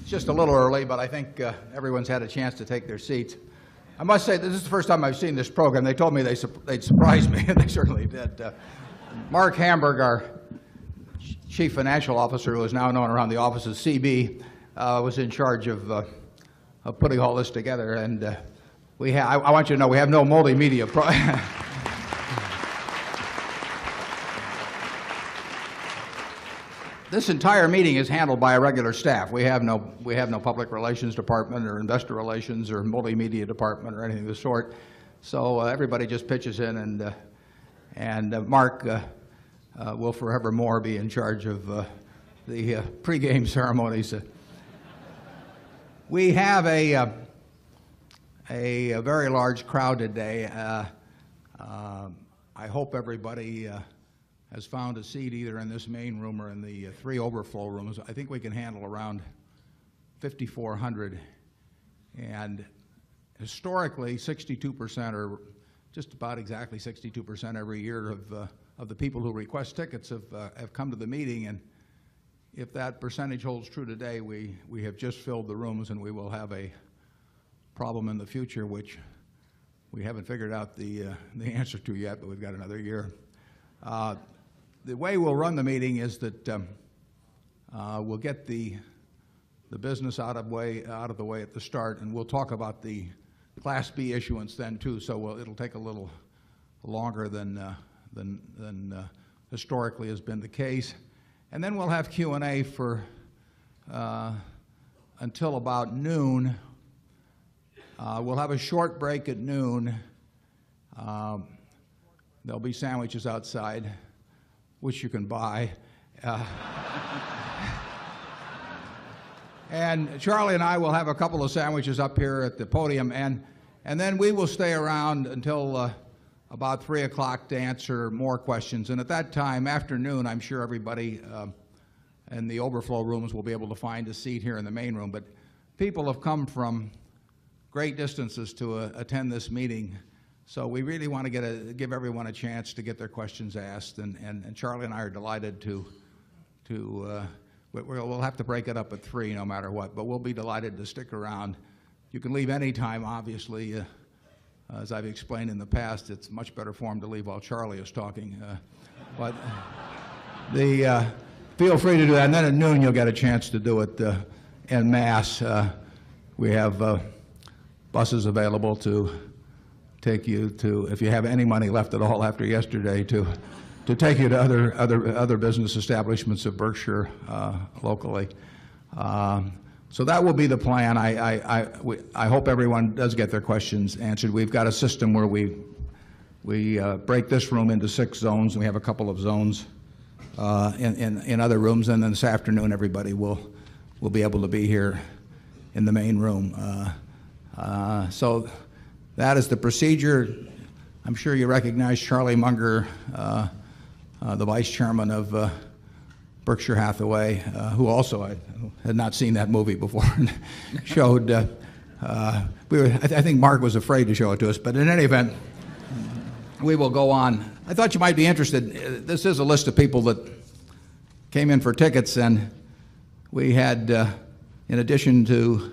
It's just a little early, but I think, everyone's had a chance to take their seats. I must say this is the first time I've seen this program. They told me they'd surprise me and they certainly did. Mark Hamburg, our Chief Financial Officer, who is now known around the office of CB, was in charge of putting all this together. We have I want you to know we have no multimedia. This entire meeting is handled by a regular staff. We have no public relations department or investor relations or multimedia department or anything of the sort. So everybody just pitches in and Mark will forever more be in charge of the pregame ceremonies. We have a very large crowd today. I hope everybody has found a seat either in this main room or in the 3 overflow rooms. I think we can handle around 5,400. And historically, 62% or just about exactly 62% every year of the people who request tickets have come to the meeting, and if that percentage holds true today, we have just filled the rooms and we will have a problem in the future, which we haven't figured out the answer to yet, but we've got another year. The way we'll run the meeting is that we'll get the business out of the way at the start, and we'll talk about the Class B issuance then too. So it'll take a little longer than historically has been the case. And then we'll have Q and A for until about noon. We'll have a short break at noon. There'll be sandwiches outside, which you can buy. And Charlie and I will have a couple of sandwiches up here at the podium, and then we will stay around until about 3 o'clock to answer more questions. And at that time, afternoon, I'm sure everybody in the overflow rooms will be able to find a seat here in the main room, but people have come from great distances to attend this meeting, so we really want to give everyone a chance to get their questions asked, and Charlie and I are delighted to, we'll have to break it up at 3 no matter what, but we'll be delighted to stick around. You can leave any time, obviously. As I've explained in the past, it's much better form to leave while Charlie is talking. But feel free to do that. And then at noon, you'll get a chance to do it en mass. We have buses available to take you to, if you have any money left at all after yesterday to take you to other business establishments of Berkshire locally. So, that will be the plan. I hope everyone does get their questions answered. We've got a system where we break this room into 6 zones and we have a couple of zones in other rooms. And then this afternoon, everybody will be able to be here in the main room. So that is the procedure. I'm sure you recognize Charlie Munger, the Vice Chairman of Berkshire Hathaway, who also had not seen that movie before, showed I think Mark was afraid to show it to us, but in any event, we will go on. I thought you might be interested. This is a list of people that came in for tickets and we had, in addition to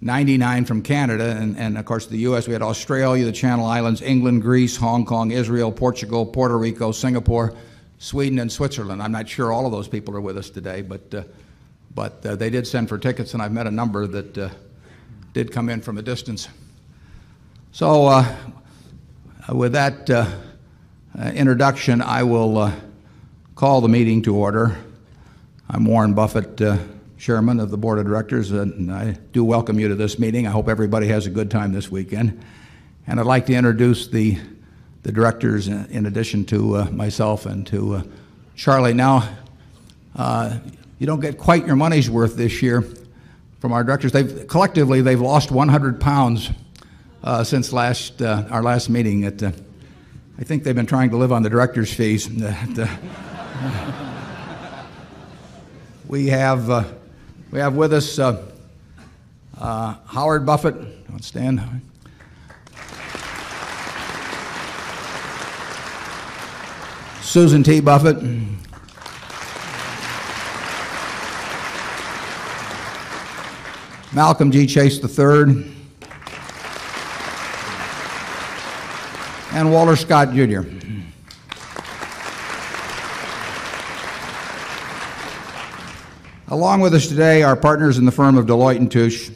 99 from Canada and of course the US, we had Australia, the Channel Islands, England, Greece, Hong Kong, Israel, Portugal, Puerto Rico, Singapore, Sweden and Switzerland. I'm not sure all of those people are with us today, but they did send for tickets and I've met a number that did come in from a distance. So with that introduction, I will call the meeting to order. I'm Warren Buffett, Chairman of the Board of Directors, and I do welcome you to this meeting. I hope everybody has a good time this weekend, and I'd like to introduce the directors in addition to myself and to Charlie. Now, you don't get quite your money's worth this year from our directors. They've collectively, they've lost £100 since last, our last meeting. I think they've been trying to live on the directors' face. We have with us, Howard Buffett. You want to stand? Susan T. Buffet, Malcolm G. Chase the 3rd, and Walter Scott Junior. Along with us today, our partners in the firm of Deloitte and Touche,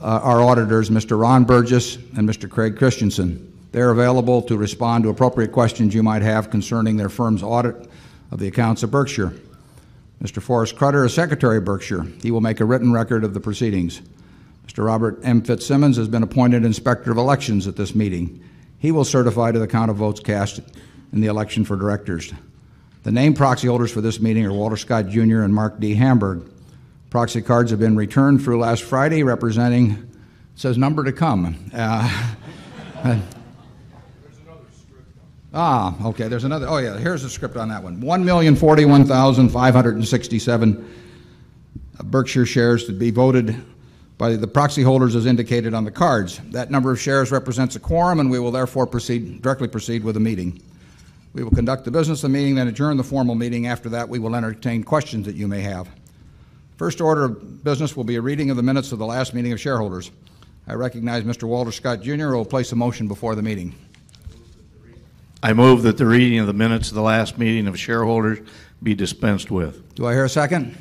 our auditors mister Ron Burgess and mister Craig Christiansen. They're available to respond to appropriate questions you might have concerning their firm's audit of the accounts of Berkshire. Mr. Forrest Crutcher is secretary of Berkshire. He will make a written record of the proceedings. Mr. Robert M. Fitzsimmons has been appointed inspector of elections at this meeting. He will certify to the count of votes cast in the election for directors. The named proxy holders for this meeting are Walter Scott Junior and Mark D. Hamburg. Proxy cards have been returned through last Friday representing says number to come. Okay, there's another. Oh, yeah. Here's a script on that 1. 1,041,567 Berkshire shares to be voted by the proxy holders as indicated on the cards. That number of shares represents a quorum and we will therefore proceed directly proceed with the meeting. We will conduct the business of the meeting and then adjourn the formal meeting. After that, we will entertain questions that you may have. First order of business will be a reading of the minutes of the last meeting of shareholders. I recognize mister Walter Scott Junior who will place a motion before the meeting. I move that the reading of the minutes of the last meeting of shareholders be dispensed with. Do I hear a second?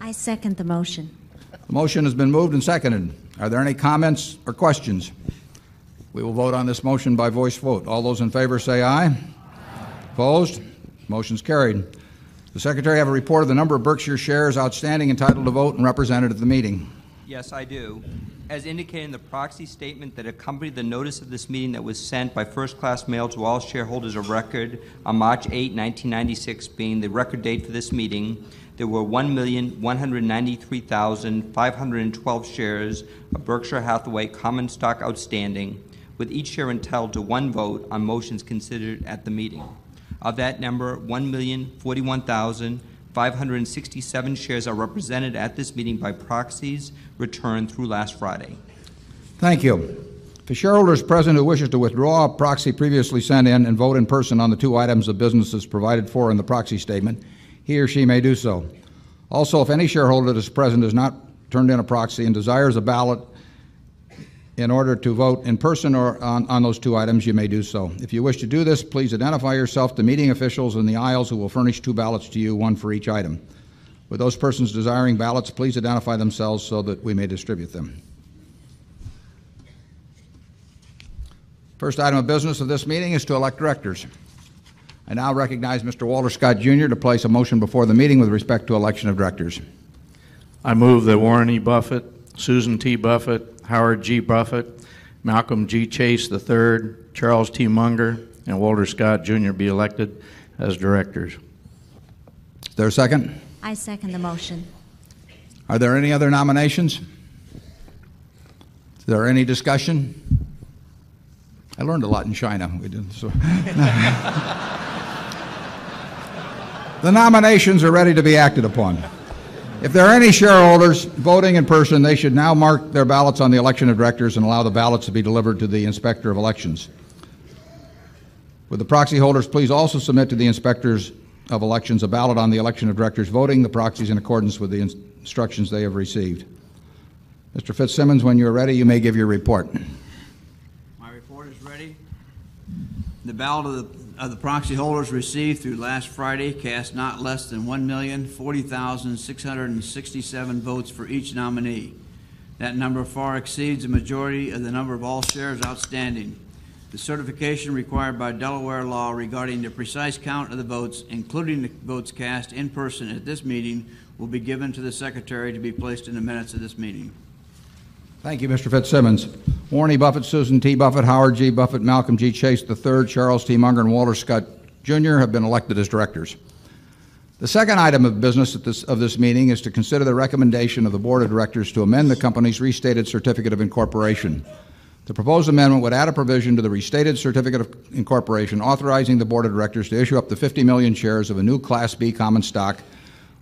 I second the motion. The motion has been moved and seconded. Are there any comments or questions? We will vote on this motion by voice vote. All those in favor say aye. Aye. Opposed? Motion's carried. The Secretary have a report of the number of Berkshire shares outstanding entitled to vote and represented at the meeting? Yes, I do. As indicated in the proxy statement that accompanied the notice of this meeting that was sent by 1st Class mail to all shareholders of record on March 8, 1996 being the record date for this meeting, there were 1,193,512 shares of Berkshire Hathaway common stock outstanding with each share intelled to one vote on motions considered at the meeting. Of that number, 1,041,000 567 shares are represented at this meeting by proxies returned through last Friday. Thank you. To shareholders present who wishes to withdraw a proxy previously sent in and vote in person on the two items of businesses provided for in the proxy statement, he or she may do so. Also, if any shareholder that is present has not turned in a proxy and desires a ballot in order to vote in person or on those two items, you may do so. If you wish to do this, please identify yourself to meeting officials in the aisles who will furnish 2 ballots to you, 1 for each item. With those persons desiring ballots, please identify themselves so that we may distribute them. First item of business of this meeting is to elect directors. I now recognize mister Walter Scott Junior to place a motion before the meeting with respect to election of directors. I move that Warren E. Buffet, Susan T. Buffet, Howard G. Buffet, Malcolm G. Chase III, Charles T. Munger, and Walter Scott Junior be elected as directors. Is there a second? I second the motion. Are there any other nominations? Is there any discussion? I learned a lot in China. We did, so The nominations are ready to be acted upon. If there are any shareholders voting in person, they should now mark their ballots on the election of directors and allow the ballots to be delivered to the inspector of elections. Will the proxy holders please also submit to the inspectors of Elections a ballot on the election of directors voting, the proxies in accordance with the instructions they have received. Mr. Fitzsimmons, when you are ready, you may give your report. The ballot of the proxy holders received through last Friday cast not less than 1,000,000,000 100 and 67 votes for each nominee. That number far exceeds the majority of the number of all shares outstanding. The certification required by Delaware law regarding the precise count of the votes including the votes cast in person at this meeting will be given to the secretary to be placed in the minutes of this meeting. Thank you, Mr. Fitzsimmons. Warren E. Buffet, Susan T. Buffet, Howard G. Buffet, Malcolm G. Chase III, Charles T. Munger, and Walter Scott, Jr. Have been elected as directors. The second item of business of this meeting is to consider the recommendation of the Board of Directors to amend the company's restated certificate of incorporation. The proposed amendment would add a provision to the restated certificate of incorporation authorizing the Board of Directors to issue up to 50,000,000 shares of a new Class B common stock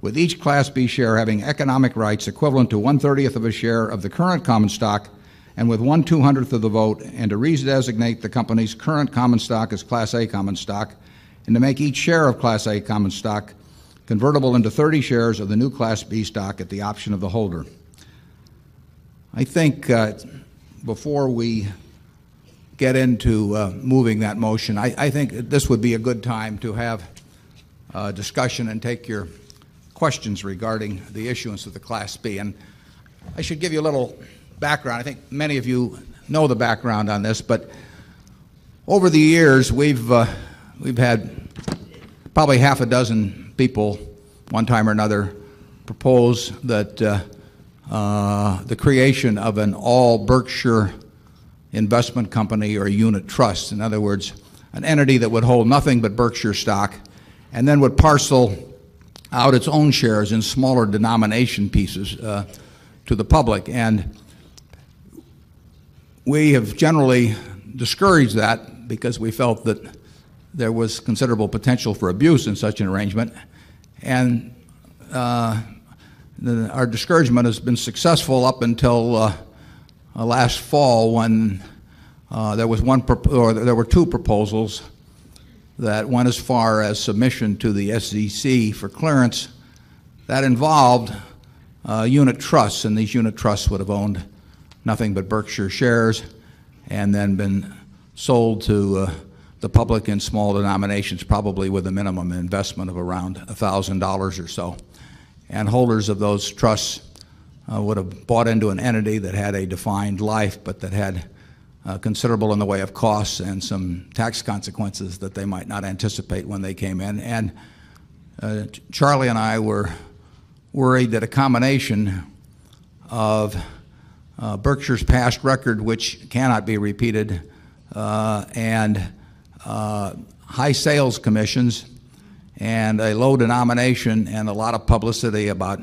with each Class B share having economic rights equivalent to 1 30th of a share of the current common stock and with 1 200th of the vote and to re designate the company's current common stock as Class A common stock and to make each share of Class A common stock convertible into 30 shares of the new Class B stock the option of the holder. I think before we get into moving that motion, I think this would be a good time to have discussion and take your questions regarding the issuance of the Class B. And I should give you a little background. I think many of you know the background on this, but over the years, we've, we've had probably half a dozen people one time or another propose that, the creation of an all Berkshire investment company or unit trust. In other words, an entity that would hold nothing but Berkshire stock and then would parcel out its own shares in smaller denomination pieces to the public. And we have generally discouraged that because we felt that there was considerable potential for abuse in such an arrangement, and our discouragement has been successful up until last fall when there was 1 or there were 2 proposals that went as far as submission to the SEC for clearance that involved, unit trusts, and these unit trusts would have owned nothing but Berkshire shares and then been sold to, the public in small denominations probably with a minimum investment of around $1,000 or so. And holders of those considerable in the way of costs and some tax consequences that they might have considerable in the way of costs and some tax consequences that they might not anticipate when they came in. And, Charlie and I were worried that a combination of, Berkshire's past record, which cannot be repeated, and high sales commissions and a low denomination and a lot of publicity about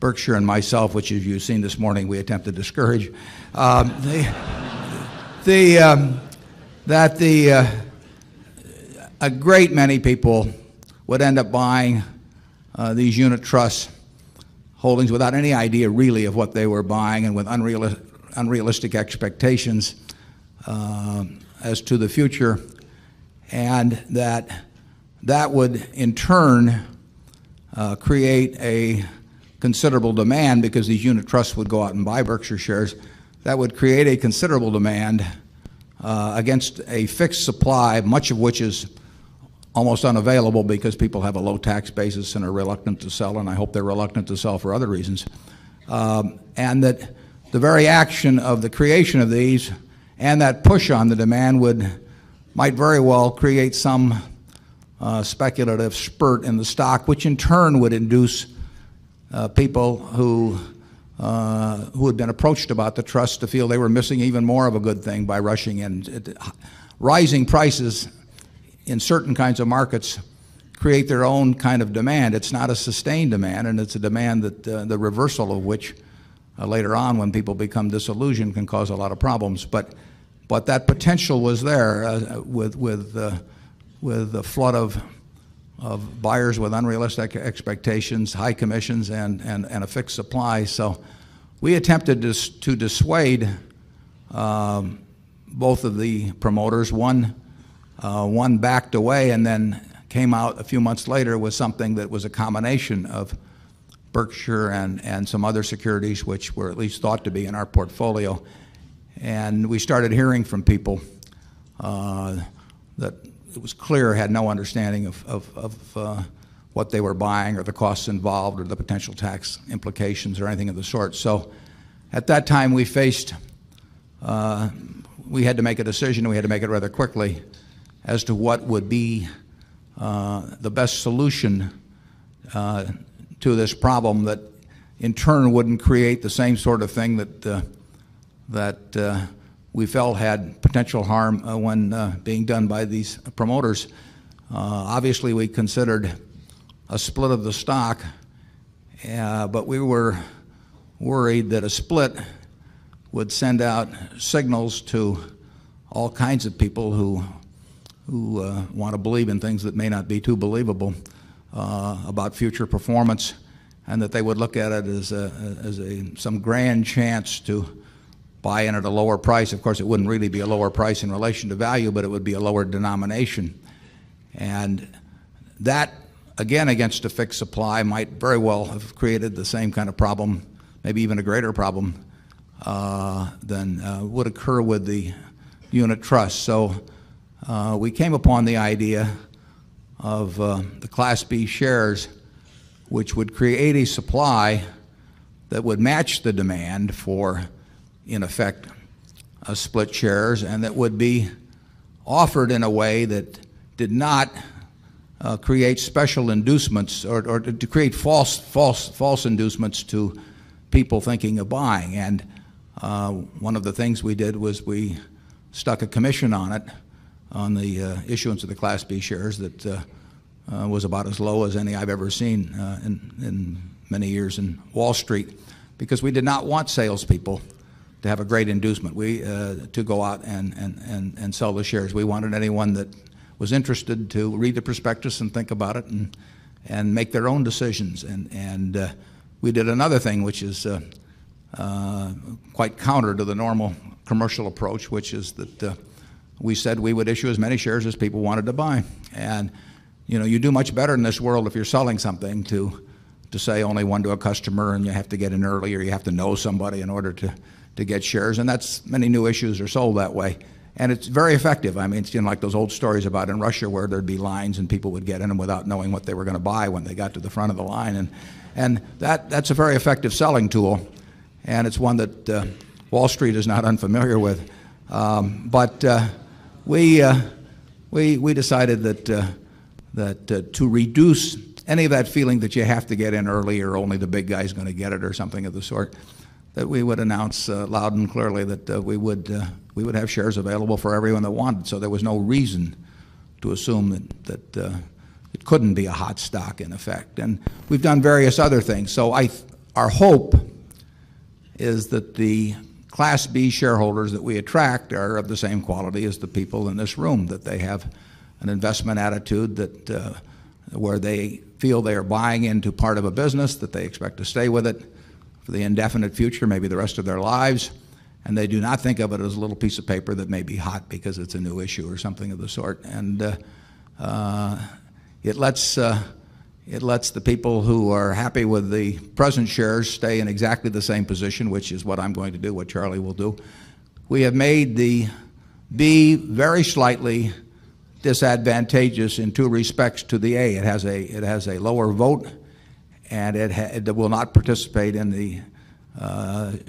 Berkshire and myself, which as you've seen this morning, we attempt to discourage. The, that the, A great many people would end up buying these unit trust holdings without any idea really of what they were buying and with unrealistic expectations as to the future and that, that would, in turn, create a considerable demand because these unit trusts would go out and buy Berkshire shares. That would create a considerable demand against a fixed supply, much of which is almost unavailable because people have a low tax basis and are reluctant to sell, and I hope they're reluctant to sell for other reasons. And that the very action of the creation of these and that push on the demand would might very well create some, speculative spurt in the stock, which in turn would induce, people who had been approached about the trust to feel they were missing even more of a good thing by rushing in. Rising prices in certain kinds of markets create their own kind of demand. It's not a sustained demand, and it's a demand that the reversal of which later on when people become disillusioned can cause a lot of problems, but that potential was there with with the flood of buyers with unrealistic expectations, high commissions, and a fixed supply. So we attempted to dissuade both of the promoters. 1 backed away and then came out a few months later with something that was a combination of Berkshire and some other securities, which were at least thought to be in our portfolio. And we started hearing from people, that it was clear, had no understanding of what they were buying or the costs involved or the potential tax implications or anything of the sort. So at that time, we faced we had to make a decision and we had to make it rather quickly as to what would be the best solution to this problem that in turn wouldn't create the same sort of thing that we felt had potential harm when being done by these promoters. Obviously, we considered a split of the stock, but we were worried that a split would send out signals to all kinds of people who, want to believe in things that may not be too believable, about future performance and that they would look at it as a as some grand chance to buy in at a lower price. Of course, it wouldn't really be a lower price in relation to value, but it would a lower denomination. And that, again, against a fixed supply, might very well have created the same kind of problem, maybe even a greater problem than would occur with the unit trust. So we came upon the idea of, the Class B shares, which would create a supply that would match the demand for, in effect, split shares and that would be offered in a way that did not create special inducements or to create false false inducements to people thinking of buying. And, one of the things we did was we stuck a commission on it on the issuance of the Class B shares that was about as low as any I've ever seen in many years in Wall Street because we did not want salespeople to have a great inducement to go out and sell the shares. We wanted anyone that was interested to read the prospectus and think about it and make their own decisions. And we did another thing, which is quite counter to the normal commercial approach which is that we said we would issue as many shares as people wanted to buy. And you do much better in this world if you're selling something to say only one to a customer and you have to get in early or you have to know somebody in order to get shares. And that's many new issues are sold that way. And it's very effective. I mean, it seemed like those old stories about in Russia where there'd be lines and people would get in them without knowing what they were going to buy when they got to the front of the line. And that's a very effective selling tool and it's one that Wall Street is not unfamiliar with. But we decided that to reduce any of that feeling that you have to get in early or only the big guy is going to get it or something of the sort, that we would announce loud and clearly that we would have shares available for everyone that wanted. So there was no reason to assume that it couldn't be a hot stock in effect. And we've done various other things. So our hope is that the Class B shareholders that we attract are of the same quality as the people in this room, that they have an investment attitude that where they feel they are buying into part of a business that they expect to stay with it for the indefinite future, maybe the rest of their lives, and they do not think of it as a little piece of paper that may be hot because it's a new issue or something of the sort. And, it lets it lets the people who are happy with the present shares stay in exactly the same position, which is what I'm going to do, what Charlie will do. We have made the B very slightly disadvantageous in two respects to the A. It has a lower vote and it will not participate in the,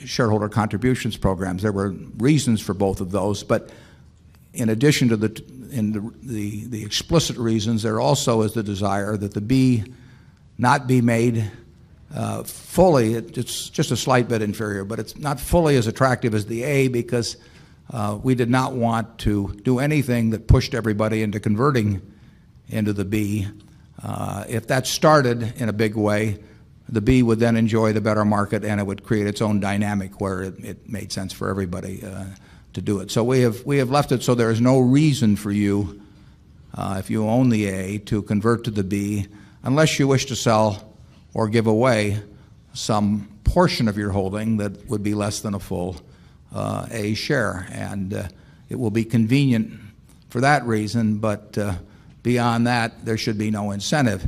shareholder contributions programs. There were reasons for both of those, but in addition to the explicit reasons, there also is the desire that the be not be made fully. It's just a slight bit inferior, but it's not fully as attractive as the A because, we did not want to do anything that pushed everybody into converting into the B. If that started in a big way, the B would then enjoy the better market and it would create its own dynamic where it made sense for everybody to do it. So we have left it so there is no reason for you, if you own the a, to convert to the b unless you wish to sell or give away some portion of your holding that would be less than a full A share, and it will be convenient for that reason, but beyond that, there should be no incentive.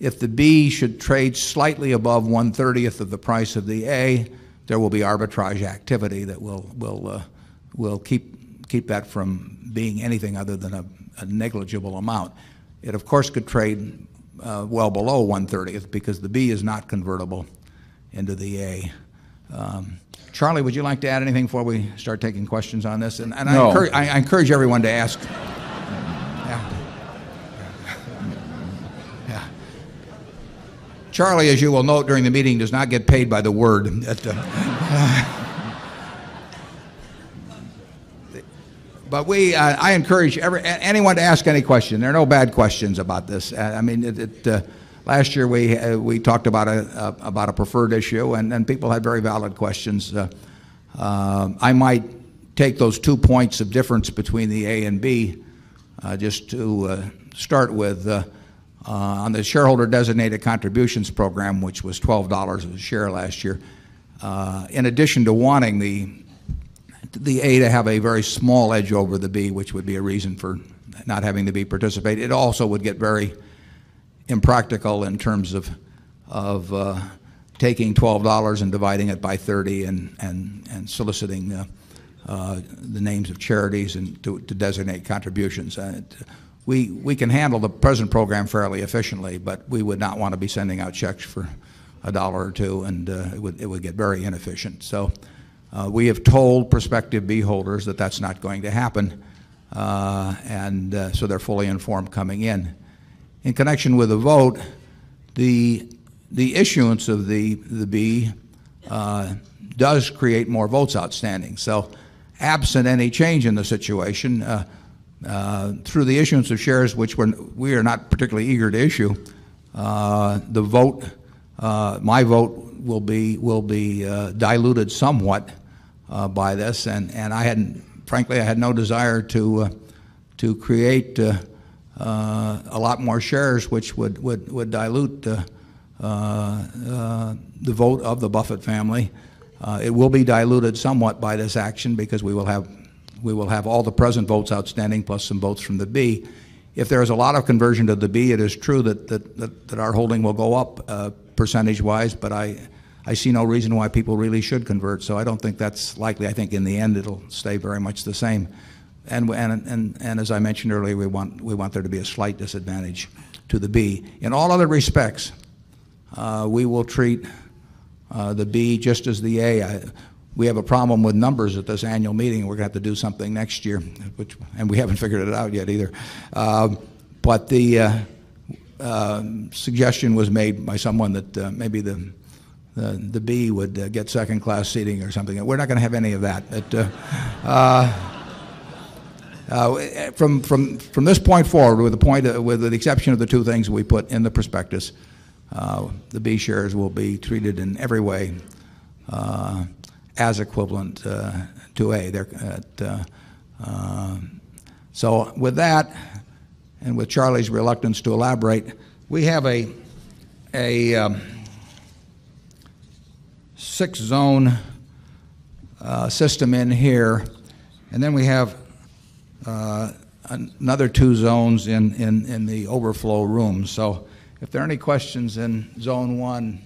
If the B should trade slightly above 1 30th of the price of the A, there will be arbitrage activity that will keep that from being anything other than a negligible amount. It, of course, could trade well below 1.30th because the B is not convertible into the A. Charlie, would you like to add anything before we start taking questions on this? And I encourage everyone to ask. Charlie, as you will note during the meeting, does not get paid by the word. But we, I encourage anyone to ask any question. There are no bad questions about this. I mean, last year, we talked about a preferred issue, and people had very valid questions. I might take those two points of difference between the A and B, just to start with, on the shareholder designated contributions program, which was $12 a share last year. In addition to wanting the A to have a very small edge over the B, which would be a reason for not having the B participate. It also would get very impractical in terms of taking $12 dividing it by 30 and soliciting the names of charities to designate contributions. We can handle the present program fairly efficiently, but we would not want to be sending out checks for a dollar or 2, and it would get very inefficient. So we have told prospective vote, the issuance of the bee does create more votes outstanding. So absent any change in the situation, through the issuance of shares, which we are not particularly eager to issue, the vote, my vote will be will be diluted somewhat by this. And and I hadn't frankly, I had no desire to create a lot more shares, which would dilute the vote of the Buffett family. It will be diluted somewhat by this action because we will have all the present votes outstanding plus some votes from the B. If there is a lot of conversion to the B, it is true that our holding will go up percentage wise, but I see no reason why people really should convert. So I don't think that's likely. I think in the end, it'll stay very much the same. And as I mentioned earlier, we want there to be a slight disadvantage to the B. In all other respects, we will treat the B just as the A. We have a problem with numbers at this annual meeting. We're going to have to do something next year, and we haven't figured it out yet either. But the suggestion was made by someone that maybe the B would get 2nd class seating or something. We're not going to have any of that. From this point forward, with the exception of the two things we put in the prospectus, the B shares will be treated in every way as equivalent to A. So with that and with Charlie's reluctance to elaborate, we have a 6 zone system in here and then we have another 2 zones in the overflow room. So if there are any questions in zone 1,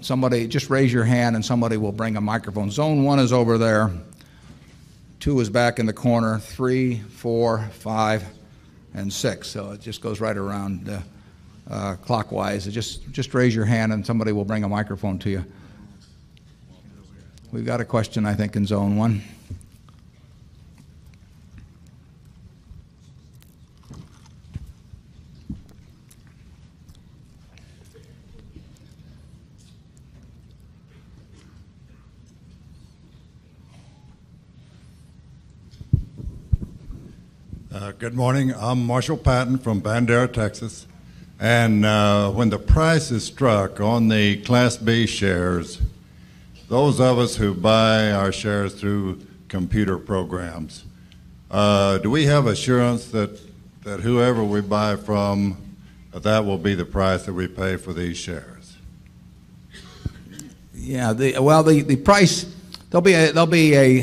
somebody just raise your hand and somebody will bring a microphone. Zone 1 is over there. 2 is back in the corner. 3, 4, 5, and 6. So it just goes right around clockwise. Just raise your hand and somebody will bring a microphone to you. We've got a question, I think, in Zone 1. Good morning. I'm Marshall Patton from Bandera, Texas. And when the prices struck on the Class B shares, those of us who buy our shares through computer programs, do we have assurance that whoever we buy from, that will be the price that we pay for these shares? Yeah. Well, the price there'll be a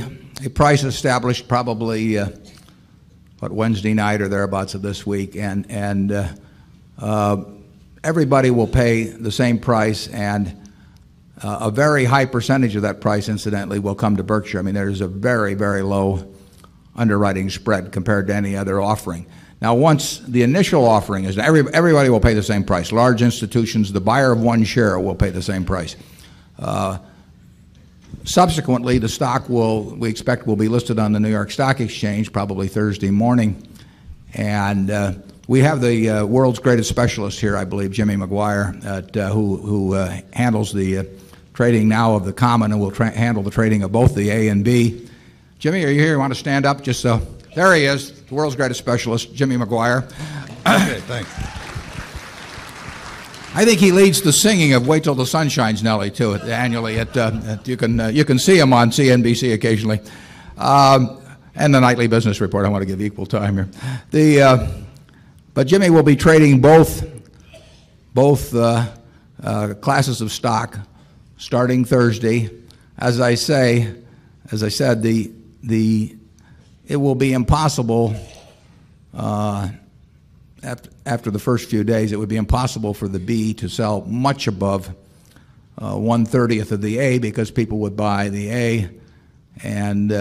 price established probably about Wednesday night or thereabouts of this week and everybody will pay the same price and a very high percentage of that price incidentally will come to Berkshire. I mean, there is a very, very low underwriting spread compared to any other offering. Now once the initial offering is everybody will pay the same price, large institutions, the buyer of 1 share will pay the same price. Subsequently, the stock will we expect will be listed on the New York Stock Exchange probably Thursday morning. And we have the world's greatest specialist here, I believe, Jimmy Maguire, who handles the trading now of the common and will handle the trading of both the A and B. Jimmy, are you here? You want to stand up? Just so there he is, the world's greatest specialist, Jimmy Maguire. I think he leads the singing of Wait till the Sun Shines, Nellie, to it annually. You can see him on CNBC occasionally. And the nightly business report. I want to give equal time here. The but Jimmy will be trading both classes of stock starting Thursday. As I say, as I said, the the it will be impossible, after the 1st few days, it would be impossible for the B to sell much above 1 thirtieth of the A because people would buy the A and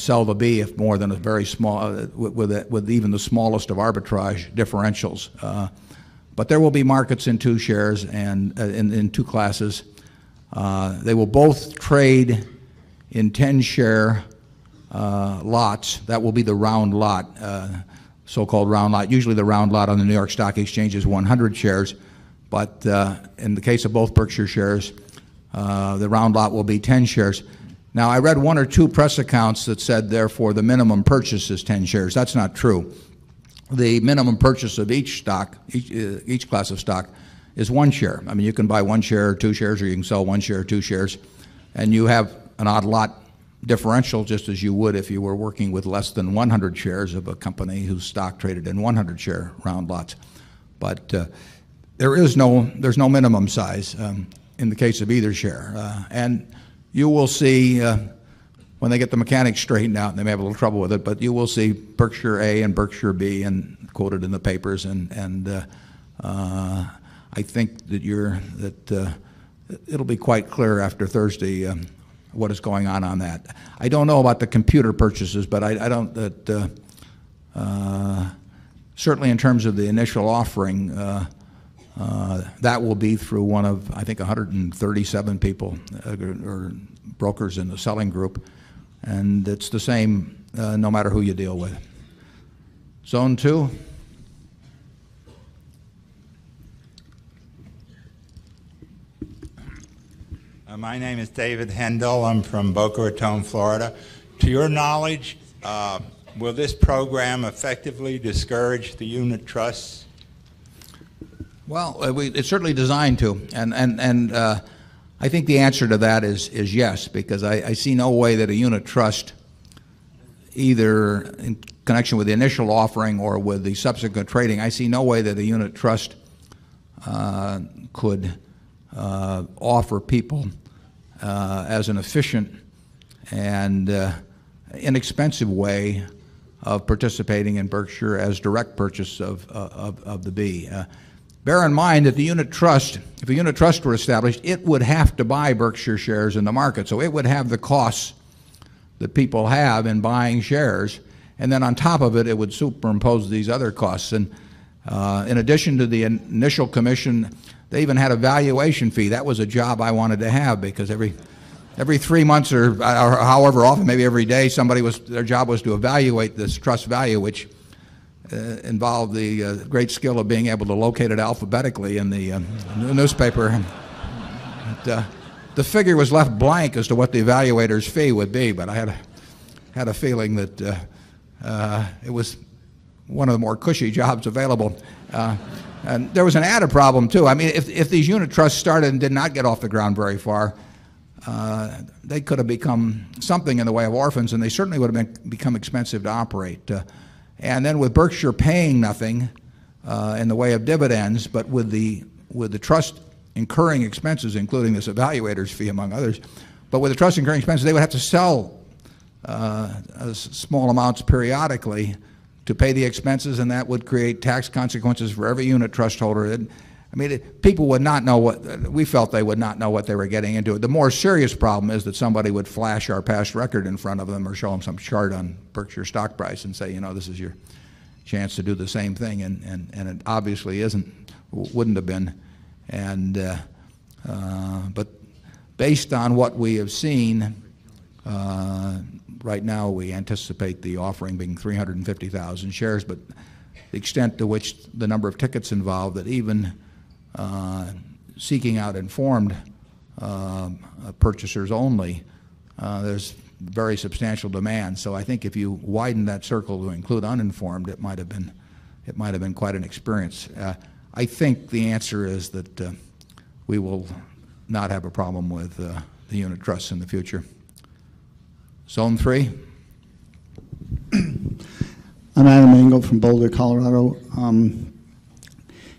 sell the B if more than a very small with even the smallest of arbitrage differentials. But there will be markets in 2 shares and in 2 classes. They will both trade in 10 share lots. That will be the round lot, so so called round lot. Usually, the round lot on the New York Stock Exchange is 100 shares, but in the case of both Berkshire shares, the round lot will be 10 shares. Now I read 1 or 2 press accounts that said, therefore, the minimum purchase is 10 shares. That's not true. The minimum purchase of each stock, each class of stock is 1 share. I mean, you can buy 1 share or 2 shares or you can sell 1 share or 2 shares, and you have an odd lot differential just as you would if you were working with less than 100 shares of a company whose stock traded in 100 share round lots. But there is no there's no minimum size in the case of either share. And you will see they get the mechanics straightened out and they may have a little trouble with it, but you will see Berkshire A and Berkshire B and quoted in the papers. And I think that you're that it will be quite clear after Thursday what is going on, on that. I don't know about the computer purchases, but I don't that certainly in terms of the initial offering, that will be through 1 of, I think, 137 people or brokers in the selling group, and it's the same no matter who you deal with. Zone 2. My name is David Haendel. I'm from Boca Raton, Florida. To your knowledge, will this program effectively discourage the unit trusts? Well, we it's certainly designed to, and and and I think the answer to that is is yes, because I see no way that a unit trust, either in connection with the initial offering or with the subsequent trading, I see no way that a unit trust could offer people as an efficient and inexpensive way of participating in Berkshire as direct purchase of the B. Bear in mind that the unit trust if the unit trust were established, it would have to buy Berkshire shares in the market. So it would have the costs that people have in buying shares and then on top of it, it would superimpose these other costs. And in addition to the initial commission, they even had a valuation fee. That was a job I wanted to have because every 3 months or however often, maybe every day somebody was their job was to evaluate this trust value which involved the great skill of being able to locate it alphabetically in the newspaper. The figure was left blank as to what the evaluator's fee would be, but I had a feeling that, it was one of the more cushy jobs available. And there was an added problem too. I mean, if these unit trusts started and did not get off the ground very far, they could have become something in the way of orphans and they certainly would have become expensive to operate. And then with Berkshire paying nothing, in the way of dividends, but with the trust incurring expenses, including this evaluator's fee among others, but with the trust incurring expenses, they would have to sell small amounts periodically to pay the expenses and that would create tax consequences for every unit trust holder. I mean, people would not know what we felt they would not know what they were getting into. The more serious problem is that somebody would flash our past record in front of them or show them some chart on Berkshire's stock price and say, you know, this is your chance to do the same thing and it obviously isn't, wouldn't have been. And, but based on what we have seen, right now we anticipate the offering being 350,000 shares, but the extent to which the number of tickets involved that even seeking out informed purchasers only, there's very substantial demand. So I think if you widen that circle to include problem with the unit trust in the future. Not have a problem with the unit trusts in the future. Zone 3? I'm Adam Engle from Boulder, Colorado.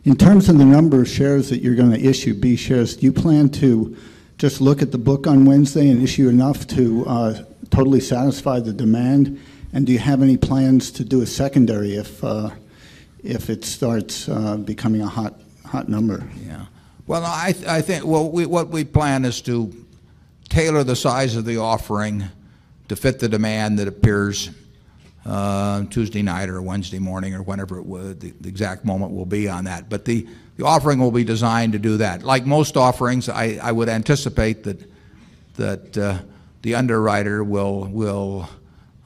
In terms of the number of shares that you're going to issue B shares, do you plan to just look at the book on Wednesday and issue enough to totally satisfy the demand? And do you have any plans to do a secondary if it starts becoming a hot number? Yes. Well, I think what we plan is to tailor the size of the offering to fit the demand that appears Tuesday night or Wednesday morning or whenever the exact moment will be on that. But the offering will be designed to do that. Like most offerings, I would anticipate that the underwriter will,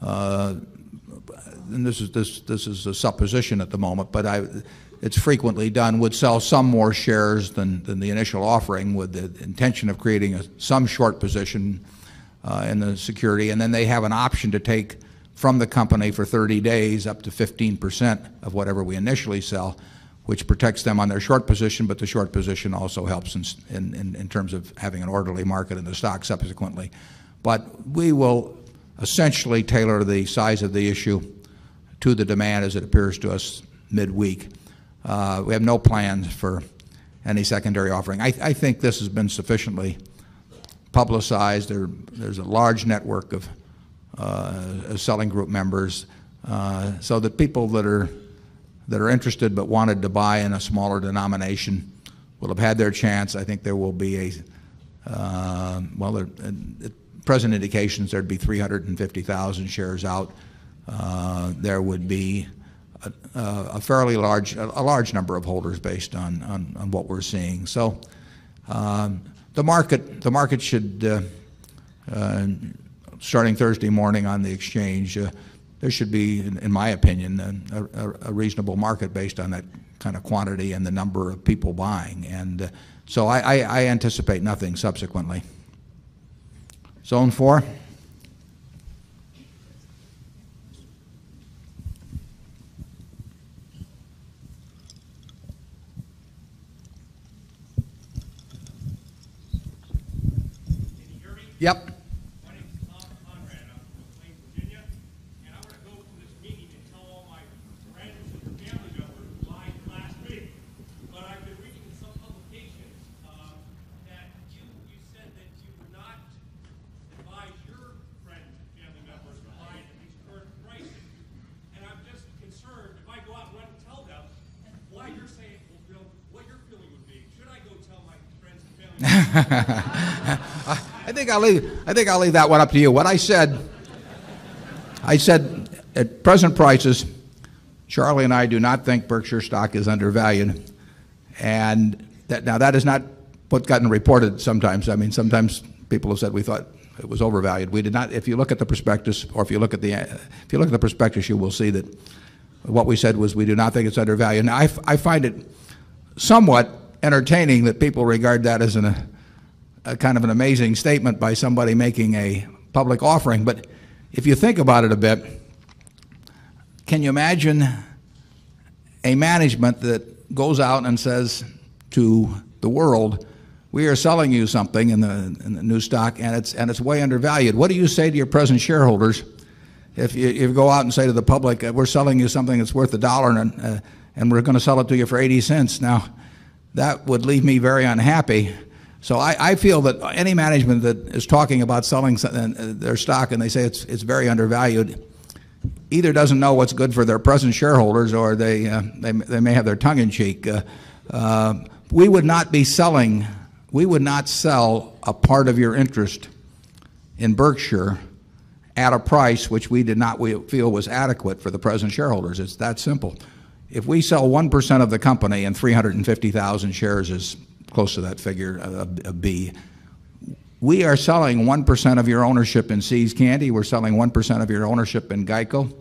and this is a supposition at the moment, but it's frequently done, would sell some more shares than the initial offering with the intention of creating some short position in the security, and then they have an option to take from the company for 30 days up to 15% of whatever we initially sell, which protects them on their short position, but the short position also helps in terms of having an orderly market in the stock subsequently. But we will essentially tailor the size of the issue to the demand as it appears to us mid week. We have no plans for any secondary offering. I think this has been sufficiently publicized. There's a large network of, selling group members. So the people that are interested but wanted to buy in a smaller denomination will have had their chance. I think there will be a, well, the President indications there'd be 350,000 shares out. There would be a fairly large a large number of holders based on what we're seeing. So the market should starting Thursday morning on the exchange, there should be, in my opinion, a reasonable market based on that kind of quantity and the number of people buying. And so I anticipate nothing subsequently. Zone 4? I think I'll leave I think I'll leave that one up to you. What I said I said at present prices, Charlie and I do not think Berkshire stock is undervalued. And now that is not what's gotten reported sometimes. I mean, sometimes people have said we thought it was overvalued. We did not. If you look at the prospectus or if you look at the if you look at the prospectus, you will see that what we said was we do not think it's undervalued. Now I find it somewhat entertaining that people regard that as a kind of an amazing statement by somebody making a public offering. But if you think about it a bit, can you imagine a management that goes out and says to the world, We are selling you something in the in the new stock, and it's way undervalued. What do you say to your present shareholders if you go out and say to the public, we're selling you something that's worth $1 and we're going to sell it to you for $0.80 Now, that would leave me very unhappy. So I feel that any management that is talking about selling their stock and they say it's very undervalued either doesn't know what's good for their present shareholders or they, they may have their tongue in cheek. We would not be selling we would not sell a part of your interest in Berkshire at a price which we did not feel was adequate for the present shareholders. It's that simple. If we sell 1% of the company and 350,000 shares is close to that figure of B, We are selling 1% of your ownership in See's Candy. We're selling 1% of your ownership in GEICO.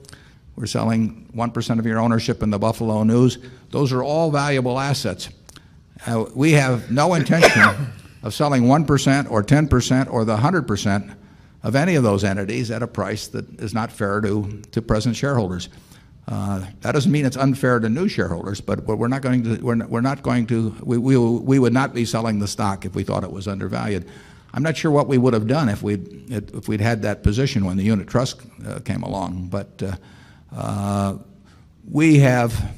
We're selling 1% of your ownership in the Buffalo News. Those are all valuable assets. We have no intention of selling 1% or 10% or the 100% of any of those entities at a price that is not fair to present shareholders. That doesn't mean it's unfair to new shareholders, but we're not going to we're not going to we would not be selling the stock if we thought it was undervalued. I'm not sure what we would have done if we'd had that position when the unit trust came along, but we have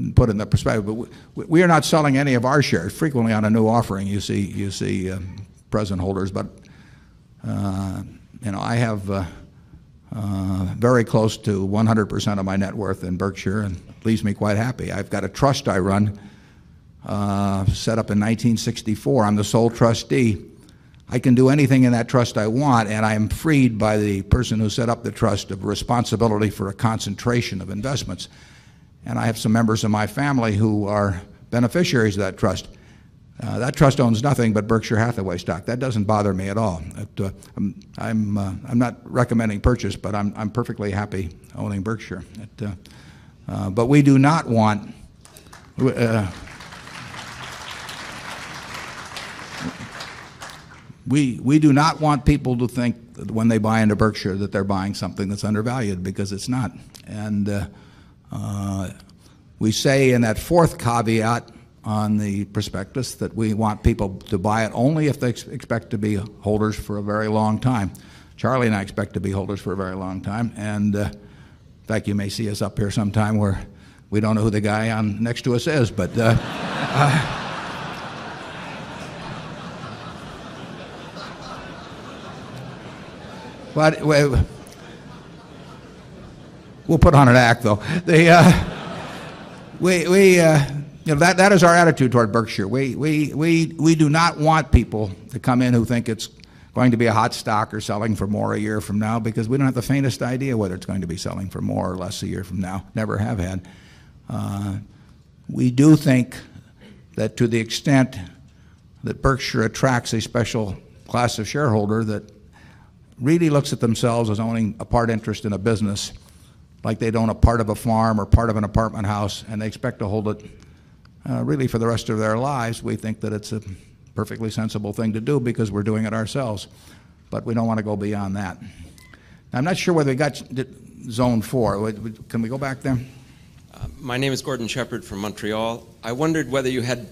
and put it in that perspective, but we are not selling any of our shares frequently on a new offering you see present holders, but you know, I have very close to 100 percent of my net worth in Berkshire and it leaves me quite happy. I've got a trust I run set up in 1964. I'm the sole trustee. I can do anything in that trust I want, and I am freed by the person who set up the trust of responsibility for a concentration of investments. And I have some members of my family who are beneficiaries of that trust. That trust owns nothing but Berkshire Hathaway stock. That doesn't bother me at all. I'm not recommending purchase, but I'm perfectly happy owning Berkshire. But we do not want people to think when they buy into Berkshire that they're buying something that's undervalued because it's not. And we say in that 4th caveat on the prospectus that we want people to buy it only if they expect to be holders for a very long time. Charlie and I expect to be holders for a very long time. And I think you may see us up here sometime where we don't know who the guy on next to us is, but But we'll put on an act though. We we, you know, that that is our attitude toward Berkshire. We do not want people to come in who think it's going to be a hot stock or selling for more a year from now because we don't have the faintest idea whether it's going to be selling for more or less a year from now, never have had. We do think that to the extent that Berkshire attracts a special class of shareholder that really looks at themselves as owning a part interest in a business like they'd own a part of a farm or part of an apartment house and they expect to hold it really for the rest of their lives, we think that it's a perfectly sensible thing to do because we're doing it ourselves, but we don't want to go beyond that. I'm not sure whether you got zone 4. Can we go back there? My name is Gordon Sheppard from Montreal. I wondered whether you had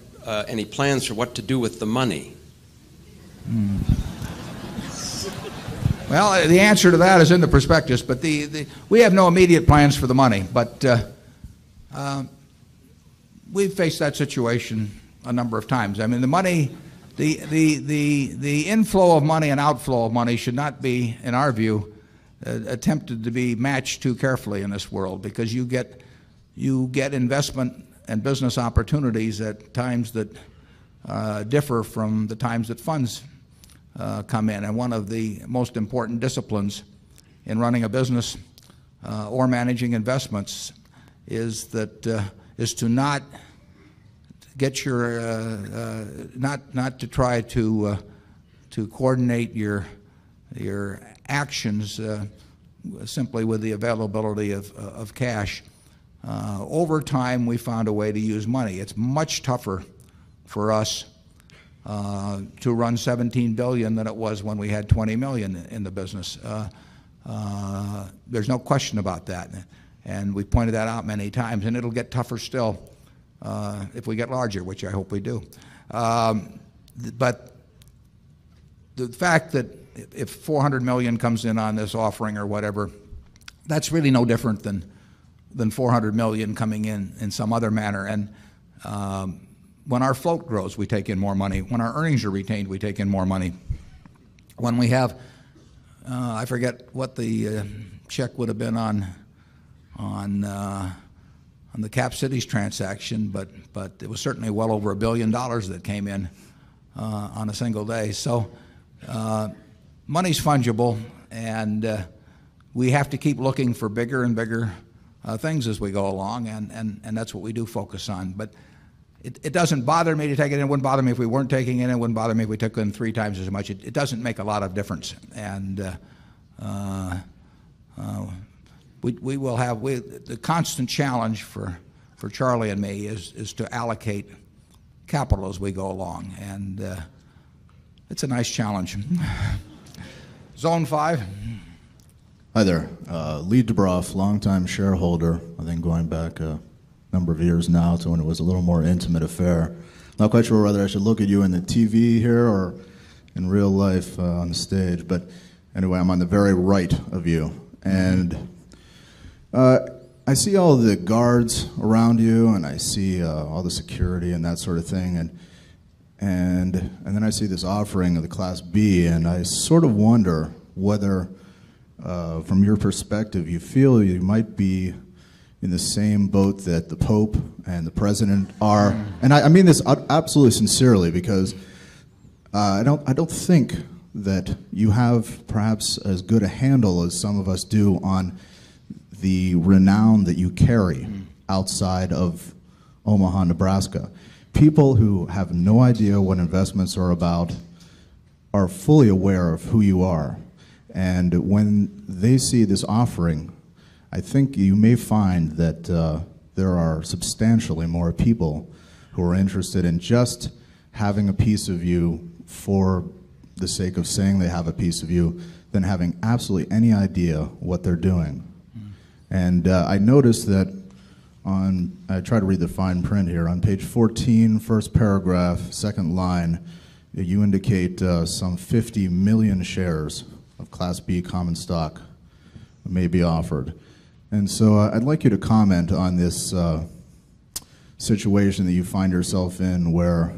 any plans for what to do with the money? Well, the answer to that is in the prospectus but we have no immediate plans for the money but we've faced that situation a number of times. I mean the money the inflow of money and outflow of money should not be in our view attempted to be matched too carefully in this world because you get investment and business opportunities at times that differ from the times that funds come in. And one of the most important disciplines in running a business or managing investments is that is to not get your not to try to coordinate your actions simply with the availability of cash. Over time, we found a way to use money. It's much tougher for us to run $17,000,000,000 than it was when we had $20,000,000 in the business. There's no question about that. And we pointed that out many times and it will get tougher still if we get larger, which I hope we do. But the fact that if $400,000,000 comes in on this offering or whatever, that's really no different than $400,000,000 coming in, in some other manner. And when our float grows, we take in more money. When our earnings are retained, we take in more money. When we have, I forget what the check would have been on the Cap Cities transaction, but it was certainly well over $1,000,000,000 that came in on a single day. So, money is fungible and we have to keep looking for bigger and bigger things as we go along and that's what we do focus on. But it doesn't bother me to take it. It wouldn't bother me if we weren't taking it. It wouldn't bother me if we took them 3 times as much. It doesn't make a lot of difference. And we will have the constant challenge for Charlie and me is to allocate capital as we go along. And it's a nice challenge. Zone 5. Hi there. Lee Dubroff, long time shareholder, I think going back a number of years now to when it was a little more intimate affair. Not quite sure whether I should look at you in the TV here or in real life on the stage. But anyway, I'm on the very right of you. And I see all the guards around you, and I see all the security and that sort of thing. And then I see this offering of the class b and I sort of wonder whether, from your perspective, you feel you might be in the same boat that the pope and the president are? And I mean this absolutely sincerely because, I don't I don't think that you have perhaps as good a handle as some of us do on the renown that you carry outside of Omaha, Nebraska. People who have no idea what investments are about are fully aware of who you are. And when they see this offering, I think you may find that, there are substantially more people who are interested in just having a piece of you for the sake of saying they have a piece of you than having absolutely any idea what they're doing. And I noticed that on I tried to read the fine print here on Page 14, first paragraph, second line, you indicate some 50,000,000 shares of Class B common stock may be offered. And so I'd like you to comment on this situation that you find yourself in where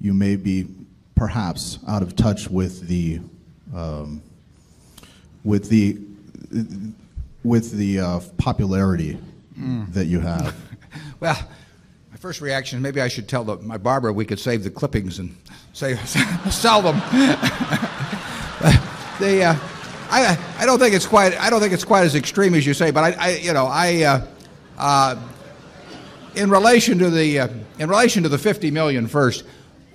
you may be perhaps out of touch with the, with the, popularity that you have? Well, my first reaction, maybe I should tell the my barber we could save the clippings and say sell them. The, They, I don't think it's quite I don't think it's quite as extreme as you say, but I I, you know, I, in relation to the, in relation to the 50,000,000 first,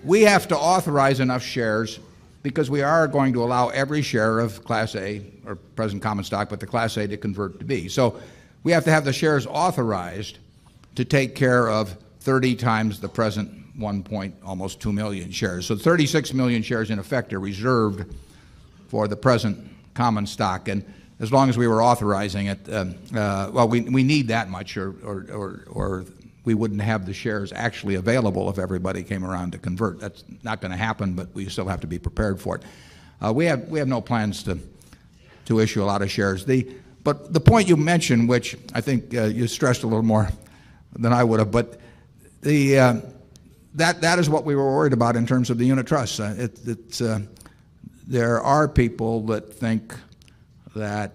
we have to authorize enough shares because we are going to allow every share of Class A or present common stock, but the Class A to convert to B. So we have to have the shares authorized to take care of 30 times the present 1, almost 2,000,000 shares. So 36,000,000 shares in effect are reserved for the present common stock, and as long as we were authorizing it, well, we need that much or we wouldn't have the shares actually available if everybody came around to convert. That's not going to happen, but we still have to be prepared for it. We have no plans to issue a lot of shares. The but the point you mentioned, which I think you stressed a little more than I would have, but the that is what we were worried about in terms of the unit trust. It's there are people that think that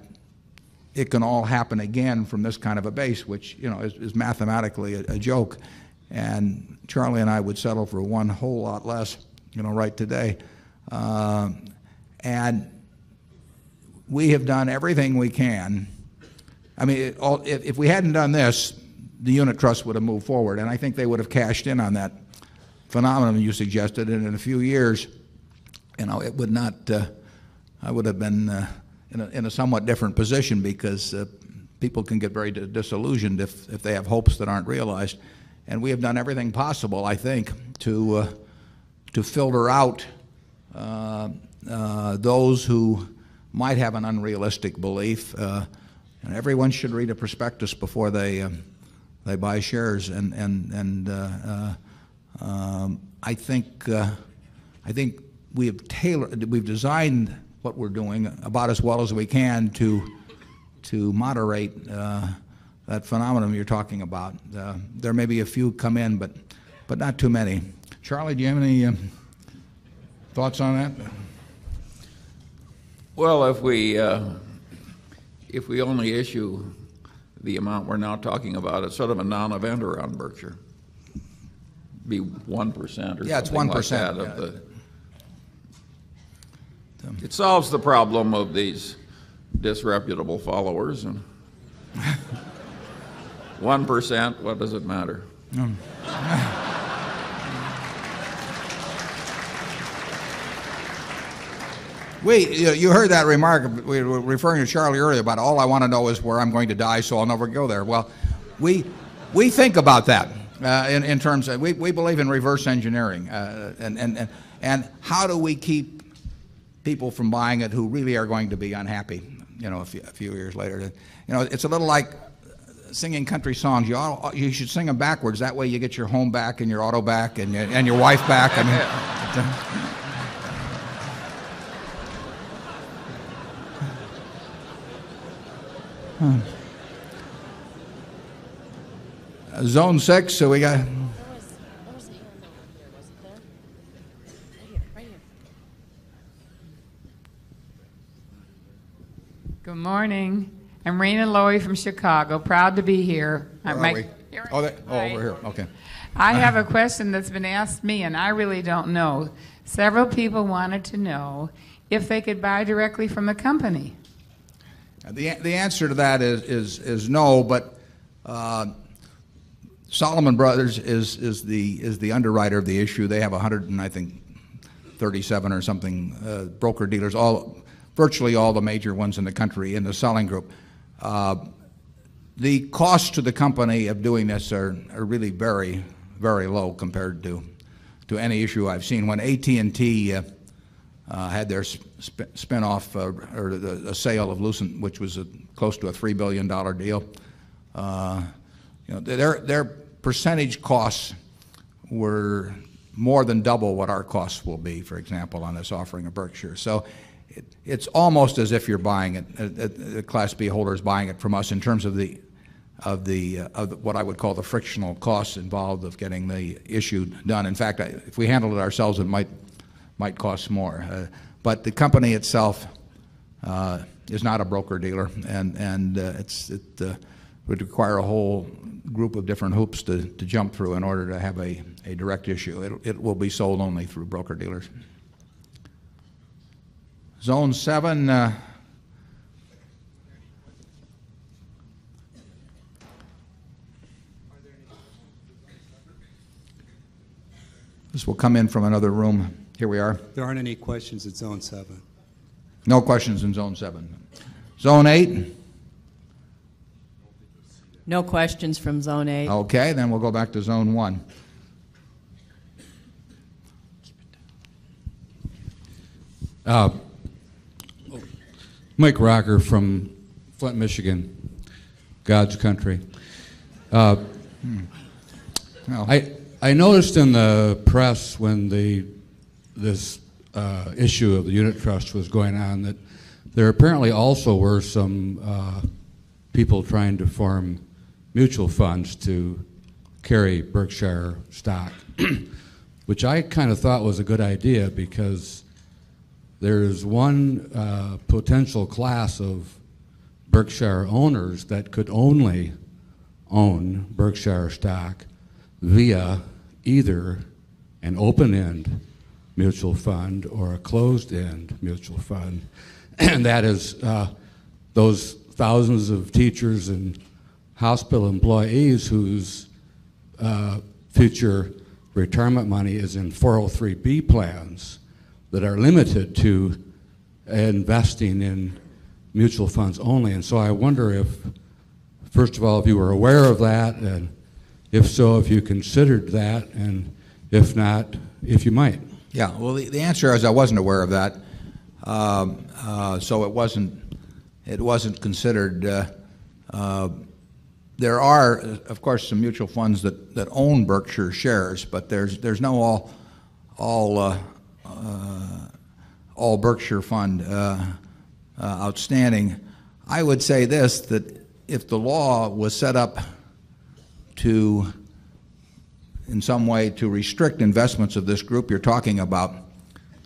it can all happen again from this kind of a base, which is mathematically a joke. And Charlie and I would settle for 1 whole lot less you know, right today. And we have done everything we can. I mean, if we hadn't done this, the unit trust would have moved forward and I think they would have cashed in on that phenomenon you suggested and in a few years, you know, it would not, I would have been in a somewhat different position because people can get very disillusioned if they have hopes that aren't realized. And we have done everything possible, I think, to filter out, those who might have an unrealistic belief. Everyone should read a prospectus before they buy shares. And I think we have tailored we've designed what we're doing about as well as we can to moderate that phenomenon you're talking about. There may be a few come in, but not too many. Charlie, do you have any thoughts on that? Well, if we, if we only issue the amount we're now talking about, it's sort of a non event around Berkshire. It'd be 1% or something like that. It solves the problem of these disreputable followers. 1%, what does it matter? We, you heard that remark. We were referring to Charlie earlier about all I wanna know is where I'm going to die, so I'll never go there. Well, we think about that in terms of we believe in reverse engineering, and how do we keep people from buying it who really are going to be unhappy, you know, a few years later. You know, it's a little like singing country songs. You should sing them backwards. That way you get your home back and your auto back and your wife back. Good morning. I'm Rayna Lohrey from Chicago, proud to be here. All right, Laurie. All right. Over here. Okay. I have a question that's been asked me and I really don't know. Several people wanted to know if they could buy directly from a company. The answer to that is no, but Solomon Brothers is the underwriter of the issue. They have 100 and, I think, 37 or something broker dealers, virtually all the major ones in the country in the selling group. The cost to the company of doing this are really very, very low compared to any issue I've seen. When AT and T had their spin off or the sale of Lucent, which was close to a $3,000,000,000 deal, Their percentage costs were more than double what our costs will be, for example, on this offering of Berkshire. So it's almost as if you're buying it, Class B holders buying it from us in terms of the of what I would call the frictional costs involved of getting the issue done. In fact, if we handled it ourselves, it might cost more. But the company itself is not a broker dealer and it would require a whole group of different hoops to jump through in order to have a direct issue. It will be sold only through broker dealers. Zone 7, This will come in from another room. Here we are. There aren't any questions at Zone 7. No questions in Zone 7. Zone 8? No questions from Zone 8. Okay. Then we'll go back to Zone 1. Mike Rucker from Flint, Michigan, God's country. I noticed in the press when this issue of the unit trust was going on, that there apparently also were some people trying to form mutual funds to carry Berkshire stock, which I kind of thought was a good idea because there is one potential class of Berkshire owners that could only own Berkshire stock via either an open end mutual fund or a closed end mutual fund. And that is those thousands of teachers and hospital employees whose future retirement money is in 403 plans that are limited to investing in mutual funds only. And so I wonder if, first of all, if you were aware of that, and if so, if you considered that, and if not, if you might. Yes. Well, the answer is I wasn't aware of that. So it wasn't considered there are, of course, some mutual funds that own Berkshire shares, but there's no all Berkshire fund outstanding. I would say this, that if the law was set up to in some way to restrict investments of this group you're talking about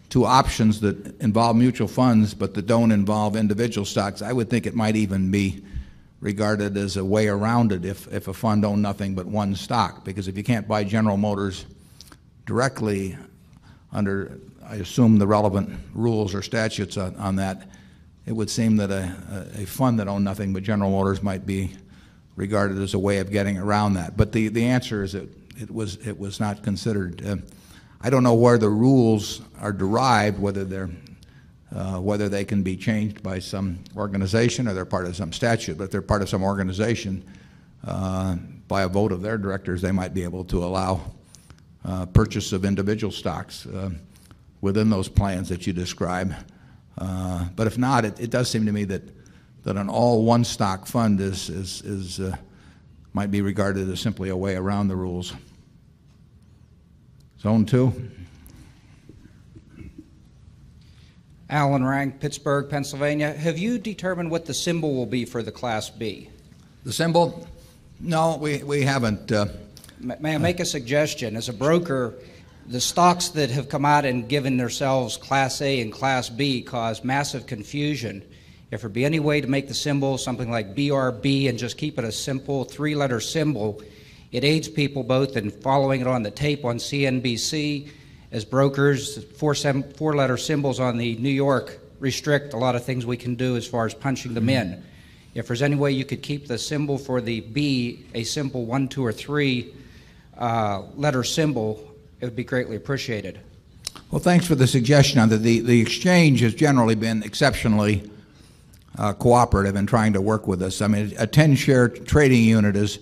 to options that involve mutual funds but that don't involve individual stocks. I would think it might even be regarded as a way around it if a fund owned nothing but one stock, because if you can't buy General Motors directly under, I assume, the relevant rules or statutes on that, it would seem that a fund that owned nothing but General Motors might be regarded as a way of getting around that. But the answer is that it was not considered. I don't know where the rules are derived, whether they're, whether they can be changed by some organization or they're part of some statute, but they're part of some organization by a vote of their directors, they might be able to allow purchase of individual stocks within those plans that you described. But if not, it does seem to me that an all one stock fund is, might be regarded as simply a way around the rules. Zone 2. Allen Rang, Pittsburgh, Pennsylvania. Have you determined what the symbol will be for the Class B? The symbol? No, we haven't. May I make a suggestion? As a broker, the stocks that have come out and given themselves Class A and Class B caused massive confusion. If there'd be any way to make the symbol something like BRB and just keep it a simple three letter symbol, It aids people both in following it on the tape on CNBC as brokers, 4 letter symbols on the New York restrict a lot of things we can do as far as punching them in. If there's any way you could keep the symbol for the B a symbol 1, 2 or 3 letter symbol, it would be greatly appreciated. Well, thanks for the suggestion. The exchange has generally been exceptionally cooperative in trying to work with us. I mean, a 10 share trading unit is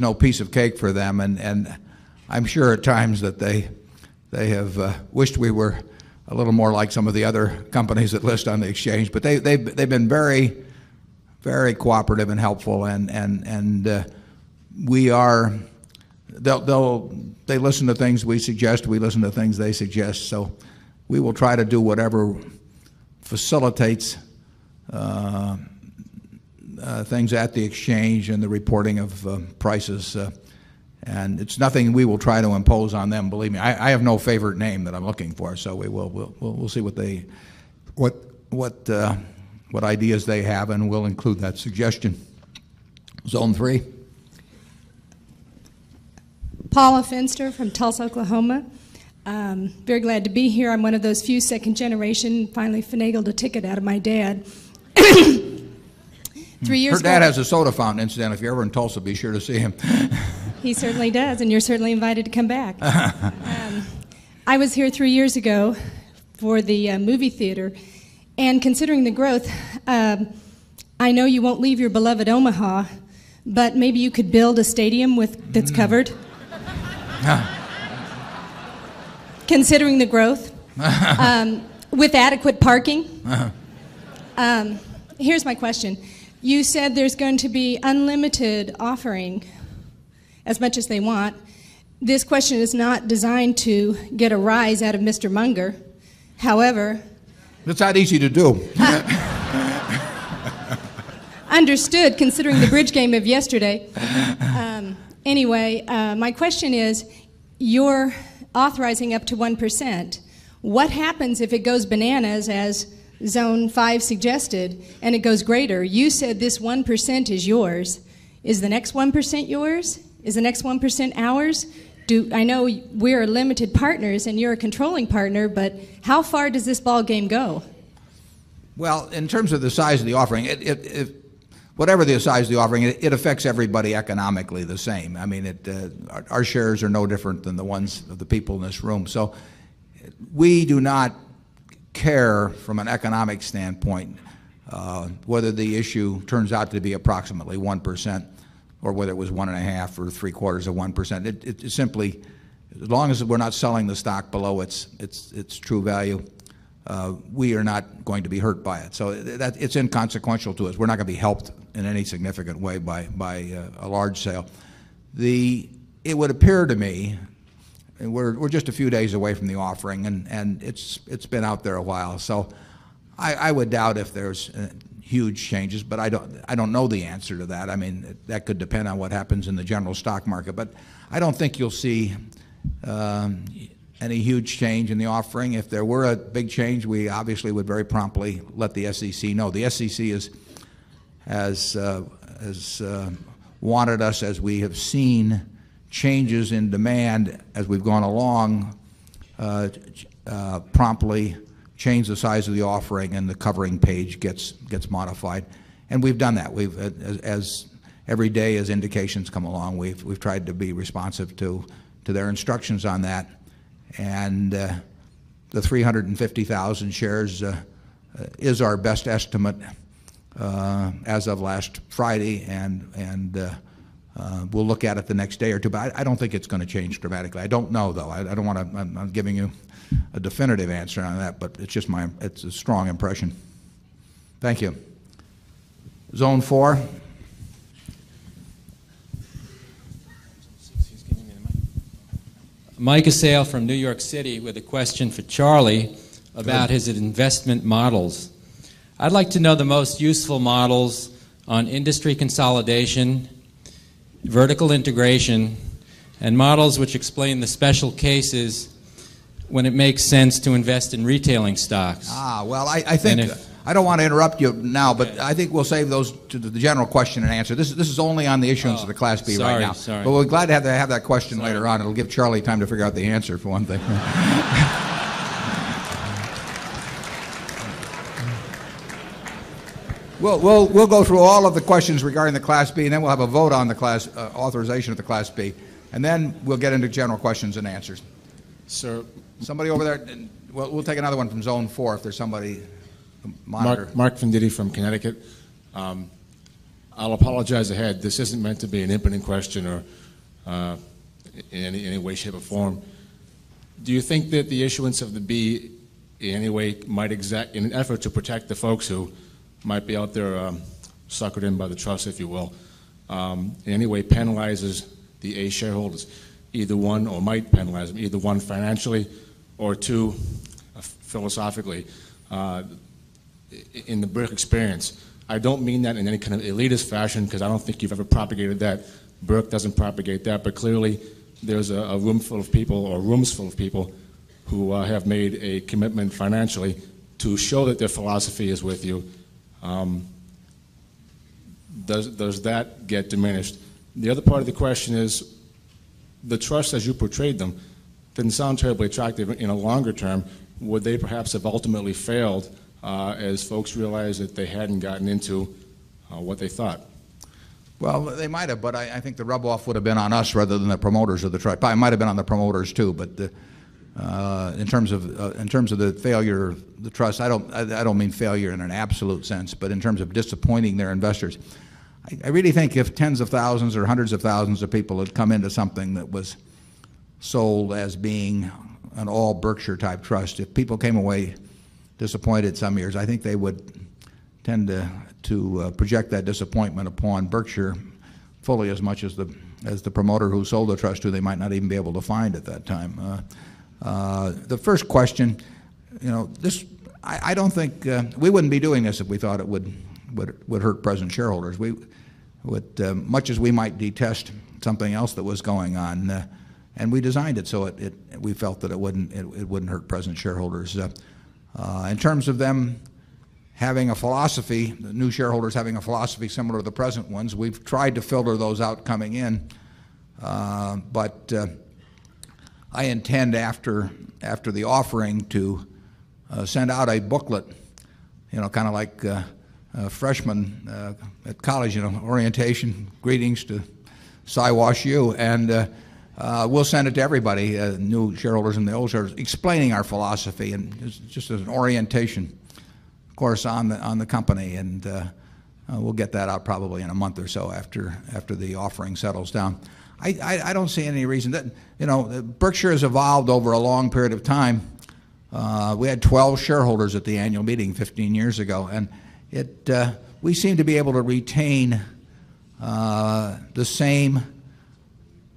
no piece of cake for them, and I'm sure at times that they have wished we were a little more like some of the other companies that list on the exchange. But they've been very, very cooperative and helpful and we are they'll they'll they listen to things we suggest, we listen to things they suggest. So we will try to do whatever facilitates things at the exchange and the reporting of prices. And it's nothing we will try to impose on them, believe me. I have no favorite name that I'm looking for, so we'll see what they what ideas they have and we'll include that suggestion. Paula Fenster from Tulsa, Oklahoma. Very glad to be here. I'm one of those few second generation finally finagled a ticket out of my dad. 3 years ago. Her dad has a soda fountain incident. If you're ever in Tulsa, be sure to see him. He certainly does, and you're certainly invited to come back. I was here 3 years ago for the movie theater, and considering the growth, I know you won't leave your beloved Omaha, but maybe you could build a stadium with that's covered. Considering the growth, with adequate parking, here's my question. You said there's going to be unlimited offering as much as they want. This question is not designed to get a rise out of mister Munger. However It's that easy to do. Understood, considering the bridge game of yesterday. Anyway, my question is, you're authorizing up to 1%. What happens if it goes bananas, as Zone 5 suggested, and it goes greater? You said this 1% is yours. Is the next 1% yours? Is the next 1% ours? Do I know we are limited partners and you're a controlling partner, but how far does this ballgame go? Well, in terms of the size of the offering, it whatever the size of the offering, it affects everybody economically the same. I mean, our shares are no different than the ones of the people in this room. So we do not care from an economic standpoint, whether the issue turns out to be approximately 1% or whether it was 1.5 or 3 quarters of 1%. It's simply as long as we're not selling the stock below its true value, we are not going to be hurt by it. So it's inconsequential to us. We're not going to be helped in any significant way by a large sale. The it would appear to me, and we're just a few days away from the offering and it's been out there a while. So I would doubt if there's huge changes, but I don't know the answer to that. I mean, that could depend on what happens in the general stock market. But I don't think you'll see any huge change in the offering. If there were a big change, we obviously would very promptly let the SEC know. The SEC has wanted us as we have seen changes in demand as we've gone along, promptly changed the size of the offering and the covering page gets modified, and we've done that. As every day as indications come along, we've tried to be responsive to their instructions on that. And the 350,000 shares is our best estimate as of last Friday and we'll look at it the next day or 2. But I don't think it's going to change dramatically. I don't know though. I don't want to I'm not giving you a definitive answer on that, but it's just my it's a strong impression. Thank you. Zone 4. Mike Asail from New York City with a question for Charlie about his investment models. I'd like to know the most useful models on industry consolidation, vertical integration and models which explain the special cases when it makes sense to invest in retailing stocks? Well, I think I don't want to interrupt you now, but I think we'll save those to the general question and answer. This is only on the issuance of the Class B right now. But we're glad to have that question later on. It will give Charlie time to figure out the answer for one thing. We'll go through all of the questions regarding the Class B and then we'll have a vote on the authorization of the Class B And then we'll get into general questions and answers. Somebody over there? We'll take another one from Zone 4, if there's somebody. Mark Venditti from Connecticut. I'll apologize ahead. This isn't meant to be an impotent question or in any way, shape or form. Do you think that the issuance of the B in any way might exact in an effort to protect the folks who might be out there suckered in by the trust, if you will, anyway penalizes the A shareholders, either 1 or might penalize them, either 1, financially or 2, philosophically in the Burke experience. I don't mean that in any kind of elitist fashion because I don't think you've ever propagated that. Burke doesn't propagate that. But clearly, there's a room full of people or rooms full of people who have made a commitment financially to show that their philosophy is with you. Does that get diminished? The other part of the question is the trust as you portrayed them didn't sound terribly attractive. In a longer term, would they perhaps have ultimately failed as folks realized that they hadn't gotten into what they thought? Well, they might have, but I think the rub off would have been on us rather than the promoters of the tribe pie. It might have been on the promoters too, but in terms of the failure of the trust, I don't mean failure in an absolute sense, but in terms of disappointing their investors. I really think if tens of thousands or hundreds of thousands of people had come into something that was sold as being an all Berkshire type trust, if people came away disappointed some years, I think they would tend to project that disappointment upon Berkshire fully as much as the promoter who sold the trust to they might not even be able to find at that time. The first question, you know, this I don't think we wouldn't be doing this if we thought it would hurt present shareholders. Much as we might detest something else that was going on and we designed it so we felt that it wouldn't hurt present shareholders. In terms of them having a philosophy, new shareholders having a philosophy similar to the present ones, we've tried to filter those out coming in. But I intend after the offering to send out a booklet, you know, kind of like freshmen at college orientation greetings to Cy Wash U and we'll send it to everybody, new shareholders in the old shareholders explaining our philosophy and just as an orientation, of course, on the company and we'll get that out probably in a month or so after the offering settles down. I don't see any reason that, you know, Berkshire has evolved over a long period of time. We had 12 shareholders at the annual meeting 15 years ago, and it we seem to be able to retain the same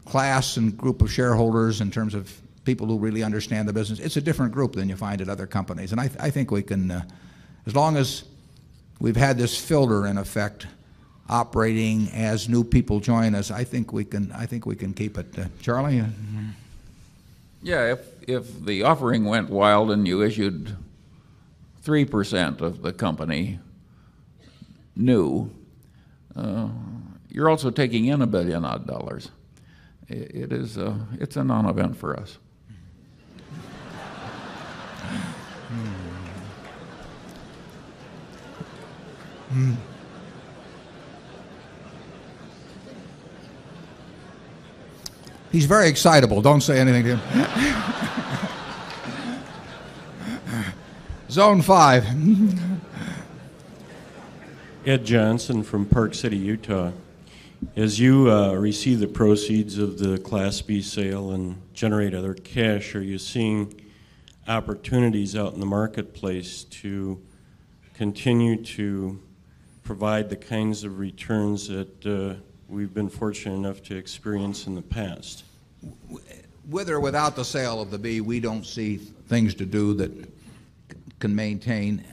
class and group of shareholders in terms of people who really understand the business. It's a different group than you find at other companies, and I think we can, as long as we've had this filter in effect operating as new people join us, I think we can keep it. Charlie? Yeah. If the offering went wild and you issued 3% of the company new, you're also taking in $1,000,000,000 odd dollars. It is, it's a nonevent for us. He's very excitable. Don't say anything. Zone 5. Ed Johnson from Park City, Utah. As you receive the proceeds of the Class B sale and generate other cash, are you seeing opportunities out in the marketplace to continue to provide the kinds of returns that we've been fortunate enough to experience in the past. With or without the sale of the B, we don't see things to do that can maintain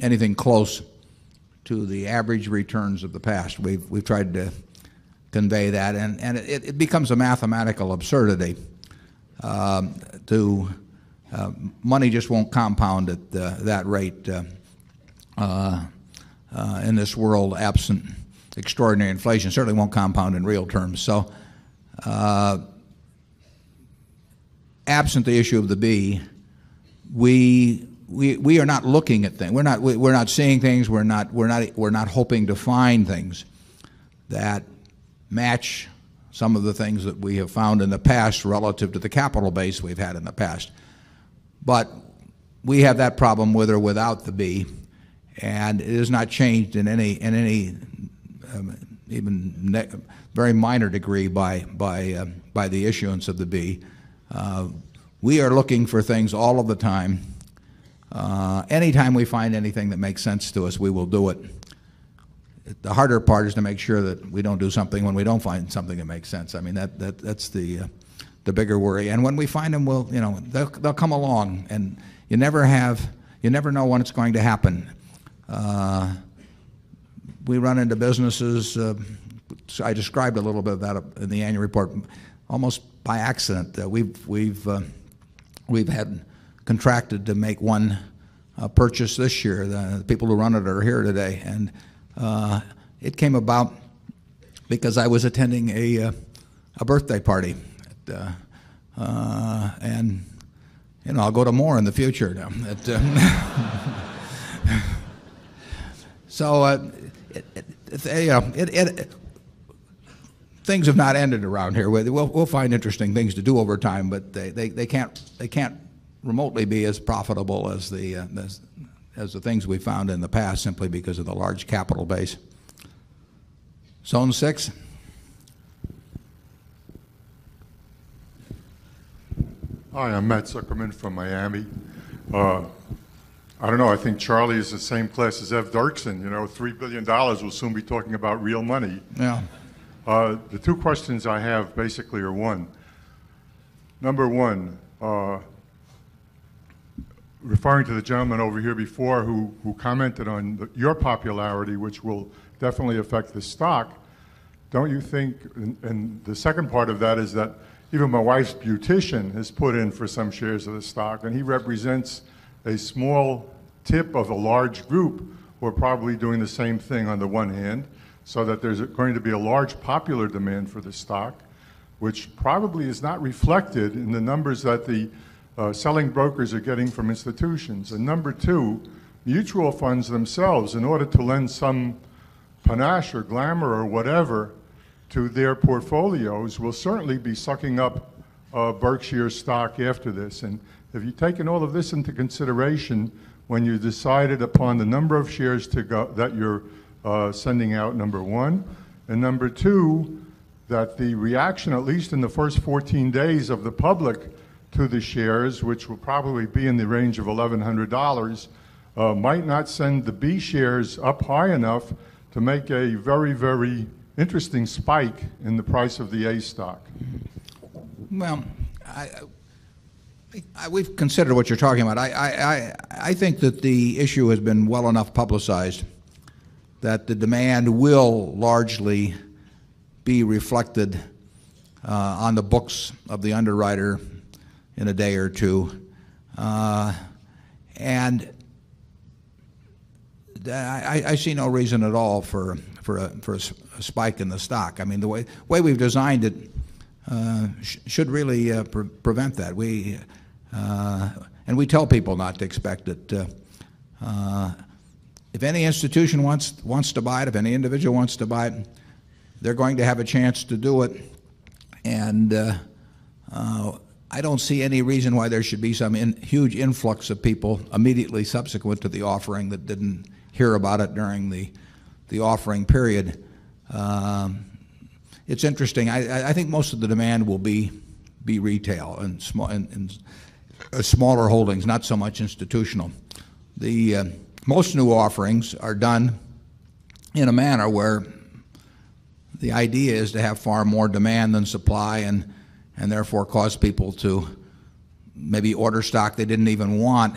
anything close to the average returns of the past. We've tried to convey that and it becomes a mathematical absurdity to money just won't compound at that rate in this world absent extraordinary inflation, certainly won't compound in real terms. So absent the issue of the B, we are not looking at things. We're not seeing things. We're not hoping to find things that match some of the things that we have found in the past relative to the capital base we've had in the past. But we have that problem with or without the B and it has not changed in any even very minor degree by the issuance of the B. We are looking for things all of the time. Anytime we find anything that makes sense to us, we will do it. The harder part is to make sure that we don't do something when we don't find something that makes sense. I mean, that's the bigger worry. And when we find them, we'll you know, they'll come along and you never have you never know when it's going to happen. We run into businesses, so I described a little bit of that in the annual report almost by accident that we've had contracted to make one purchase this year. The people who run it are here today. And it came about because I was attending a birthday party. And, you know, I'll go to more in the future. So things have not ended around here. We'll find interesting things to do over time, but they can't remotely be as profitable as the things we found in the past simply because of the large capital base. Zone 6. Hi. I'm Matt Zuckerman from Miami. I don't know, I think Charlie is the same class as Ed Dirkson. Dollars 3,000,000,000 We'll soon be talking about real money. The two questions I have basically are 1. Number 1, referring to the gentleman over here before who commented on your popularity, which will definitely affect the stock. Don't you think and the second part of that is that even my wife's beautician has put in for some shares of the stock, and he represents a small tip of a large group who are probably doing the same thing on the one hand so that there's going to be a large popular demand for the stock, which probably is not reflected in the numbers that the selling brokers are getting from institutions. And number 2, mutual funds themselves, in order to lend some panache or glamour or whatever to their portfolios, will certainly be sucking up Berkshire stock after this. And have you taken all of this into consideration when you decided upon the number of shares to go that you're sending out, number 1. And number 2, that the reaction, at least in the 1st 14 days, of the public to the shares, which will probably be in the range of $1100 might not send the B shares up high enough to make a very, very interesting spike in the price of the A stock? Well, we've considered what you're talking about. I think that the issue has been well enough publicized that the demand will largely be reflected on the books of the underwriter in a day or 2. And I see no reason at all for a spike in the stock. I mean, the way we've designed it should really prevent that. We and we tell people not to expect it. If any institution wants to buy it, if any individual wants to buy it, they're going to have a chance to do it. And I don't see any reason why there should be some huge influx of people immediately subsequent to the offering that didn't hear about it during the offering period. It's interesting. I think most of the demand will be retail and smaller holdings, not so much institutional. The most new offerings are done in a manner where the idea is to have far more demand than supply and therefore cause people to maybe order stock they didn't even want.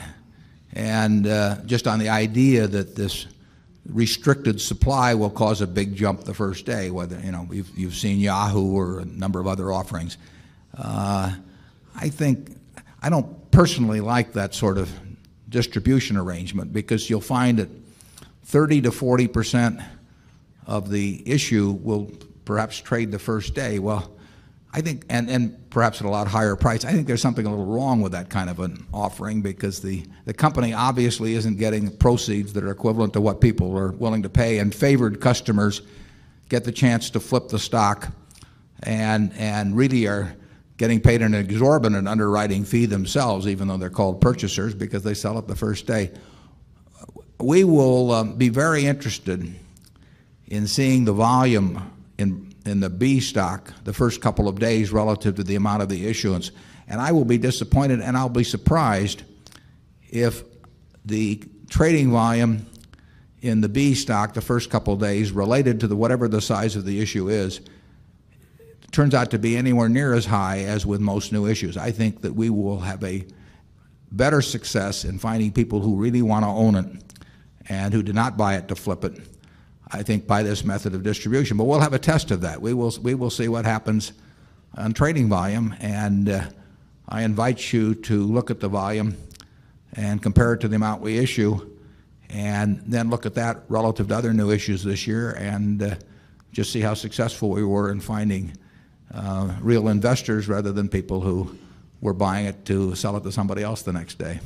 And just on the idea that this restricted supply will cause a big jump the 1st day, whether you've seen Yahoo! Or a number of other offerings. I think I don't personally like that sort of distribution arrangement because you'll find that 30% to 40% of the issue will perhaps trade the 1st day. Well, I think and perhaps at a lot higher price, I think there's something a little wrong with that kind of an offering because the company obviously isn't getting proceeds that are equivalent to what people are willing to pay and favored customers get the chance to flip the stock and really are getting paid an exorbitant underwriting fee themselves, even though they're called purchasers because they sell it the 1st day. We will be very interested in seeing the volume in the B stock the 1st couple of days relative to the amount of the issuance, And I will be disappointed and I'll be surprised if the trading volume in the B stock the first couple of days related to the whatever the size of the issue is, turns out to be anywhere near as high as with most new issues. I think that we will have a better success in finding people who really want to own it and who do not buy it to flip it, I think, by this method of distribution. But we'll have a test of that. We will see what happens on trading volume. And I invite you amount we issue and then look at that relative to other new issues this year and just see how successful we were in finding real investors rather than people who were buying it to sell it to somebody else the next day.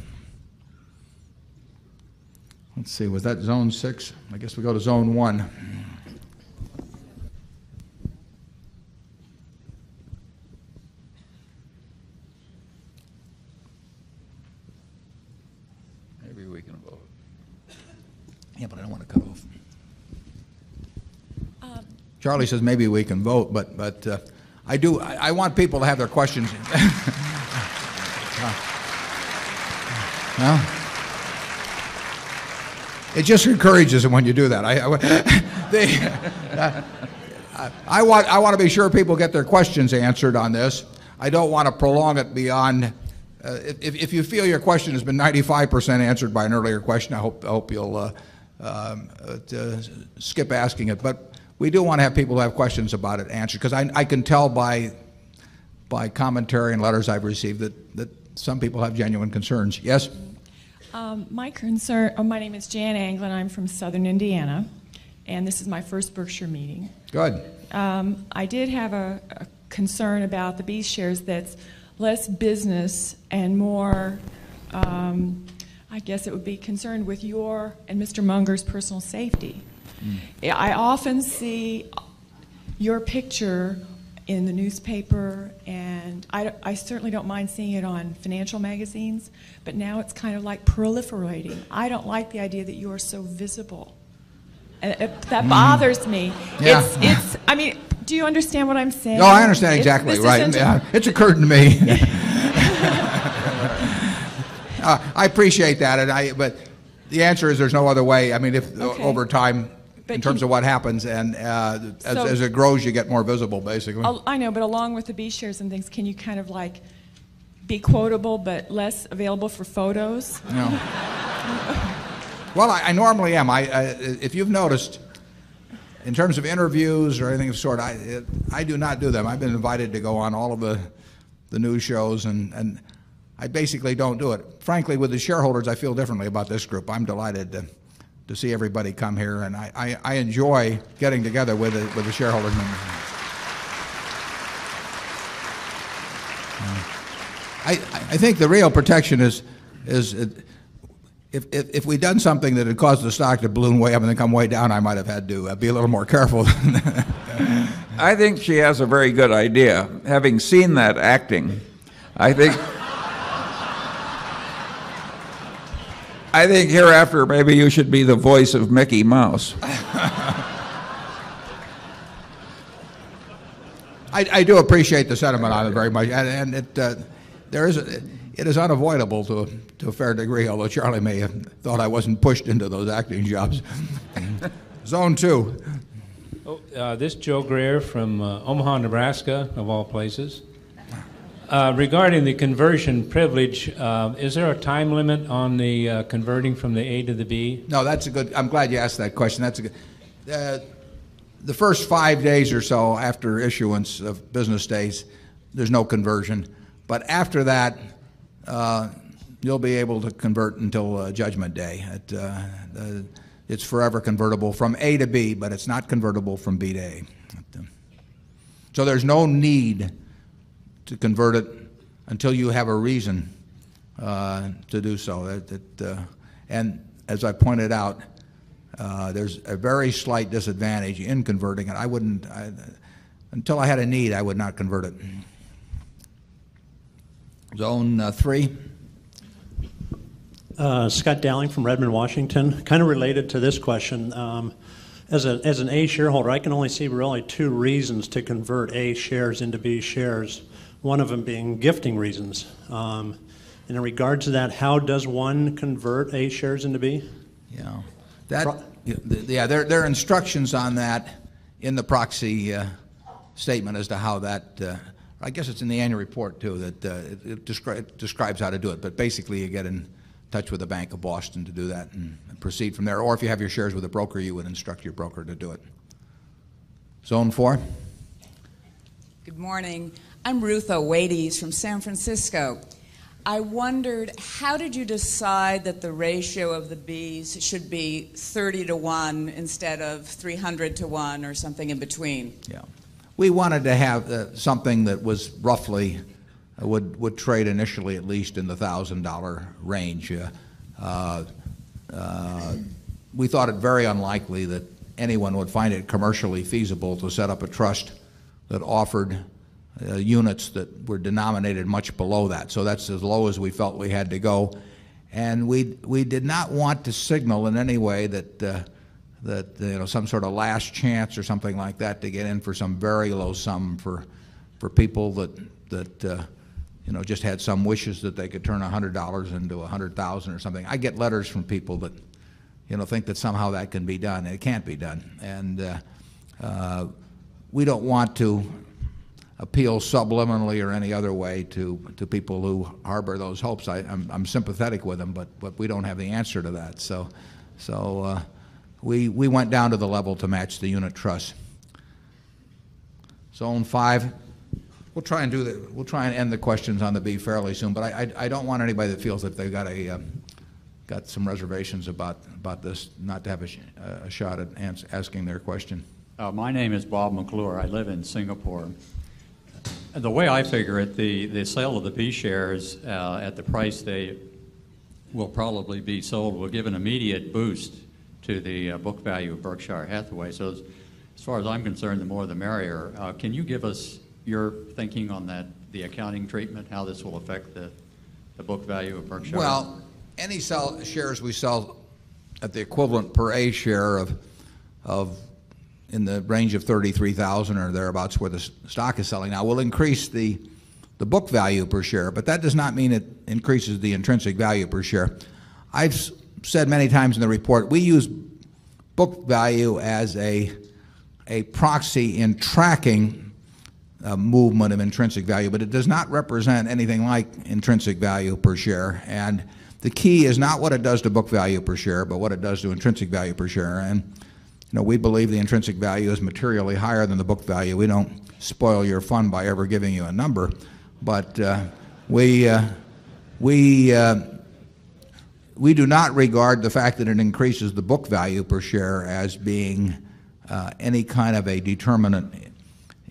Let's see, was that zone 6? I guess we go to zone 1. Every week in vote. Yeah, but I don't want to cut off. Charlie says maybe we can vote, but I do I want people to have their questions. It just encourages it when you do that. I I want I want I want to be sure people get their questions answered on this. I don't want to prolong it beyond if you feel your question has been 95% answered by an earlier question, I hope you'll skip asking it, but we do want to have people who have questions about it answered because I can tell by commentary and letters I've received that some people have genuine concerns. Yes? My concern my name is Jan Anglin. I'm from Southern Indiana, and this is my first Berkshire meeting. I did have a concern about the B shares that's less business and more, I guess it would be concerned with your and Mr. Munger's personal safety. I often see your picture in the newspaper and I certainly don't mind seeing it on financial magazines, but now it's kind of like proliferating. I don't like the idea that you are so visible. That bothers me. It's I mean, do you understand what I'm saying? No, I understand exactly right. It's occurred to me. I appreciate that. But the answer is there's no other way. I mean, if over time in terms of what happens and as it grows, you get more visible, basically. I know, but along with the B shares and things, can you kind of like be quotable but less available for photos? Well, I normally am. If you've noticed, in terms of interviews or anything of sort, I do not do them. I've been invited to go on all of the news shows and I basically don't do it. Frankly, with the shareholders, I feel differently about this group. I'm delighted to see everybody come here and I enjoy getting together with the shareholder community. I think the real protection is if we'd done something that had caused the stock to balloon way up and then come way down, I might have had to be a little more careful. I think she has a very good idea. Having seen that acting, I think I think hereafter, maybe you should be the voice of Mickey Mouse. I do appreciate the sentiment on it very much. And it is unavoidable to a fair degree, although Charlie may have thought I wasn't pushed into those acting jobs. Zone 2. This is Joe Greer from Omaha, Nebraska, of all places. Regarding the conversion privilege, is there a time limit on the converting from the A to the B? No, that's a good I'm glad you asked that question. The first 5 days or so after issuance of business days, there's no conversion. But after that, you'll be able to convert until judgment day at, it's forever convertible from A to B, but it's not convertible from B to A. So there's no need to convert it until you have a reason to do so. And as I pointed out, there's a very slight disadvantage in converting it. I wouldn't until I had a need, I would not convert it. Zone 3. Scott Dowling from Redmond, Washington. Kind of related to this question, as an A shareholder, I can only see really two reasons to convert A shares into B shares, one of them being gifting reasons. In regard to that, how does one convert A shares into B? Yes. There are instructions on that in the proxy statement as to how that, I guess it's in the annual report too that, it describes how to do it. But basically, you get in touch with the Bank of Boston to do that and proceed from there. Or if you have your shares with a broker, you would instruct your broker to do it. Zone 4. Good morning. I'm Ruth O'Wadees from San Francisco. I wondered how did you decide that the ratio of the Bs should be 30:one instead of 300:one or something in between? Yes. We wanted to have something that was roughly would trade initially at least in the $1,000 range. We thought it very unlikely that anyone would find it commercially feasible to set up a trust that offered units that were denominated much below that. So that's as low as we felt we had to go. And we did not want to signal in any way that, that, you know, some sort of last chance or something like that to get in for some very low sum for people that, you know, just had some wishes that they could turn $100 into $100,000 or something. I get letters from people that think that somehow that can be done and it can't be done. And we don't want to appeal subliminally or any other way to people who harbor those hopes. I'm sympathetic with them, but we don't have the answer to that. So, we went down to the level to match the unit trust. Zone 5, we'll try and do we'll try and end the questions on the beat fairly soon, but I don't want anybody that feels that they've got some reservations about this not to have a shot at asking their question. My name is Bob McClure. I live in Singapore. The way I figure it, the sale of the B shares at the price they will probably be sold will give an immediate boost to the book value of Berkshire Hathaway. So as far as I'm concerned, the more the merrier. Can you give us your thinking on that, the accounting treatment, how this will affect the book value of Berkshire? Well, any shares we sell at the equivalent per A share of in the range of 33,000 or thereabouts where the stock is selling. Now we'll increase the book value per share, but that does not mean it increases the intrinsic value per share. I've said many times in the report, we use book value as a proxy in tracking a movement of intrinsic value, but it does not represent anything like intrinsic value per share. And the key is not what it does to book value per share, but what it does to intrinsic value per share. And, you know, we believe the intrinsic value is materially higher than the book value. We don't spoil your fund by ever giving you a number, but we do not regard the fact that it increases the book value per share as being any kind of a determinant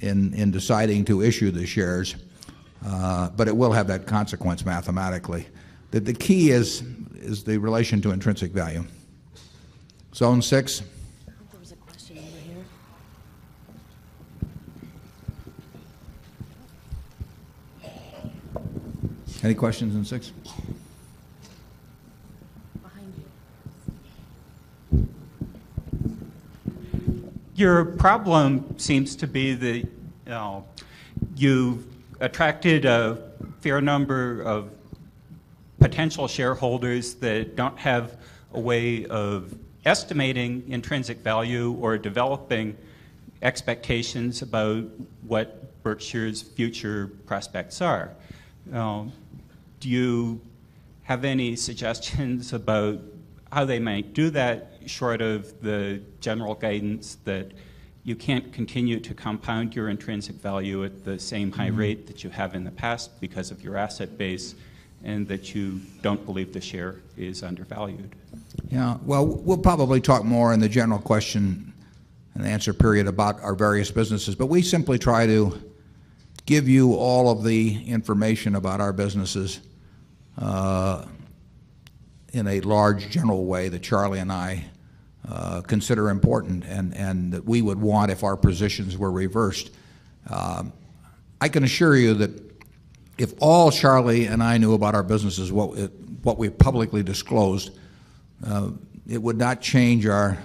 in deciding to issue the shares, but it will have that consequence mathematically. The key is the relation to intrinsic value. Zone 6. Any questions in 6? Your problem seems to be that you've attracted a fair number of potential shareholders that don't have a way of estimating intrinsic value or developing expectations about what Berkshire's future prospects are. Do you have any suggestions about how they might do that, short of the general guidance that you can't continue to compound your intrinsic value at the same high rate that you have in the past because of your asset base, and that you don't believe the share is undervalued? Yes. Well, we'll probably talk more in the general question and answer period about our various businesses, but we simply try to give you all of the information about our businesses in a large general way that Charlie and I consider important and that we would want if our positions were reversed. I can assure you that if all Charlie and I knew about our businesses, what we publicly disclosed, it would not change our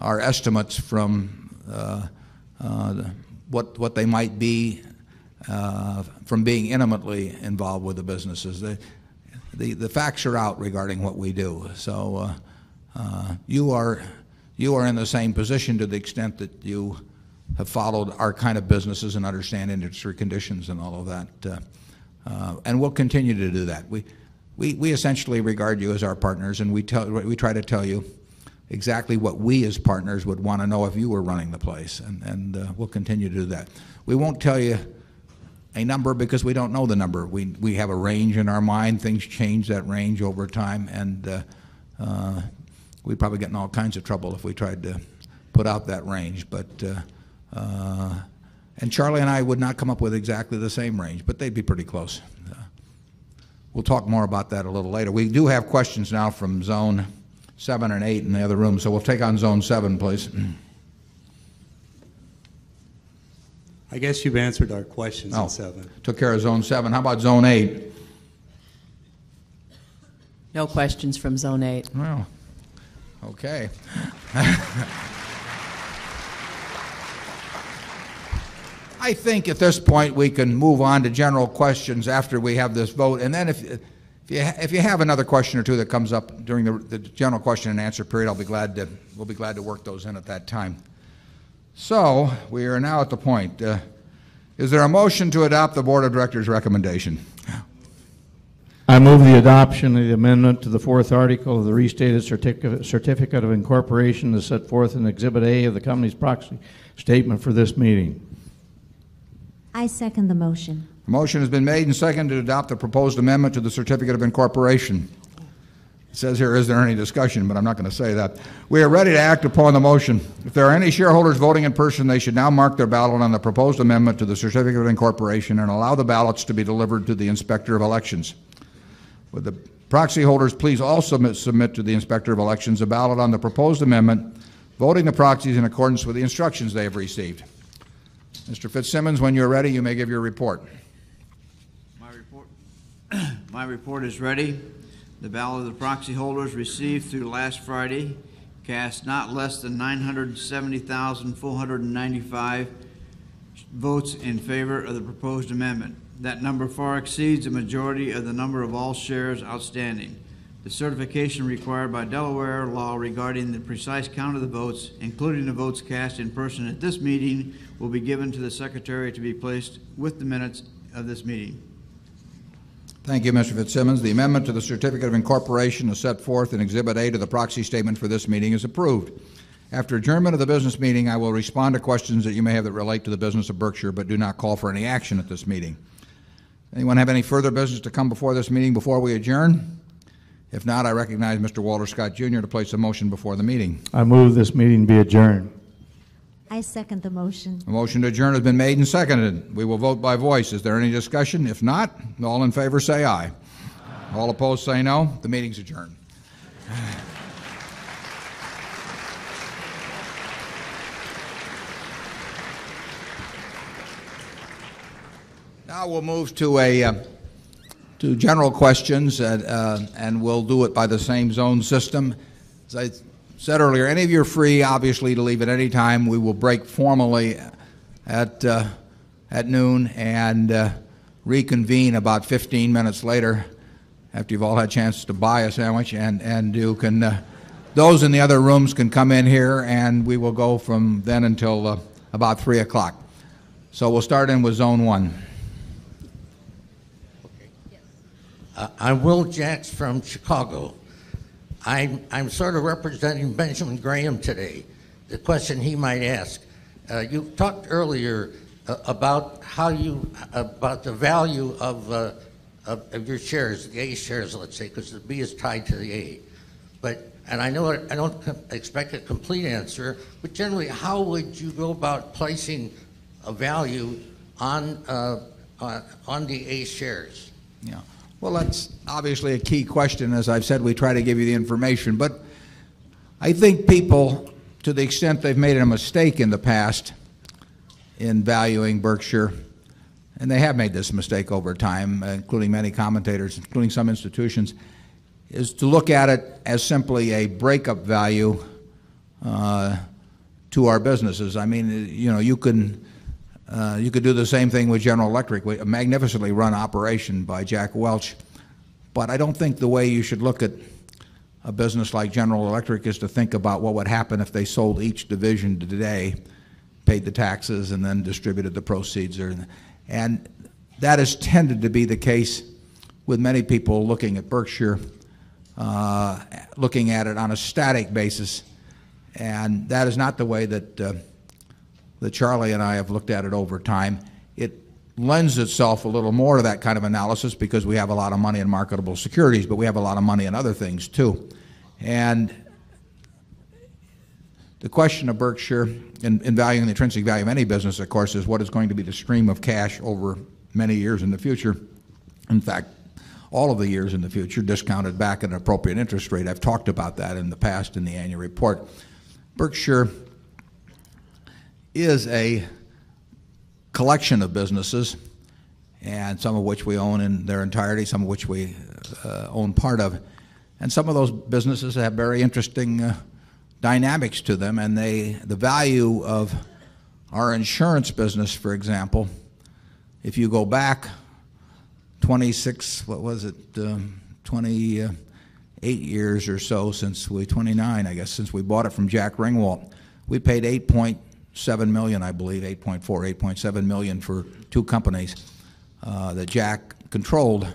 estimates from what they might be from being intimately involved with the businesses. The facts are out regarding what we do. So, you are in the same position to the extent that you have followed our kind of businesses and understand industry conditions and all of that. And we'll continue to do that. We essentially regard you as our partners and we try to tell you exactly what we as partners would want to know if you were running the place, and we'll continue to do that. We won't tell you a number because we don't know the number. We have a range in our mind. Things change that range over time and, we'd probably get in all kinds of trouble if we tried to put out that range. But, and Charlie and I would not come up with the same range, but they'd be pretty close. We'll talk more about that a little later. We do have questions now from zone 7 and 8 in the other room. So we'll take on zone 7, please. I guess you've answered our questions. Took care of Zone 7. How about Zone 8? No questions from Zone 8. Okay. I think at this point we can move on to general questions after we have this vote. And then if you have another question or 2 that comes up during the general question and answer period, I'll be glad to we'll be glad to work those in at that time. So we are now at the point. Is there a motion to adopt the Board of Directors' recommendation? I move the adoption of the amendment to the 4th article of the restated certificate of incorporation that's set forth in Exhibit A of the company's proxy statement for this meeting. I second the motion. Motion has been made and seconded to adopt the proposed amendment to the certificate of incorporation. It says here isn't any discussion, but I'm not going to say that. We are ready to act upon the motion. If there are any shareholders voting in person, they should now mark their ballot on the proposed amendment to the Certificate of Incorporation and allow the ballots to be delivered to the Inspector of Elections. Would the proxy holders please also submit to the Inspector of Elections a ballot on the proposed amendment, voting the proxies in accordance with the instructions they have received. Mr. Fitzsimmons, when you're ready, you may give your report. My report is ready. The ballot of the proxy holders received through last Friday cast not less than 970,495 votes in favor of the proposed amendment. That number far exceeds the majority of the number of all shares outstanding. The certification required by Delaware law regarding the precise count of the votes including the votes cast in person at this meeting will be given to the secretary to be placed with the minutes of this meeting. Thank you, Mr. Fitzsimmons. The amendment to the certificate of incorporation is set forth in Exhibit A to the proxy statement for this meeting is approved. After adjournment of the business meeting, I will respond to questions that you may have that relate to the business of Berkshire, but do not call for any action at this meeting. Anyone have any further business to come before this meeting before we adjourn? If not, I recognize mister Walter Scott Junior to place a motion before the meeting. I move this meeting be adjourned. I second the motion. The motion to adjourn has been made and seconded. We will vote by voice. Is there any discussion? If not, all in favor say aye. All opposed say no. The meeting is adjourned. Now we'll move to a, to general questions, and we'll do it by the same zone system. As I said earlier, any of you are free, obviously, to leave at any time. We will break formally at noon and reconvene about 15 minutes later after you've all had a chance to buy a sandwich and you can, those in the other rooms can come in here and we will go from then until about 3 So we'll start in with Zone 1. Okay. I'm Will Jax from Chicago. I'm sort of representing Benjamin Graham today, the question he might ask. You talked earlier about how you about the value of your shares, A shares, let's say, because the B is tied to the A. But and I know I don't expect a complete answer, but generally, how would you go about placing a value on the A shares? Well, that's obviously a key question. As I've said, we try to give you the information. But I think people to the extent they've made a mistake in the past in valuing Berkshire and they have made this mistake over time, including many commentators, including some institutions, is to look at it as simply a breakup value to our businesses. I mean, you can do the same thing with General Electric, a magnificently run operation by Jack Welch, But I don't think the way you should look at a business like General Electric is to think about what would happen if they sold each division today, paid the taxes and then distributed the proceeds. And that has tended to be the case with many people looking at Berkshire, looking at it on a static basis and that is not the way that Charlie and I have looked at it over time. It lends itself a little more to that kind of analysis because we have a lot of money in marketable securities, but we have a lot of money in other things too. And the question of Berkshire in value and the intrinsic value of any business, of course, is what is going to be the stream of cash over many years in the future, in fact, all of the years in the future discounted back at an appropriate interest rate. I've talked about that in the past in the annual report. Berkshire is a collection of businesses and some of which we own in their entirety, some of which we own part of. And some of those businesses have very interesting dynamics to them and they the value of our insurance business, for example, if you go back 26, what was it, 20 8 years or so since we, 29, I guess, since we bought it from Jack Ringwalt, we paid 8,700,000 I believe, 8,400,000, 8,700,000 for 2 companies, that Jack controlled.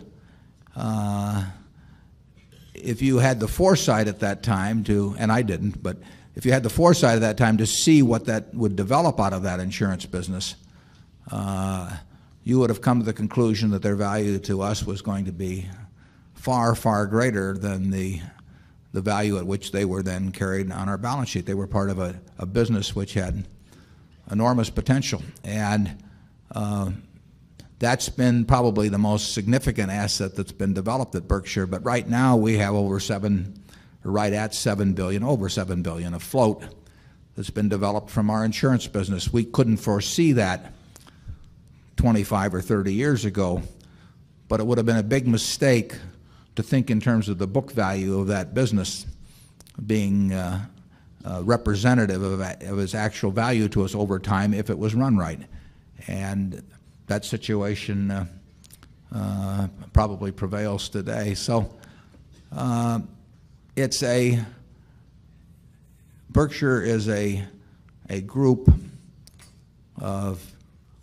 If you had the foresight at that time to and I didn't, but if you had the foresight at that time to see what that would develop out of that insurance business, you would have come to the conclusion that their value to us was going to be far, far greater than the value at which they were then carried on our balance sheet. They were part of a business which had enormous potential. And that's been probably the most significant asset that's been developed at Berkshire. But right now, we have over 7 right at $7,000,000,000 over $7,000,000,000 a float that's been developed from our insurance business. We couldn't foresee that 25 or 30 years ago, but it would have been a big mistake to think in terms of the book value of that business being representative of its actual value to us over time if it was run right. And that situation probably prevails today. So, it's a Berkshire is a group of,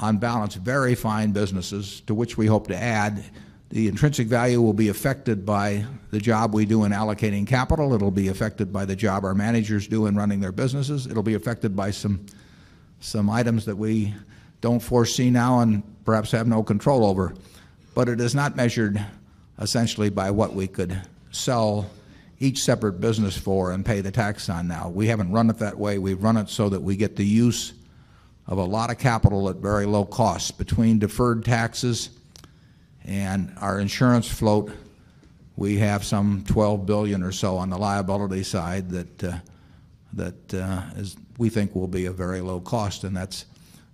on balance, very fine businesses to which we hope to add. The intrinsic value will be affected by the job we do in allocating capital. It'll be affected by the job our managers do in running their businesses. It'll be affected by some items that we don't foresee now and perhaps have no control over, but it is not measured essentially by what we could sell each separate business for and pay the tax on now. We haven't run it that way. We've run it so that we get the use of a lot of capital at very low cost Between deferred taxes and our insurance float, we have some $12,000,000,000 or so on the liability side that, that, is we think will be a very low cost and that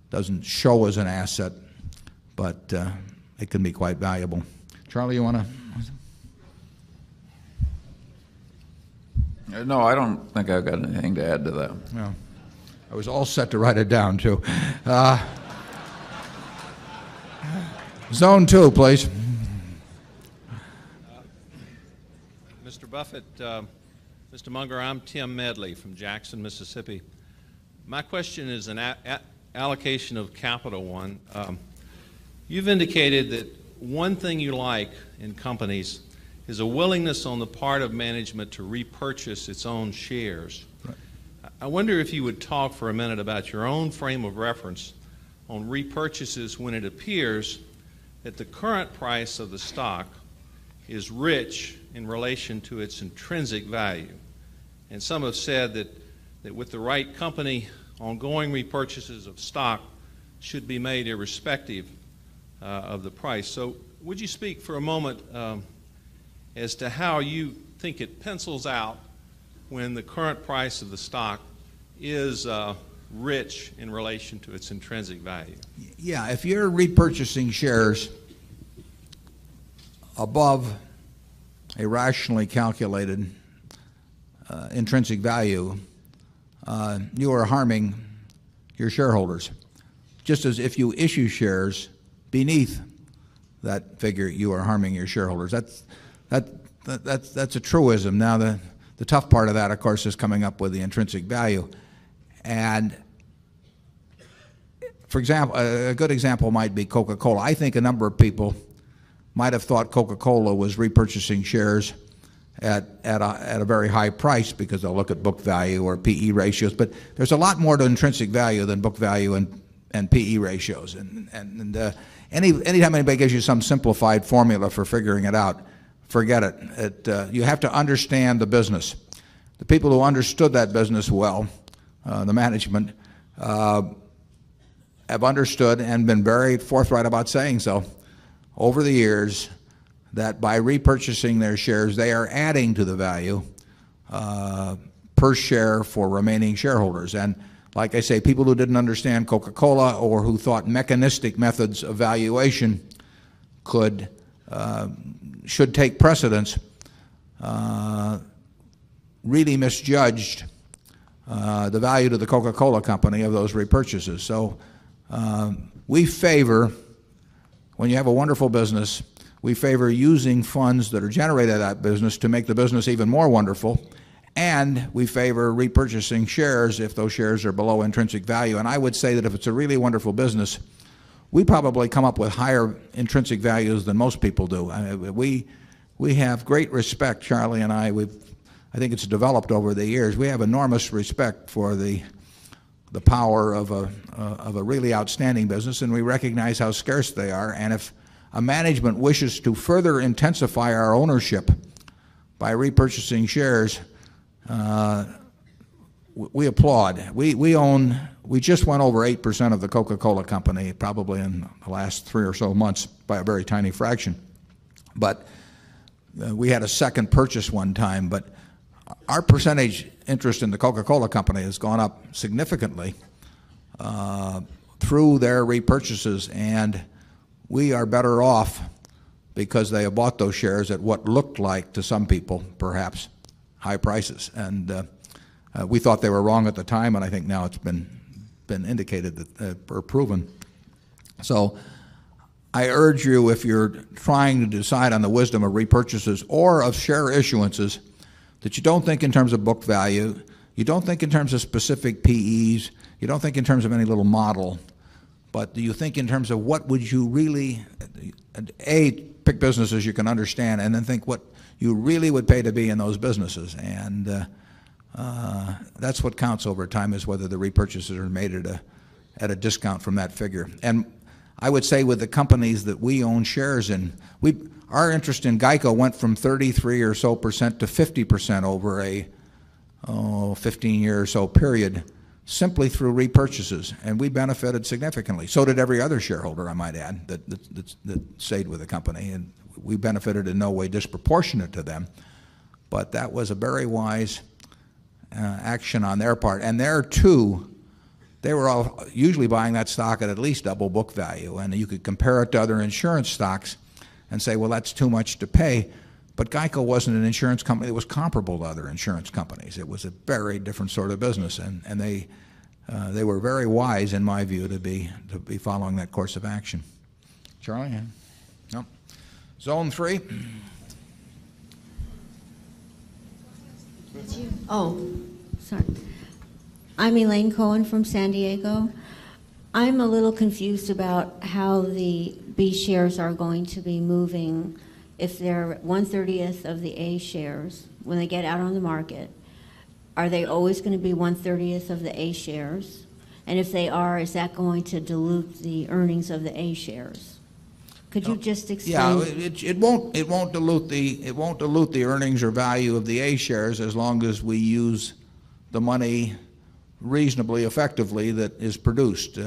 doesn't show as an asset, but, it can be quite valuable. Charlie, you want to? No, I don't think I've got anything to add to that. I was all set to write it down, too. Zone 2, please. Mister Buffet, mister Munger, I'm Tim Medley from Jackson, Mississippi. My question is on allocation of Capital 1. You've indicated that one thing you like in companies is a willingness on the part of management to repurchase its own shares. I wonder if you would talk for a minute about your own frame of reference on repurchases when it appears that the current price of the stock is rich in relation to its intrinsic value. And some have said that with the right company, ongoing repurchases of stock should be made irrespective of the price. So would you speak for a moment as to how you think it pencils out when the current price of the stock is rich in relation to its intrinsic value? Yes. If you're repurchasing shares above a rationally calculated intrinsic value, you are harming your shareholders. Just as if you issue shares beneath that figure, you are harming your shareholders. That's a truism. Now the tough part of that, of course, is coming up with the intrinsic value. And for example, a good example might be Coca Cola. I think a number of people might have thought Coca Cola was repurchasing shares at a very high price because they'll look at book value or PE ratios, but there's a lot more to intrinsic value than book value and PE ratios. And any time anybody gives you some simplified formula for figuring it out, forget it. You have to understand the business. The people who understood that business well, the management, have understood and been very forthright about saying so over the years that by repurchasing their shares, they are adding to the value per share for remaining shareholders. And like I say, people who didn't understand Coca Cola or who thought mechanistic methods of valuation could, should take precedence, really misjudged the value to the Coca Cola Company of those repurchases. So we favor when you have a wonderful business, we favor using funds that are generated at that business to make the business even more wonderful and we favor repurchasing shares if those shares are below intrinsic value. And I would say that if it's a really wonderful business, we probably come up with higher intrinsic values than most people do. We have great respect, Charlie and I, we've I think it's developed over the years. We have enormous respect for the power of a really outstanding business and we recognize how scarce they are. And if a management wishes to further intensify our ownership by repurchasing shares, we applaud. We own we just went over 8% of the Coca Cola Company probably in the last 3 or so months by a very tiny fraction. But we had a second purchase one time, but our percentage interest in the Coca Cola Company has gone up significantly through their repurchases and we are better off because they have bought those shares at what looked like to some people perhaps high prices. And we thought they were wrong at the time and I think now it's been indicated or proven. So I urge you if you're trying to decide on the wisdom of repurchases or of share issuances that you don't think in terms of book value, you don't think in terms of specific PEs, you don't think in terms of any little model, but do you think in terms of what would you really and A, pick businesses you can understand and then think what you really would pay to be in those businesses. And that's what counts over time is whether the repurchases are made at a discount from that figure. And I would say with the companies that we own shares in, our interest in GEICO went from 33 or so percent to 50% over a 15 year or so period simply through repurchases and we benefited significantly. So did every other shareholder, I might add, that stayed with the company and we benefited in no way disproportionate to them. But that was a very wise action on their part. And there too, they were all usually buying that stock at at least double book value and you could compare it to other insurance stocks and say well that's too much to pay, but GEICO wasn't an insurance company that was comparable to other insurance companies. It was a very different sort of business and they, they were very wise in my view to be following that course of action. Charlie? No. Zone 3. I'm Elaine Cohen from San Diego. I'm a little confused about how the B shares are going to be moving if they're onethirty of the A shares when they get out on the market, are they always going to be onethirty of the A shares? And if they are, is that going to dilute the earnings of the A shares? Could you just explain? Yes, it won't dilute the earnings or value of the A shares as long as we use the money reasonably effectively that is produced.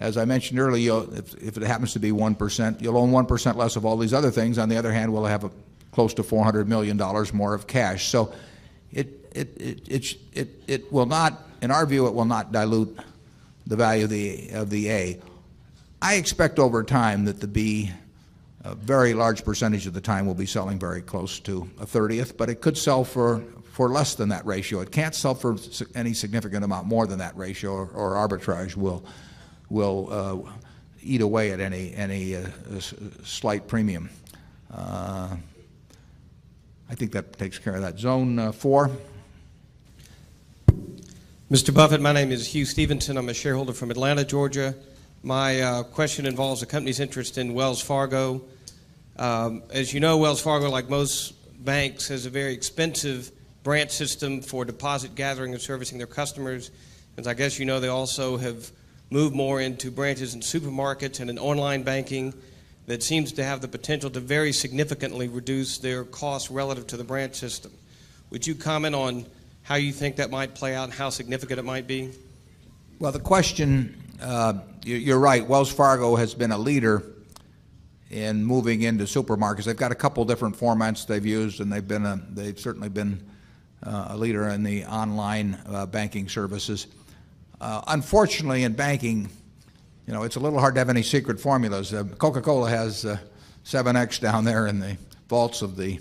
As I mentioned earlier, if it happens to be 1%, you'll own 1% less of all these other things. On the other hand, we'll close to $400,000,000 more of cash. So it will not in our view, it will not dilute the value of the A. I expect over time that the B, a very large percentage of the time, will be selling very close to a 30th, but it could sell for less than that ratio. It can't sell for any significant amount more than that ratio or arbitrage will eat away at any slight premium. I think that takes care of that. Zone 4. Mr. Buffet, my name is Hugh Stephenson. I'm a shareholder from Atlanta, Georgia. My question involves the company's interest in Wells Fargo. As you know Wells Fargo like most banks has a very expensive branch system for deposit gathering and servicing their customers. As I guess you know they also have moved more into branches in supermarkets and in online banking that seems to have the potential to very significantly reduce their costs relative to the branch system. Would you comment on how you think that might play out and how significant it might be? Well, the question, you're right. Wells Fargo has been a leader in moving into supermarkets. They've got a couple different formats they've used and they've been a they've certainly been a leader in the online banking services. Unfortunately, in banking, it's a little hard to have any secret formulas. Coca Cola has 7X down there in the vaults of the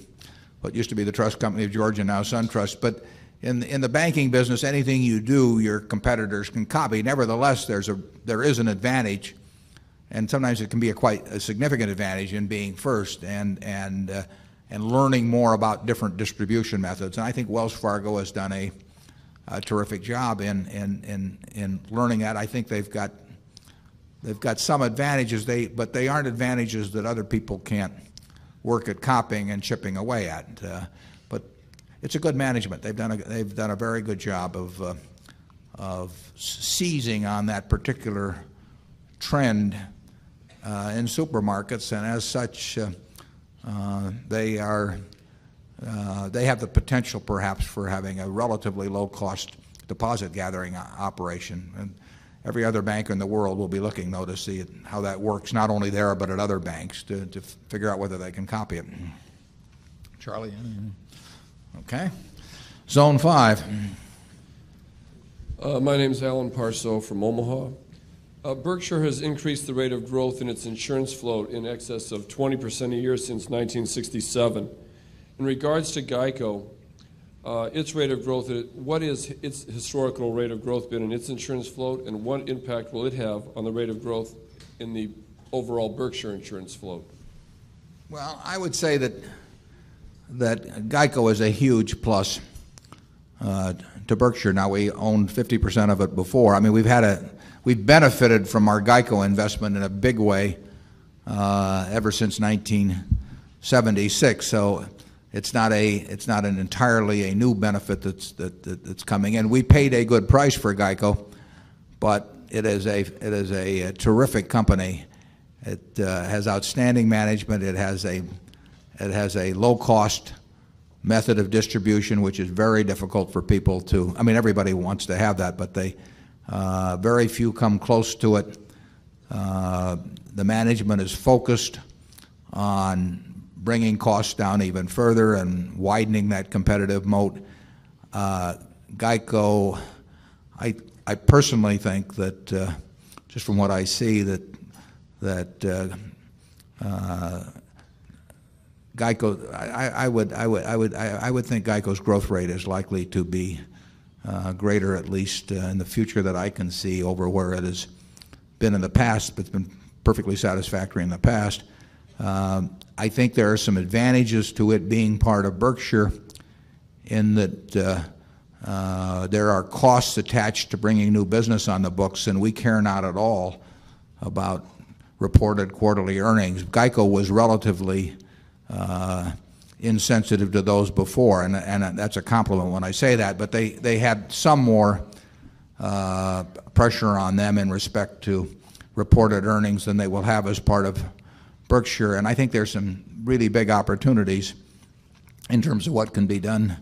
what used to be the trust company of Georgia, now SunTrust. But in the banking business, anything you do, your competitors can copy. Nevertheless, there is an advantage and sometimes it can be a quite significant advantage in being first and learning more about different distribution methods. And I think Wells Fargo has done a a terrific job in learning that. I think they've got some advantages, but they aren't advantages that other people can't work at copying and chipping away at. But it's a good management. They've done a very good job of seizing on that particular trend in supermarkets and as such, they are they have the potential perhaps for having a relatively low cost deposit gathering operation. And every other bank in the world will be looking, though, to see how that works not only there but at other banks to figure out whether they can copy it. Charlie? Okay. Zone 5. My name is Alan Parceau from Omaha. Berkshire has increased the rate of growth in its insurance float in excess of 20% a year since 1967. In regards to GEICO, its rate of growth, what has its historical rate of growth been in its insurance float and what impact will it have on the rate of growth in the overall Berkshire insurance float? Well, I would say that GEICO is a huge plus to Berkshire. Now we owned 50% of it before. I mean, we've had a we've benefited from our GEICO investment in a big way, ever since 1976. So it's not a it's not an entirely a new benefit that's coming in. We paid a good price for GEICO, but it is a terrific company. It has outstanding management. It has a low cost method of distribution, which is very difficult for people to I mean, everybody wants to have that, but they very few come close to it. The management is focused on bringing costs down even further and widening that competitive moat. GEICO, I personally think that just from what I see that GEICO I would think GEICO's growth rate is likely to be greater at least in the future that I can see over where it has been in the past, but it's been perfectly satisfactory in the past. I think there are some advantages to it being part of Berkshire in that, there are costs attached to bringing new business on the books and we care not at all about reported quarterly earnings. GEICO was relatively insensitive to those before, and that's a compliment when I say that. But they had some more pressure on them in respect to reported earnings than they will have as part of Berkshire. And I think there's some really big opportunities in terms of what can be done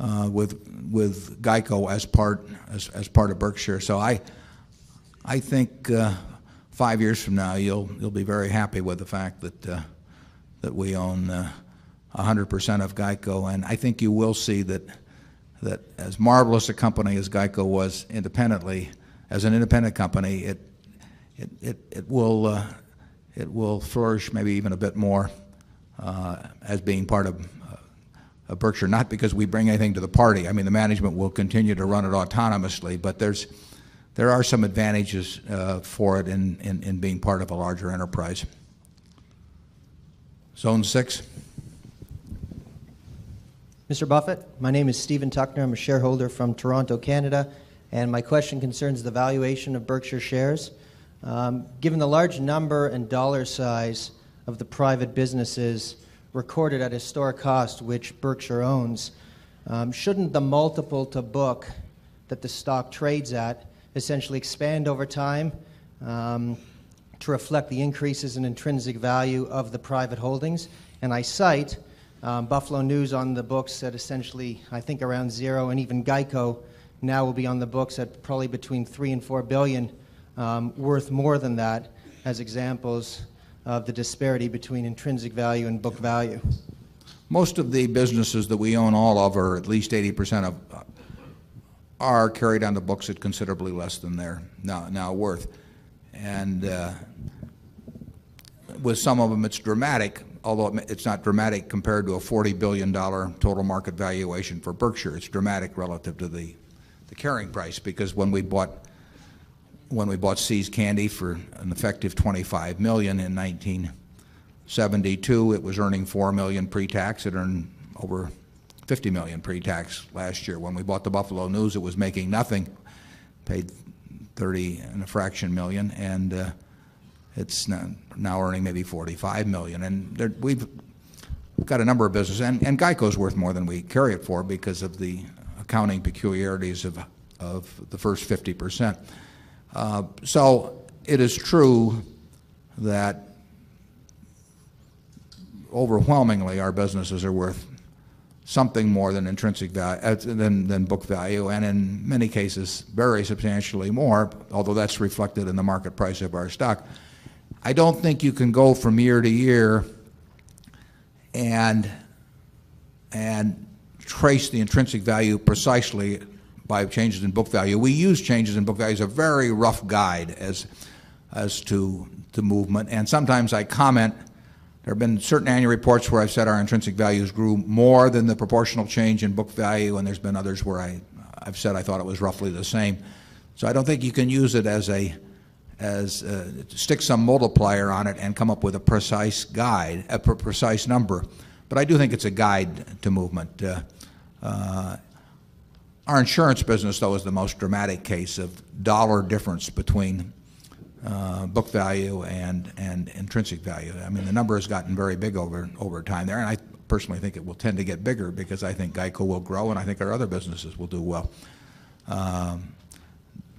with GEICO as part of Berkshire. So I think 5 years from now, you'll be very happy with the fact that we own 100 percent of GEICO. And I think you will see that as marvelous a company as GEICO was independently, as an independent company, it will flourish maybe even a bit more as being part of Berkshire, not because we bring anything to the party. I mean, the management will continue to run it autonomously, but there's there are some advantages, for it in being part of a larger enterprise. Zone 6. Mr. Buffett, my name is Stephen Tuckner. I'm a shareholder from Toronto, Canada. And my question concerns the valuation of Berkshire Shares. Given the large number and dollar size of the private businesses recorded at historic cost, which Berkshire owns, shouldn't the multiple to book that the stock trades at essentially expand over time to reflect the increases in intrinsic value of the private holdings. And I cite Buffalo News on the books at essentially, I think around 0, and even GEICO now will be on the books at probably between $3,000,000,000 $4,000,000,000 worth more than that as examples of the disparity between intrinsic value and book value? Most of the businesses that we own all of or at least 80% of are carried on the books at considerably less than they're now worth. And with some of them, it's dramatic, although it's not dramatic compared to a $40,000,000,000 total market valuation for Berkshire. It's dramatic relative to the carrying price because when we bought, when we bought See's Candy for an effective $25,000,000 in 19 72. It was earning $4,000,000 pre tax. It earned over $50,000,000 pre tax last year. When we bought the Buffalo News, it was making nothing, paid 30 and a fraction 1,000,000 and it's now earning maybe $45,000,000 And we've got a number of businesses and GEICO is worth more than we carry it for because of the accounting peculiarities of the first 50%. So it is true that overwhelmingly our businesses are worth something more than intrinsic value than book value and in many cases, very substantially more, although that's reflected in the market price of our stock. I don't think you can go from year to year and trace the intrinsic value precisely by changes in book value. We use changes in book value as a very rough guide as to movement. And sometimes I comment, there have been certain annual reports where I've said our intrinsic values grew more than the proportional change in book value and there's been others where I've said I thought it was roughly the same. So I don't think you can use it as a stick some multiplier on it and come up with a precise guide, a precise number. But I do think it's a guide to movement. Our insurance business though is the most dramatic case of dollar difference between book value and intrinsic value. I mean, the number has gotten very big over time there. And I personally think it will tend to get bigger because I think GEICO will grow and I think our other businesses will do well.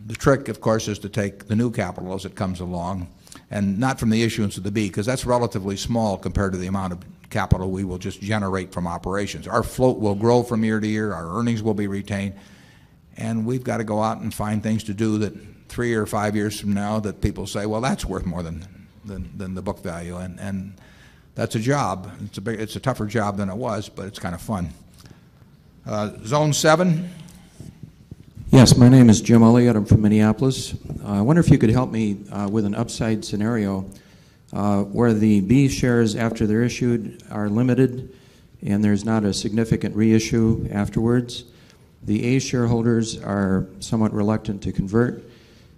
The trick, of course, is to take the new capital as it comes along and not from the issuance of the B because that's relatively small compared to the amount of capital we will just generate from operations. Our float will grow from year to year. Our earnings will be retained and we've got to go out and find things to do that 3 or 5 years from now that people say, well, that's worth more than the book value. And that's a job. It's a tougher job than it was, but it's kind of fun. Zone 7. Yes. My name is Jim Elliott. I'm from Minneapolis. I wonder if you could help me with an upside scenario where the B shares after they're issued are limited and there is not a significant reissue afterwards. The A shareholders are somewhat reluctant to convert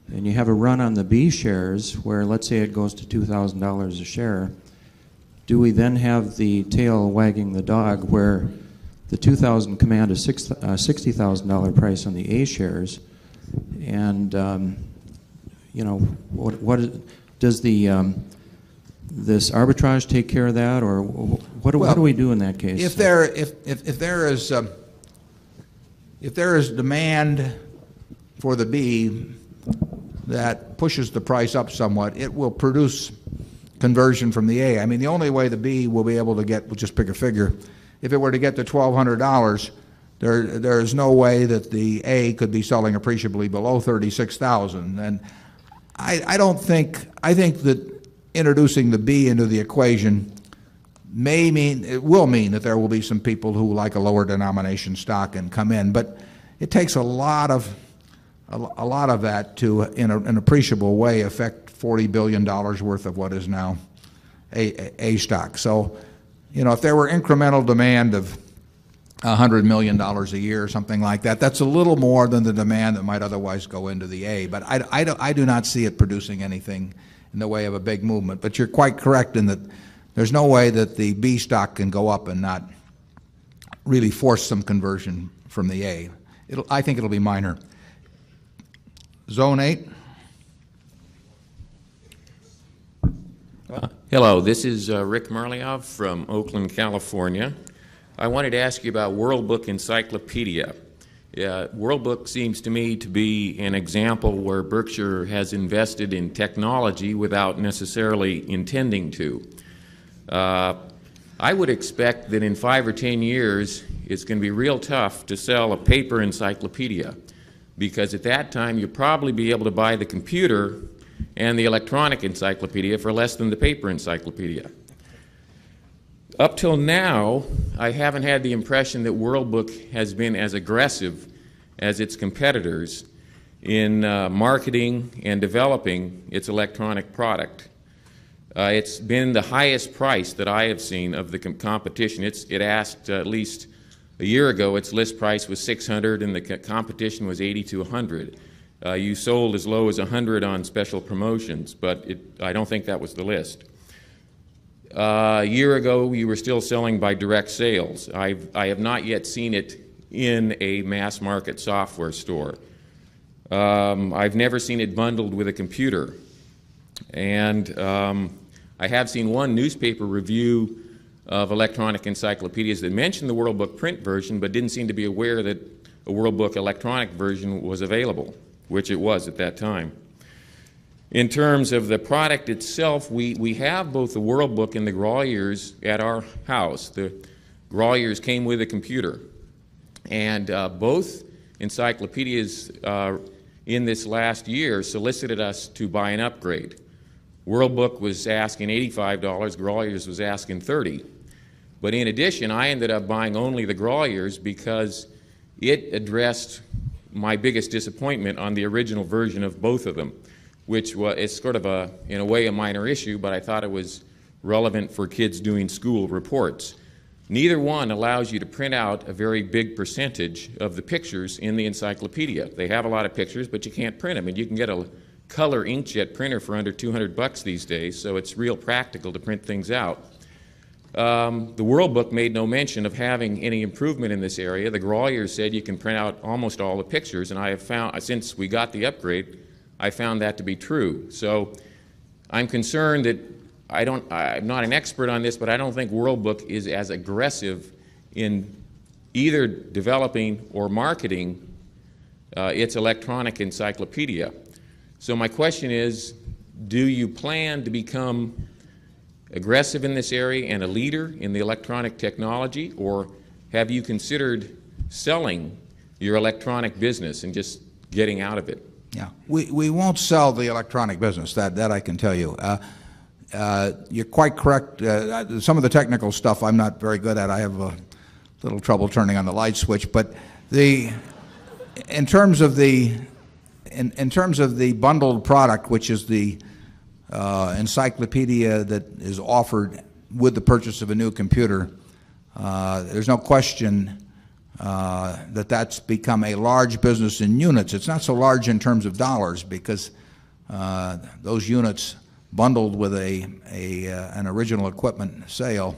and you have a run on the B shares where let's say it goes to $2,000 a share, do we then have the tail wagging the dog where the 2,000 command is $60,000 price on the A shares? And what does the this arbitrage take care of that or what do we do in that case? If there is demand for the B that pushes the price up somewhat, it will produce conversion from the A. I mean, the only way the B will be able to get we'll just pick a figure if it were to get to $1200 there's no way that the A could be selling appreciably below 36,000. And I don't think I think that introducing the B into the equation may mean it will mean that there will be some people who like a lower denomination stock and come in. But it takes a lot of that to, in an appreciable way, affect $40,000,000,000 worth of what is now A stock. So, you know, if there were incremental demand of $100,000,000 a year or something like that, that's a little more than the demand that might otherwise go into the A, but I do not see it producing anything in the way of a big movement. But you're quite correct in that there's no way that the B stock can go up and not really force some conversion from the A. It'll I think it'll be minor. Zone 8. Hello. This is, Rick Marleyov from Oakland, California. I wanted to ask you about World Book Encyclopedia. World Book seems to me to be an example where Berkshire has invested in technology without necessarily intending to. I would expect that in 5 or 10 years, it's going to be real tough to sell a paper encyclopedia because at that time you probably be able to buy the computer and the electronic encyclopedia for less than the paper encyclopedia. Up till now, I haven't had the impression that World Book has been as aggressive as its competitors in marketing and developing its electronic product. It's been the highest price that I have seen of the competition. It asked at least a year ago. Its list price was 600 and the competition was 80 to 100. You sold as low as 100 on special promotions but I don't think that was the list. A year ago, we were still selling by direct sales. I have not yet seen it in a mass market software store. I've never seen it bundled with a computer and I have seen one newspaper review of electronic encyclopedias that mentioned the World Book print version, but didn't seem to be aware that a World Book electronic version was available, which it was at that time. In terms of the product itself, we have both the World Book and the Grawiers at our house. The Graw Years came with a computer and both encyclopedias in this last year solicited us to buy an upgrade. World Book was asking $85, Grauer's was asking 30, But in addition, I ended up buying only the Grawiers because it addressed my biggest disappointment on the original version of both of them, which was it's sort of a, in a way, a minor issue, but I thought it was relevant for kids doing school reports. Neither one allows you to print out a very big percentage of the pictures in the encyclopedia. They have a lot of pictures, but you can't print them and you can get a color inkjet printer for under $200 these days, so it's real practical to print things out. The world book made no mention of having any improvement in this area. The Grawiers said you can print out almost all the pictures and I have found since we got the upgrade, I found that to be true. So I'm concerned that I don't I'm not an expert on this, but I don't think World Book is as aggressive in either developing or marketing, its electronic encyclopedia. So my question is, do you plan to become aggressive in this area and a leader in the electronic technology, or have you considered selling your electronic business and just getting out of it? Yeah. We won't sell the electronic business. That I can tell you. You're quite correct. Some of the technical stuff I'm not very good at. I have a little trouble turning on the light switch. But the in terms of the in terms of the bundled product, which is the encyclopedia that is offered with the purchase of a new computer, there's no question that that's become a large business in units. It's not so large in terms of dollars because, those units bundled with a an original equipment sale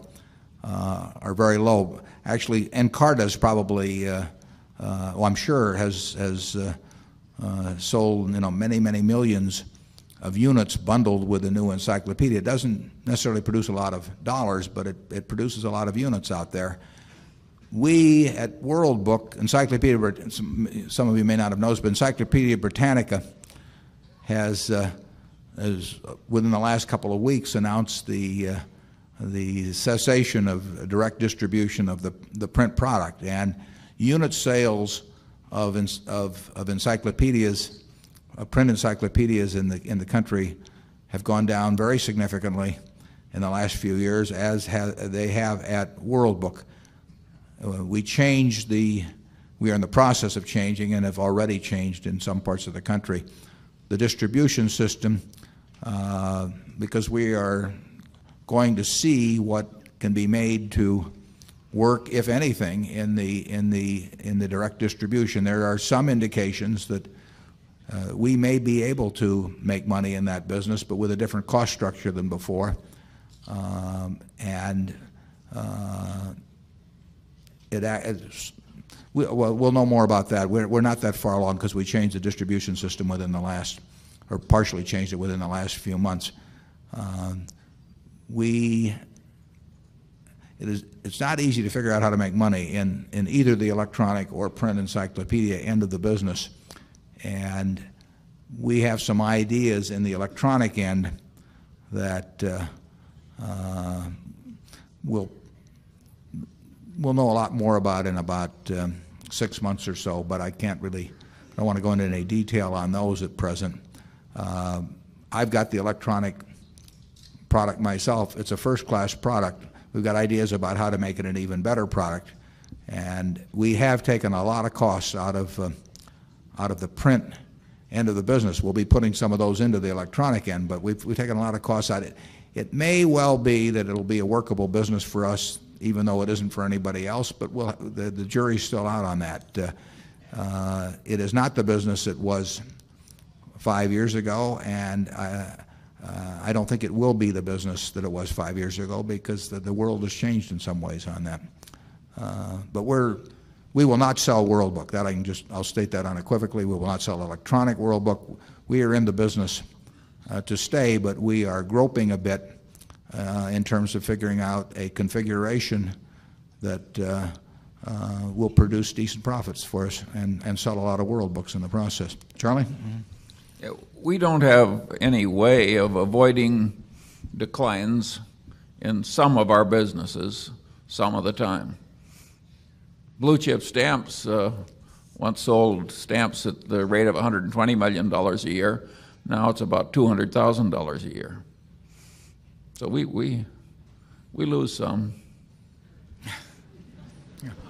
are very low. Actually, Encarta is probably, well, I'm sure has sold many, many millions of units bundled with a new encyclopedia. It doesn't necessarily produce a lot of dollars, but it produces a lot of units out there. We at World Book Encyclopedia, some of you may not have noticed, but Encyclopedia Britannica has, within the last couple of weeks, announced the cessation of direct distribution of the print product and unit sales of encyclopedias, of print encyclopedias in the country have gone down very significantly in the last few years as they have at World Book. We changed the we are in the process of changing and have already changed in some parts of the country the distribution system, because we are going to see what can be made to work, if anything, in the direct distribution. There are some indications that we may be able to make money in that business, but with a different cost structure than before. And it we'll know more about that. We're not that far along because we changed the distribution system within the last or partially changed it within the last few months. We it's not easy to figure out how to make money in either the electronic or print encyclopedia end of the business. And we have some ideas in the electronic end that we'll know a lot more about in about 6 months or so, but I can't really I don't want to go into any detail on those at present. I've got the electronic product myself. It's a 1st class product. We've got ideas about how to make it an even better product. And we have taken a lot of costs out of the print end of the business. We'll be putting some of those into the electronic end, but we've taken a lot of costs out of it. It may well be that it'll be a workable business for us even though it isn't for anybody else, but the jury is still out on that. It is not the business that was 5 years ago and I don't think it will be the business that it was 5 years ago because the world has changed in some ways on that. But we will not sell world book. I'll state that unequivocally. We will not sell electronic world book. We are in the business to stay, but we are groping a bit in terms of figuring out a configuration that will produce decent profits for us and sell a lot of world books in the process. Charlie? We don't have any way of avoiding declines in some of our businesses some of the time. Blue Chip Stamps once sold stamps at the rate of $120,000,000 a year. Now it's about $200,000 a year. So we lose some.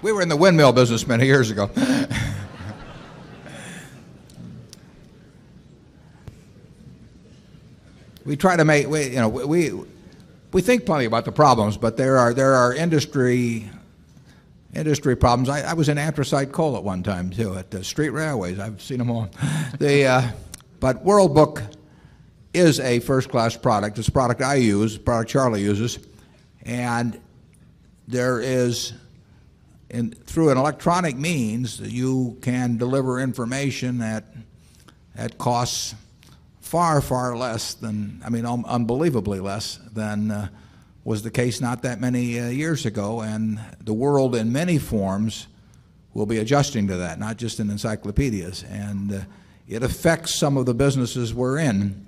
We were in the windmill business many years ago. We try to make we think probably about the problems, but there are industry problems. I was in after site coal at one time too at the street railways. I've seen them all. They but World Book is a first class product. It's a product I use, a product Charlie uses. And there is through an electronic means, you can deliver information that costs far, far less than I mean, unbelievably less than was the case not that many years ago. And the world in many forms will be adjusting to that, not just in encyclopedias. And it affects some of the businesses we're in,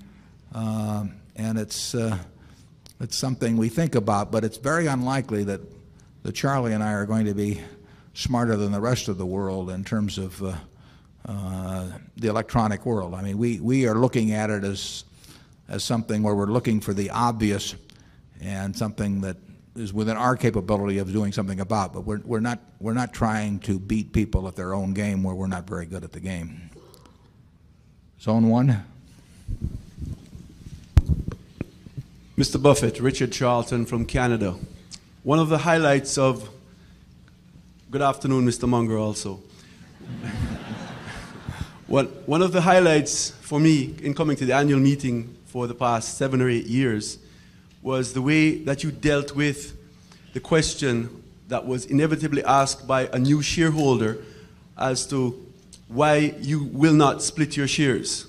and it's something we think about, but it's very unlikely that Charlie and I are going to be smarter than the rest of the world in terms of the electronic world. I mean, we are looking at it as something where we're looking for the obvious and something that is within our capability of doing something about, but we're not trying to beat people at their own game where we're not very good at the game. Zone 1. Mr. Buffet, Richard Charlton from Canada. One of the highlights of good afternoon, Mr. Munger also. Well, one of the highlights for me in coming to the Annual Meeting for the past 7 or 8 years was the way that you dealt with the question that was inevitably asked by a new shareholder as to why you will not split your shares.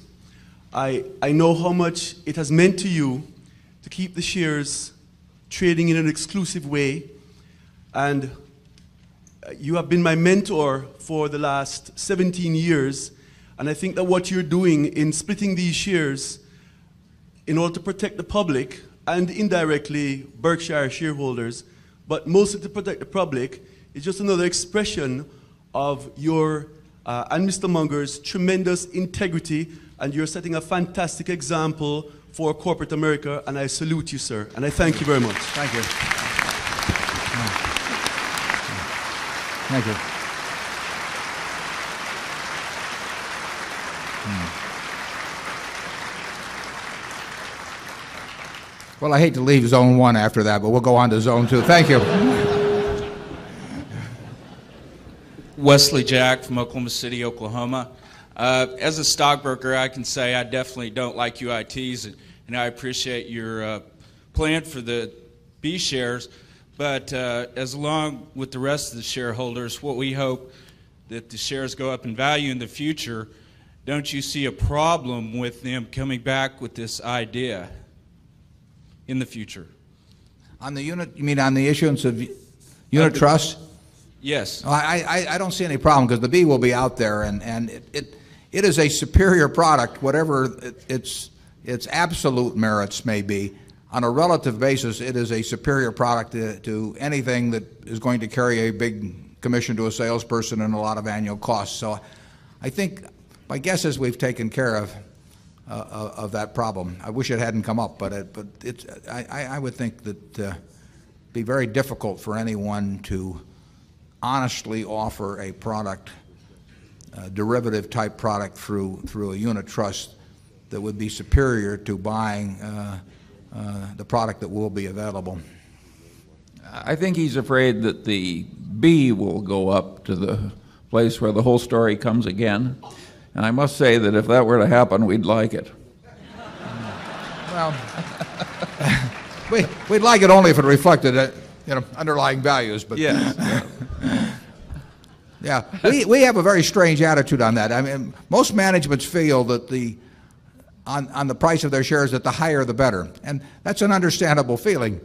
I know how much it has meant to you to keep the shares trading in an exclusive way. And you have been my mentor for the last 17 years. And I think that what you're doing in splitting these shares in order to protect the public and indirectly Berkshire shareholders, but mostly to protect the public is just another expression of your and Mr. Munger's tremendous integrity, and you're setting a fantastic example for corporate America, and I salute you, sir. And I thank you very much. Thank you. Thank you. Well, I hate to leave Zone 1 after that, but we'll go on to Zone 2. Thank you. Wesley Jack from Oklahoma City, Oklahoma. As a stockbroker, I can say I definitely don't like UITs, and I appreciate your plan for the B shares, but as long with the rest of the shareholders, what we hope that the shares go up in value in the future, don't you see a problem with them coming back with this idea in the future? On the unit, you mean on the issuance of unit trust? SECRETARY Yes. SECRETARY No, I don't see any problem because the B will be out there, and it is a superior product, whatever its absolute merits may be. On a relative basis, it is a superior product to anything that is going to carry a big commission to a salesperson and a lot of annual costs. So I think my guess is we've taken care of that problem. I wish it hadn't come up, but it's I would think that it'd be very difficult for anyone to honestly offer a product, derivative type product through a unit trust that would be superior to buying the product that will be available? I think he's afraid that the B will go up to the place where the whole story comes again. And I must say that if that were to happen, we'd like it. Well, we'd like it only if it reflected underlying values, but yes. Yes. We have a very strange attitude on that. I mean, most managements feel that the on the price of their shares that the higher the better. And that's an understandable feeling,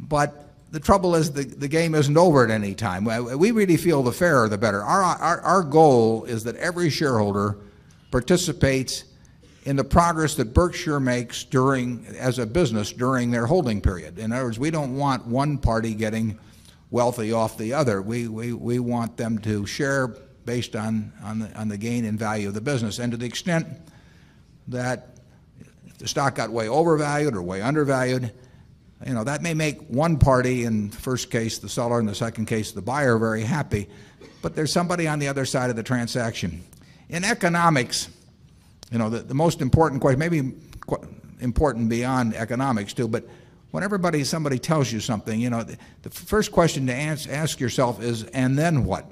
but the trouble is the game isn't over at any time. We really feel the fairer the better. Our goal is that every shareholder participates in the progress that Berkshire makes during as a business during their holding period. In other words, we don't want one party getting wealthy off the other. We want them to share based on the gain and value of the business. And to the extent that the stock got way overvalued or way undervalued, That may make one party in the first case, the seller, in the second case, the buyer very happy, but there's somebody on the other side of the transaction. In economics, the most important question, maybe important beyond economics too, but when everybody somebody tells you something, the first question to ask yourself is and then what?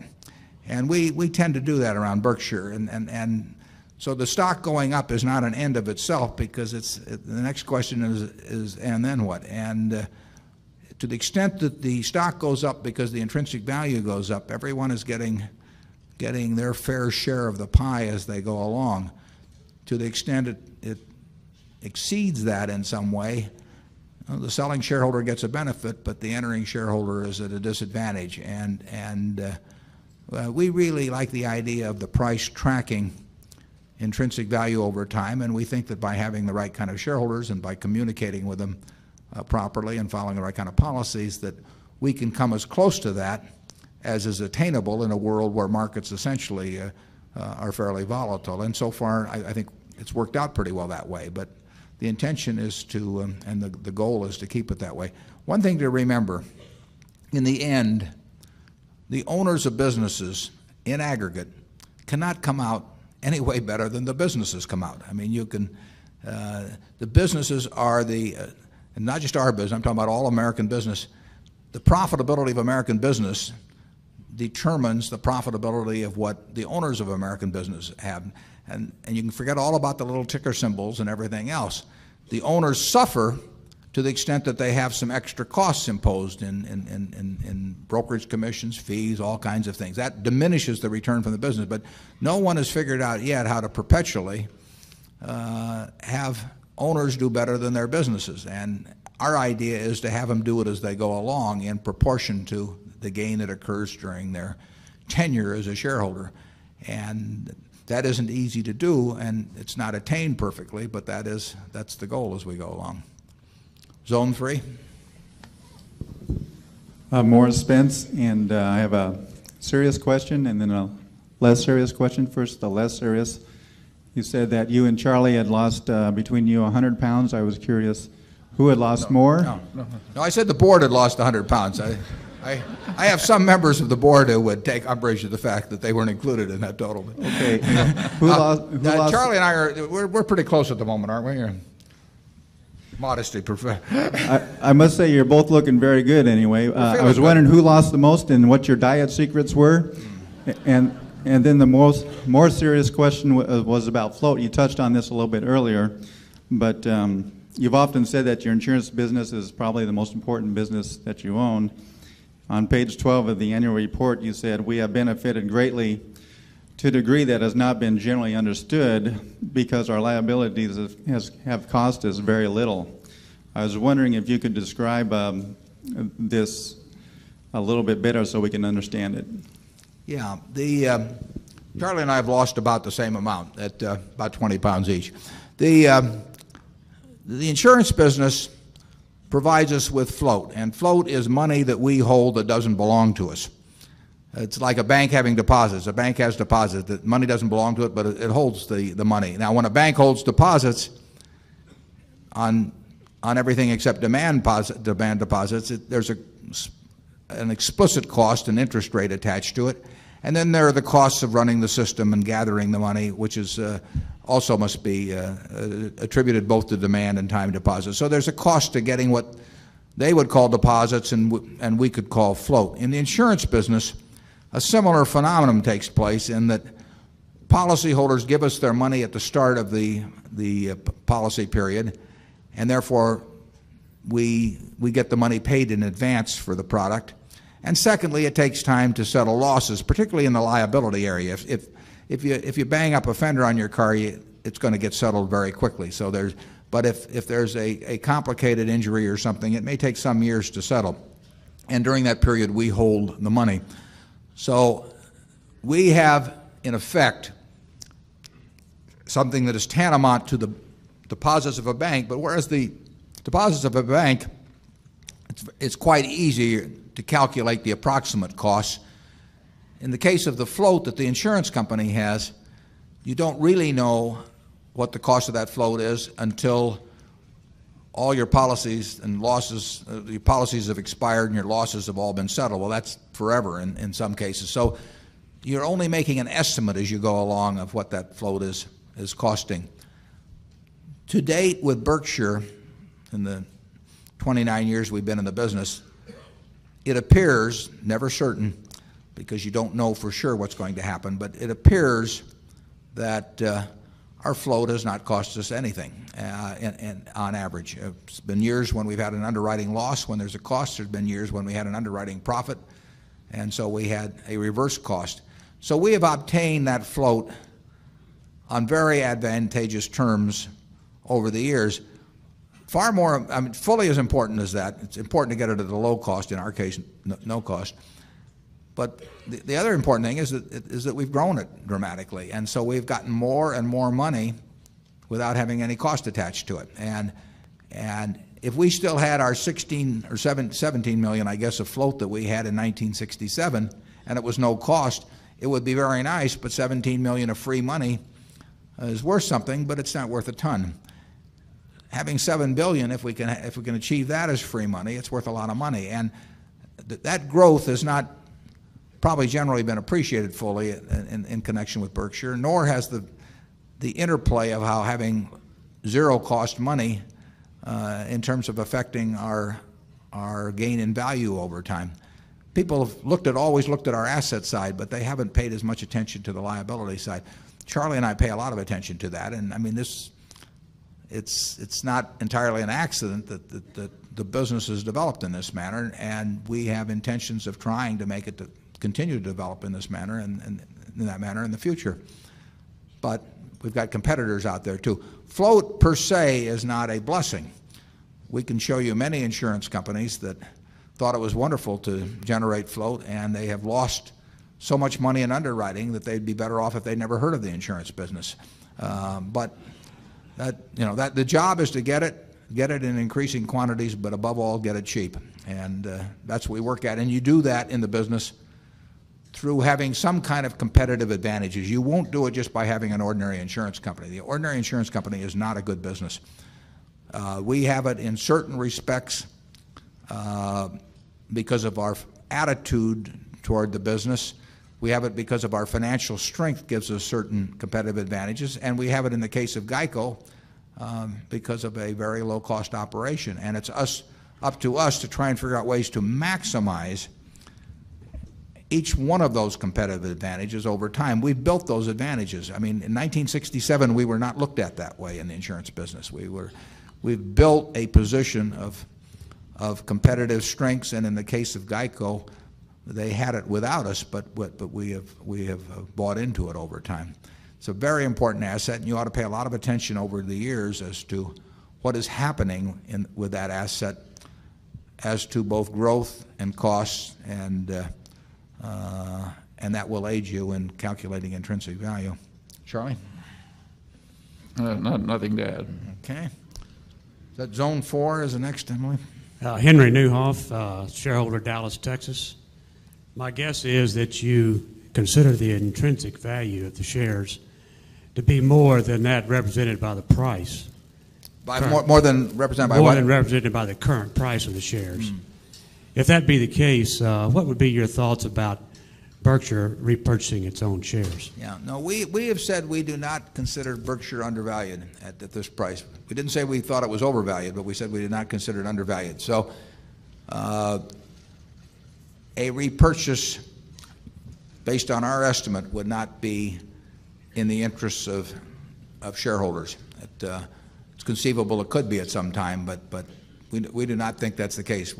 And we tend to do that around Berkshire. And so the stock going up is not an end of itself because it's the next question is and then what. And to the extent that the stock goes up because the intrinsic value goes up, everyone is getting their fair share of the pie as they go along. To the extent it exceeds that in some way, the selling shareholder gets a benefit, but the entering shareholder is at a disadvantage. And we really like the idea of the price tracking intrinsic value over time. And we think that by having the right kind of shareholders and by communicating with them properly and following the right kind of policies that we can come as close to that as is attainable in a world where markets essentially are fairly volatile. And so far, I think it's worked out pretty well that way. But the intention is to and the goal is to keep it that way. One thing to remember, in the end, the owners of businesses in aggregate cannot come out any way better than the businesses come out. I mean, you can the businesses are the not just our business, I'm talking about all American business. The profitability of American business determines the profitability of what the owners of American business have And you can forget all about the little ticker symbols and everything else. The owners suffer to the extent that they have some extra costs imposed in brokerage commissions, fees, all kinds of things. That diminishes the return from the business. But no one has figured out yet how to perpetually have owners do better than their businesses. And our idea is to have them do it as they go along in proportion to the gain that occurs during their tenure as a shareholder. And that isn't easy to do and it's not attained perfectly, but that is, that's the goal as we go along. Zone 3. Morris Spence and I have a serious question and then a less serious question. First, the less serious. You said that you and Charlie had lost between you £100. I was curious who had lost more? No, I said the Board had lost £100. I have some members of the Board who would take umbrage of the fact that they weren't included in that total. Charlie and I are we're pretty close at the moment, aren't we? Or modesty. I must say you're both looking very good anyway. I was wondering who lost the most and what your diet secrets were. And then the most serious question was about float. You touched on this a little bit earlier, but you've often said that your insurance business is probably the most important business that you own. On page 12 of the annual report, you said, we have benefited greatly to a degree that has not been generally understood because our liabilities have cost us very little. I was wondering if you could describe this a little bit better so we can understand it. Yeah. The Charlie and I have lost about the same amount at about £20 each. The insurance business provides us with float and float is money that we hold that doesn't belong to us. It's like a bank having deposits. A bank has deposits. That money doesn't belong to it, but it holds the money. Now when a bank holds deposits on everything except demand deposits, there's an explicit cost and interest rate attached to it. And then there are the costs of running the system and gathering the money, which is also must be attributed both to demand and time deposits. So there's a cost to getting what they would call deposits and we could call float. In the insurance business, a similar phenomenon takes place in that policyholders give us their money at the start of the policy period and therefore we get the money paid in advance for the product. And secondly, it takes time to settle losses, particularly in the liability area. If you bang up a fender on your car, it's going to get settled very quickly. So there's but if there's a complicated injury or something, it may take some years to settle. And during that period, we hold the money. So we have, in effect, something that is tantamount to the deposits of a bank, but whereas the deposits of a bank, it's quite easy to calculate the approximate costs. In the case of the float that the insurance company has, you don't really know what the cost of that float is until all your policies and losses, the policies have expired and your losses have all been settled. Well, that's forever in some cases. So you're only making an estimate as you go along of what that float is costing. To date with Berkshire, in the 29 years we've been in the business, it appears, never certain because you don't know for sure what's going to happen, but it appears that our flow does not cost us anything on average. It's been years when we've had an underwriting loss. When there's a cost, there's been years when we had an underwriting profit and so we had a reverse cost. So we have obtained that float on very advantageous terms over the years, far more fully as important as that. It's important to get it at a low cost, in our case no cost. But the other important thing is that we've grown it dramatically. I guess, a float that we had in 1967 and it was no cost, it was no cost. And if we still had our 16,000,000 or 17,000,000 I guess, afloat that we had in 1967 and it was no cost, it would be very nice, but 17,000,000 of free money is worth something, but it's not worth a ton. Having $7,000,000,000 if we can achieve that as free money, it's worth a lot of money. And that growth has not probably generally been appreciated fully in connection with Berkshire nor has the interplay of how having 0 cost money in terms of affecting our gain in value over time. People have looked at always looked at our asset side, but they haven't paid as much attention to the liability side. Charlie and I pay a lot of attention to that. And I mean, this it's not entirely an accident that the business has developed in this manner and we have intentions of trying to make it to continue to develop in this manner and in that manner in the future. But we've got competitors out there too. Float per se is not a blessing. We can show you many insurance companies that thought it was wonderful to generate float and they have lost so much money in underwriting they'd be better off if they never heard of the insurance business. But the job is to get it in increasing quantities, but above all, get it cheap. And that's what we work at. And you do that in the business through having some kind of competitive advantages. You won't do it just by having an ordinary insurance company. The ordinary insurance company is not a good business. The ordinary insurance company is not a good business. We have it in certain respects because of our attitude toward the business. We have it because of our financial strength gives us certain competitive advantages and we have it in the case of GEICO because of a very low cost operation and it's us up to us to try and figure out ways to maximize each one of those competitive advantages over time. We've built those advantages. I mean, in 1967, we were not looked at that way in the insurance business. We were we've built a position of competitive strengths and in the case of GEICO, they had it without us, but we have bought into it over time. It's a very important asset and you ought to pay a lot of attention over the years as to what is happening with that asset as to both growth and costs and that will aid you in calculating intrinsic value. Charlie? Nothing to add. Okay. That's zone 4 is the next, Henry. Henry Neuhoff, shareholder Dallas, Texas. My guess is that you consider the intrinsic value of the shares to be more than that represented by the price. More than represented by the current price of the shares. If that be the case, what would be your thoughts about Berkshire repurchasing its own shares? Yes. No, we have said we do not consider Berkshire undervalued at this price. We didn't say we thought it was overvalued, but we said we did not consider it undervalued. So, a repurchase based on our estimate would not be in the interests of shareholders. It's conceivable it could be at some time but we do not think that's the case.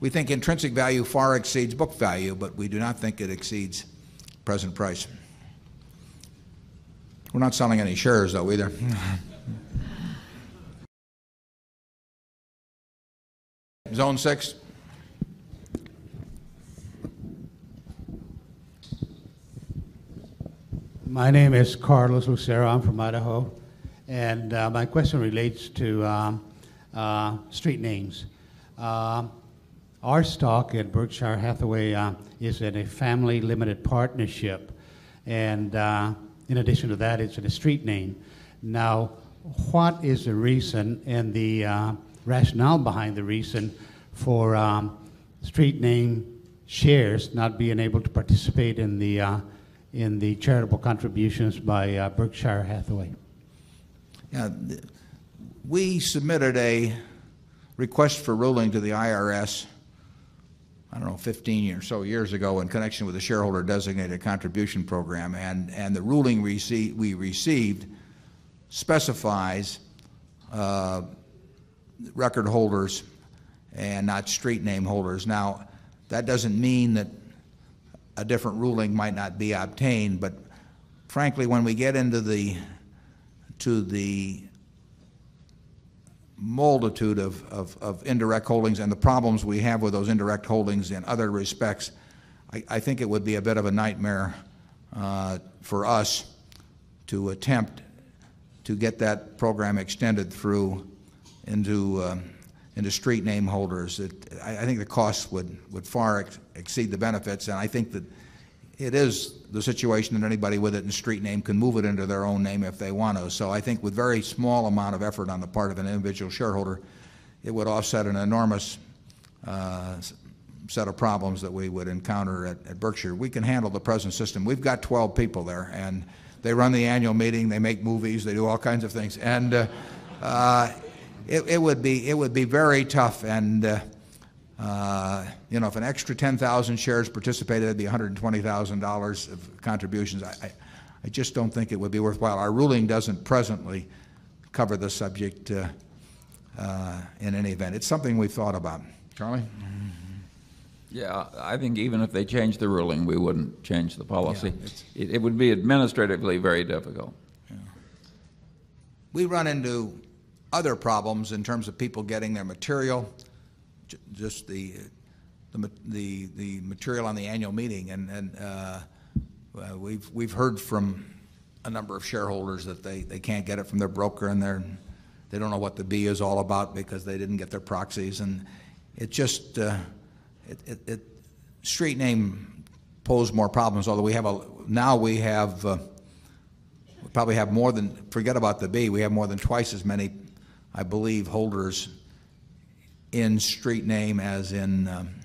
We think intrinsic value far exceeds book value, but we do not think it exceeds present price. We're not selling any shares though either. Zone 6. My name is Carlos Lucero. I'm from Idaho. And my question relates to street names. Our stock at Berkshire Hathaway is in a family limited partnership. And in addition to that, it's in a street name. Now what is the reason and the rationale behind the reason for, street name shares not being able to participate in the charitable contributions by Berkshire Hathaway? We submitted a request for ruling to the IRS, I don't know, 15 years or so years ago in connection with the shareholder designated contribution program and the ruling we received specifies record holders and not street name holders. Now, that doesn't mean that a different ruling might not be obtained, but frankly when we get into the multitude of indirect holdings and the problems we have with those indirect holdings in other respects, I think it would be a bit of a nightmare for us to attempt to get that program extended through into into street name holders. I think the costs would far exceed the benefits and I think that it is the situation that anybody with it in street name can move it into their own name if they want to. So I think with very small amount of effort on the part of an individual shareholder, it would offset an enormous set of problems that we would encounter at Berkshire. We can handle the present system. We've got 12 people there. And they run the annual meeting. They make movies. They do all kinds of things. And it would be very tough. And if an extra 10,000 shares participated, it would be $120,000 of contributions. I just don't think it would be worthwhile. Our ruling doesn't presently cover the subject, in any event. It's something we thought about. Charlie? Yeah. I think even if they change the ruling, we wouldn't change the policy. It would be administratively very difficult. We run into other problems in terms of people getting their material, just the material on the annual meeting. And we've heard from a number of shareholders that they can't get it from their broker and they don't know what the B is all about because they didn't get their proxies and probably have more than forget about the B, we have more than twice as many, I believe, holders in street name as in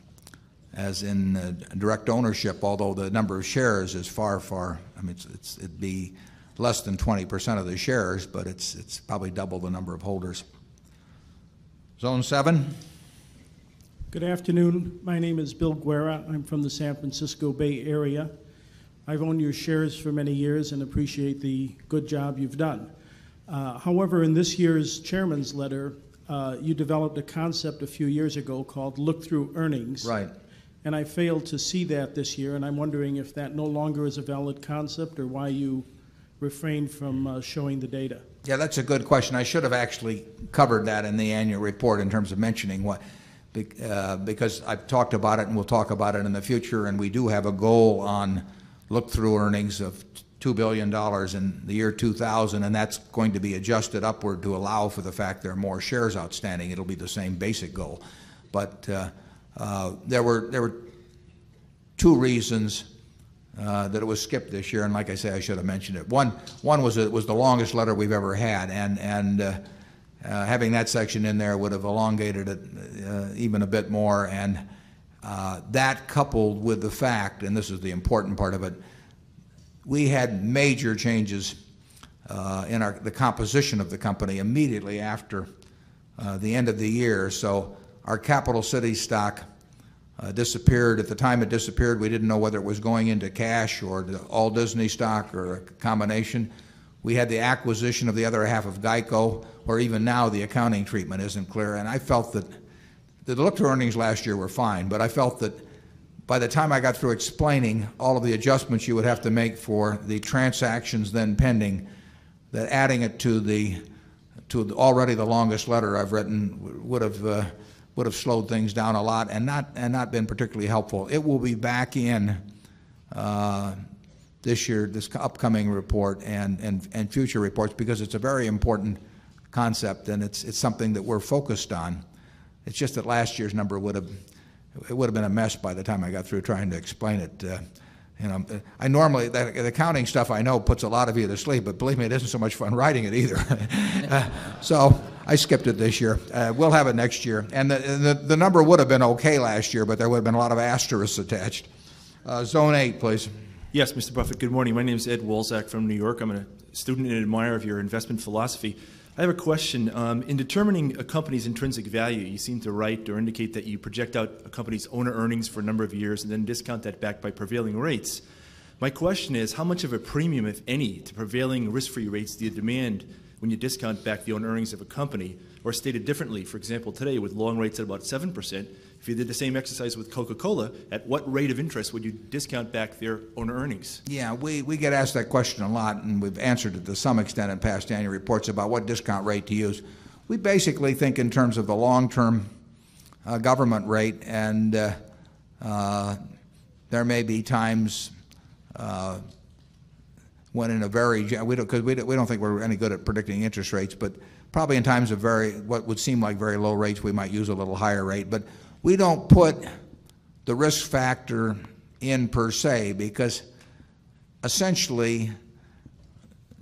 direct ownership, although the number of shares is far, far. I mean, it'd be less than 20% of the shares, but it's probably double the number of holders. Zone 7. Good afternoon. My name is Bill Guerra. I'm from the San Francisco Bay Area. I've owned your shares for many years and appreciate the good job you've done. However, in this year's Chairman's letter, you developed a concept a few years ago called look through earnings. Right. And I failed to see that this year and I'm wondering if that no longer is a valid concept or why you refrain from showing the data? Yes, that's a good question. I should have actually covered that in the annual report in terms of mentioning because I've talked about it and we'll talk about it in the future and we do have a goal on look through earnings of $2,000,000,000 in the year 2000 and that's going to be adjusted upward to allow for the fact there are more shares outstanding. It'll be the same basic goal. But, there were there were two reasons, that it was skipped this year. And like I say, I should have mentioned it. 1, one was it was the longest letter we've ever had and, and, having that section in there would have elongated it, even a bit more and, that coupled with the fact, and this is the important part of it, we had major changes in our the composition of the company immediately after the end of the year. So our Capital City stock disappeared. At the time it disappeared, we didn't know whether it was going into cash or all Disney stock or a combination. We had the acquisition of the other half of GEICO or even now the accounting treatment isn't clear. And I felt that the diluted earnings last year were fine, but I felt that by the time I got through explaining all of the adjustments you would have to make for the transactions then pending, that adding it to the already the longest letter I've written would have slowed things down a lot and not been particularly helpful. It will be back in this year, this upcoming report and future reports because it's a very important concept and it's something that we're focused on. It's just that last year's number would have been a mess by the time I got through trying to explain it. I normally the accounting stuff I know puts a lot of you to sleep, but believe me, it isn't so much fun writing it either. So I skipped it this year. We'll have it next year. And the number would have been okay last year, but there would have been a lot of asterisks attached. Zone 8, please. Yes, Mr. Buffet. Good morning. My name is Ed Wolczak from New York. I'm a student and admirer of your investment philosophy. I have a question. In determining a company's intrinsic value, you seem to write or indicate that you project out a company's owner earnings for a number of years and then discount that back by prevailing rates. My question is how much of a premium, if any, to prevailing risk free rates do you demand when you discount back the owner earnings of a company? Or stated differently, for example, today with long rates about 7%, if you did the same exercise with Coca Cola, at what rate of interest would you discount back their own earnings? Yeah. We get asked that question a lot and we've answered it to some extent in past annual reports about what discount rate to use. We basically think in terms of the long term government rate and there may be times when in a very we don't think we're any good at predicting interest rates, but probably in times of very what would seem like very low rates, we might use a little higher rate. But we don't put the risk factor in per se because essentially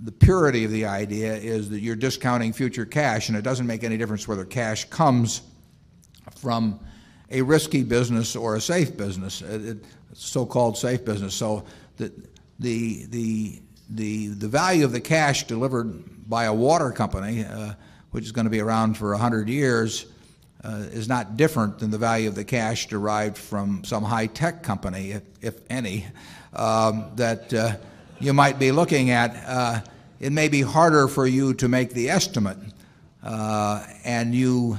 the purity of the idea is that you're discounting future cash and it doesn't make any difference whether cash comes from a risky business or a safe business, so called safe business. So the value of the cash delivered by a water company, which is going to be around for 100 years, is not different than the value of the cash derived from some high-tech company, if any, that you might be looking at. It may be harder for you to make the estimate and you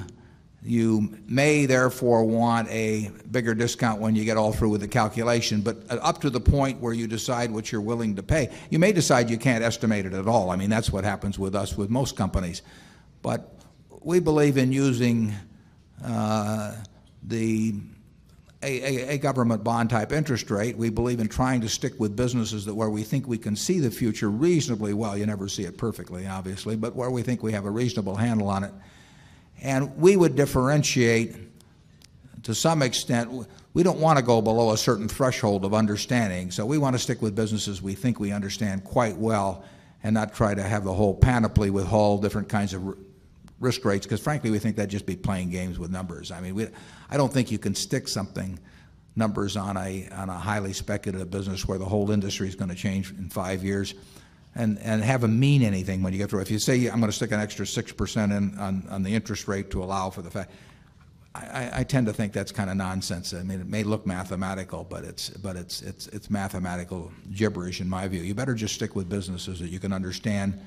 may therefore want a bigger discount when you get all through with the calculation. But up to the point where you decide what you're willing to pay. You may decide you can't estimate it at all. I mean, that's what happens with us with most companies. But we believe in using, the a government bond type interest rate. We believe in trying to stick with businesses that where we think we can see the future reasonably well, you never see it perfectly obviously, but where we think we have a reasonable handle on it. And we would differentiate to some extent, we don't want to go below a certain threshold of understanding. So we want to stick with businesses we think we understand quite well and not try to have the whole panoply with whole different kinds of risk rates because frankly we think that'd just be playing games with numbers. I mean, I don't think you can stick something numbers on a highly speculative business where the whole industry is going to change in 5 years and have them mean anything when you get through it. If you say I'm going to stick an extra 6% in on the interest rate to allow for the fact, I tend to think that's kind of nonsense. I mean it may look mathematical, but it's mathematical gibberish in my view. You better just stick with businesses that you can understand.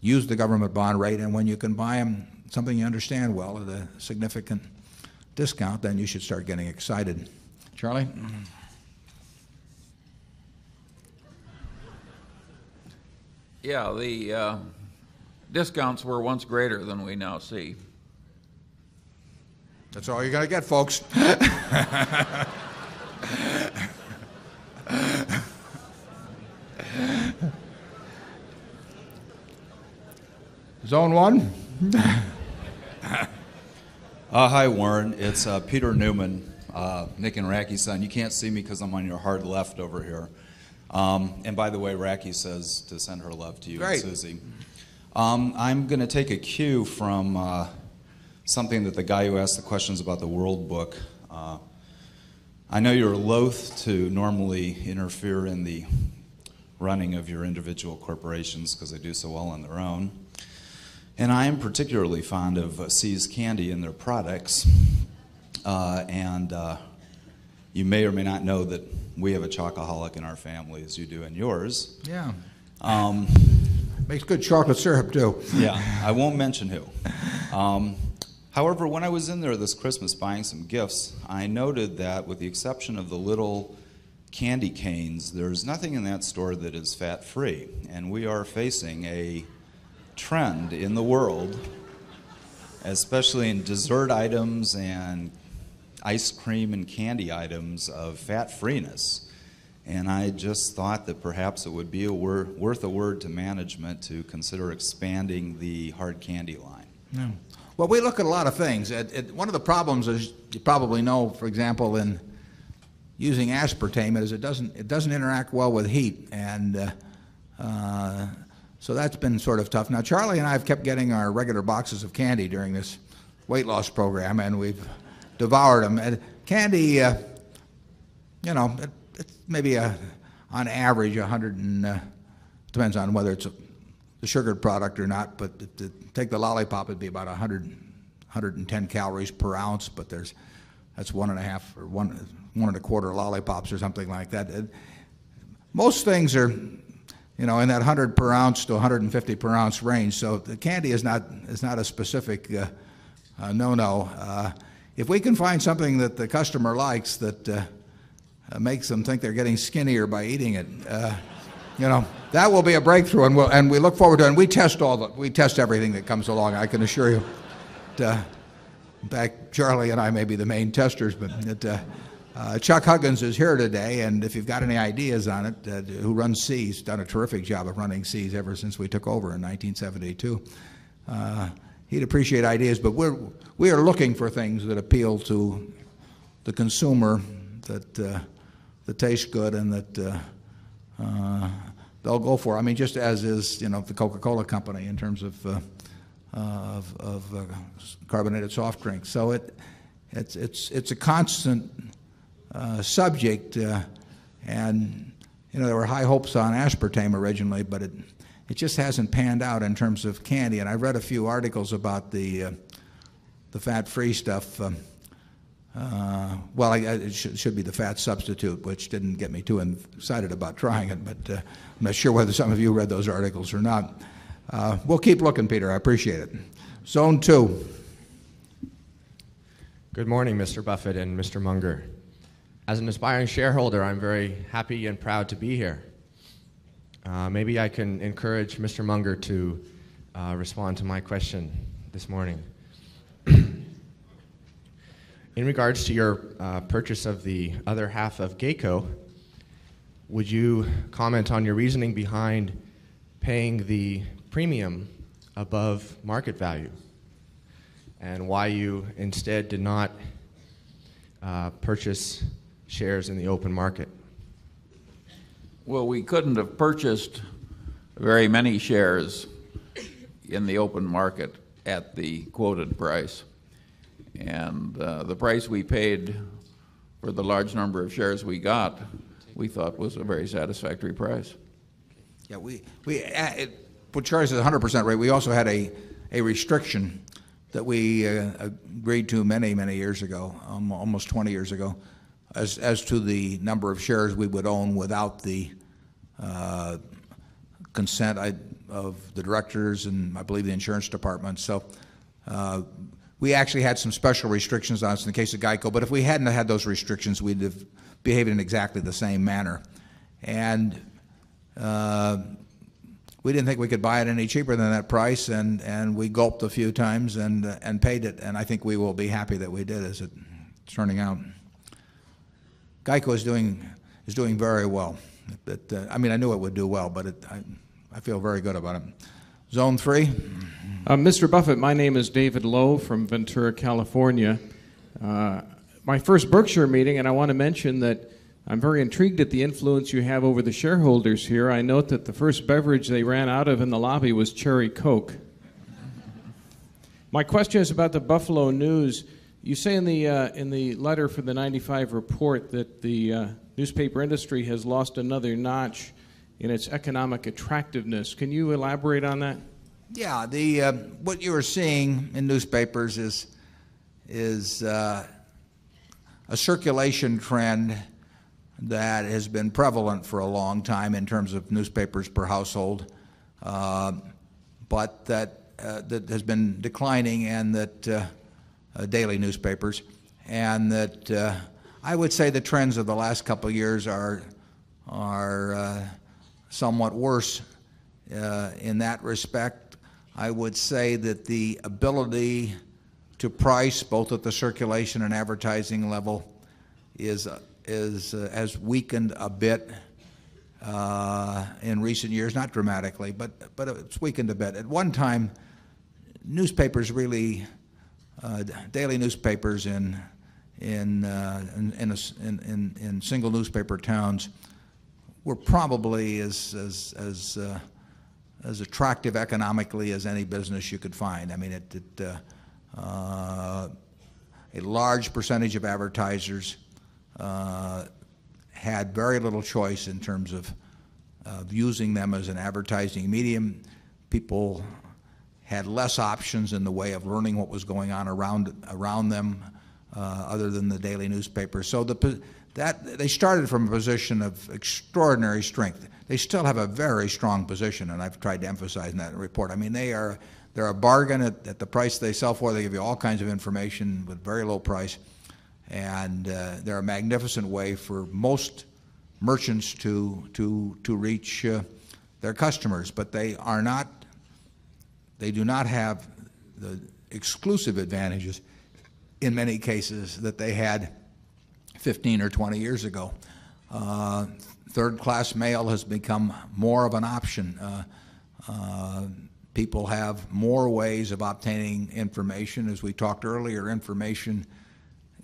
Use the government bond rate and when you can buy them something you understand well, the significant discount, then you should start getting excited. Charlie? Yeah, the discounts were once greater than we now see. That's all you've got to get, folks. Zone 1. Hi, Warren. It's Peter Newman, Nick and Racky's son, you can't see me because I'm on your hard left over here. And by the way, Racky says to send her love to you, Susie. I'm going to take a cue from something that the guy who asked the questions about the World Book. I know you're loathed to normally interfere in the running of your individual corporations because they do so well on their own. And I am particularly fond of See's Candy and their products. And you may or may not know that we have a chocoholic in our family as you do in yours. Makes good chocolate syrup too. I won't mention who. However, when I was in there this Christmas buying some gifts, I noted that with the exception of the little candy canes, there's nothing in that store that is fat free. And we are facing a trend in the world, especially in dessert items and ice cream and candy items of fat freeness. And I just thought that perhaps it would be worth a word to management to consider expanding the hard candy line. Well, we look at a lot of things. One of the problems is you probably know, for example, in using aspartame is it doesn't interact well with heat. And so that's been sort of tough. Now Charlie and I have kept getting our regular boxes of candy during this weight loss program and we've devoured them. Candy, you know, maybe on average 100 and, depends on whether it's a sugar product or not, but take the lollipop, it'd be about 100 110 calories per ounce, but there's that's 1.5 or 1.25 lollipops or something like that. Most things are in that 100 per ounce to 150 per ounce range. So the candy is not a specific no no. If we can find something that the customer likes that makes them think they're getting skinnier by eating it, That will be a breakthrough and we look forward to it. And we test all the we test everything that comes along. I can assure you that back, Charlie and I may be the main testers, but that, Chuck Huggins is here today and if you've got any ideas on it, who runs SEAS, done a terrific job of running SEAS ever since we took over in 1972. He'd appreciate ideas, but we are looking for things that appeal to the consumer that, that taste good and that, they'll go for it. I mean, just as is the Coca Cola Company in terms of carbonated soft drinks. So it's a constant subject. And there were high hopes on aspartame originally, but it just hasn't panned out in terms of candy. And I read a few articles about the fat free stuff. Well, it should be the fat substitute, which didn't get me too excited about trying it, but I'm not sure whether some of you read those articles or not. We'll keep looking, Peter. I appreciate it. Zone 2. Good morning, Mr. Buffett and Mr. Munger. As an aspiring shareholder, I'm very happy and proud to be here. Maybe I can encourage Mr. Munger to respond to my question this morning. In regards to your purchase of the other half of GEICO, would you comment on your reasoning behind paying the premium above market value and why you instead did not purchase shares in the open market? Well, we couldn't have purchased very many shares in the open market at the quoted price And the price we paid for the large number of shares we got, we thought was a very satisfactory price. We put charges at 100 percent rate. We also had a restriction that we agreed to many, many years ago, almost 20 years ago, as to the number of shares we would own without the consent of the directors and I believe the insurance department. So we actually had some special restrictions on us in the case of GEICO, but if we hadn't had those restrictions, we'd have behaved in exactly the same manner. And we didn't think we could buy it any cheaper than that price, and we gulped a few times and paid it. And I think we will be happy that we did as it's turning out. GEICO is doing very well. I mean, I knew it would do well, but I feel very good about it. Zone 3. Mr. Buffet, my name is David Lowe from Ventura, California. My first Berkshire meeting, and I want to mention that I'm very intrigued at the influence you have over the shareholders here. I note that the first beverage they ran out of in the lobby was Cherry Coke. My question is about the Buffalo News. You say in the, in the letter from the 'ninety five report that the, newspaper industry has lost another notch in its economic attractiveness. Can you elaborate on that? Yeah. The, what you are seeing in newspapers is a circulation trend that has been prevalent for a long time in terms of newspapers per household, but that has been declining and that daily newspapers and that I would say the trends of the last couple of years are somewhat worse in that respect. I would say that the ability to price both at the circulation and advertising level is as weakened a bit in recent years, not dramatically, but it's weakened a bit. At one time, newspapers really, daily newspapers in single newspaper towns were probably as attractive economically as any business you could find. I mean, a large percentage of advertisers had very little choice in terms of using them as an advertising medium. People had less options in the way of learning what was going on around them, other than the daily newspapers. So that they started from a position of extraordinary strength. They still have a very strong position and I've tried to emphasize that in the report. I mean, they are they're a bargain at the price they sell for. They give you all kinds of information with very low price and, they're a magnificent way for most merchants to reach their customers. But they are not they do not have the exclusive advantages in many cases that they had 15 or 20 years ago. 3rd class mail has become more of an option. People have more ways of obtaining information. As we talked earlier, information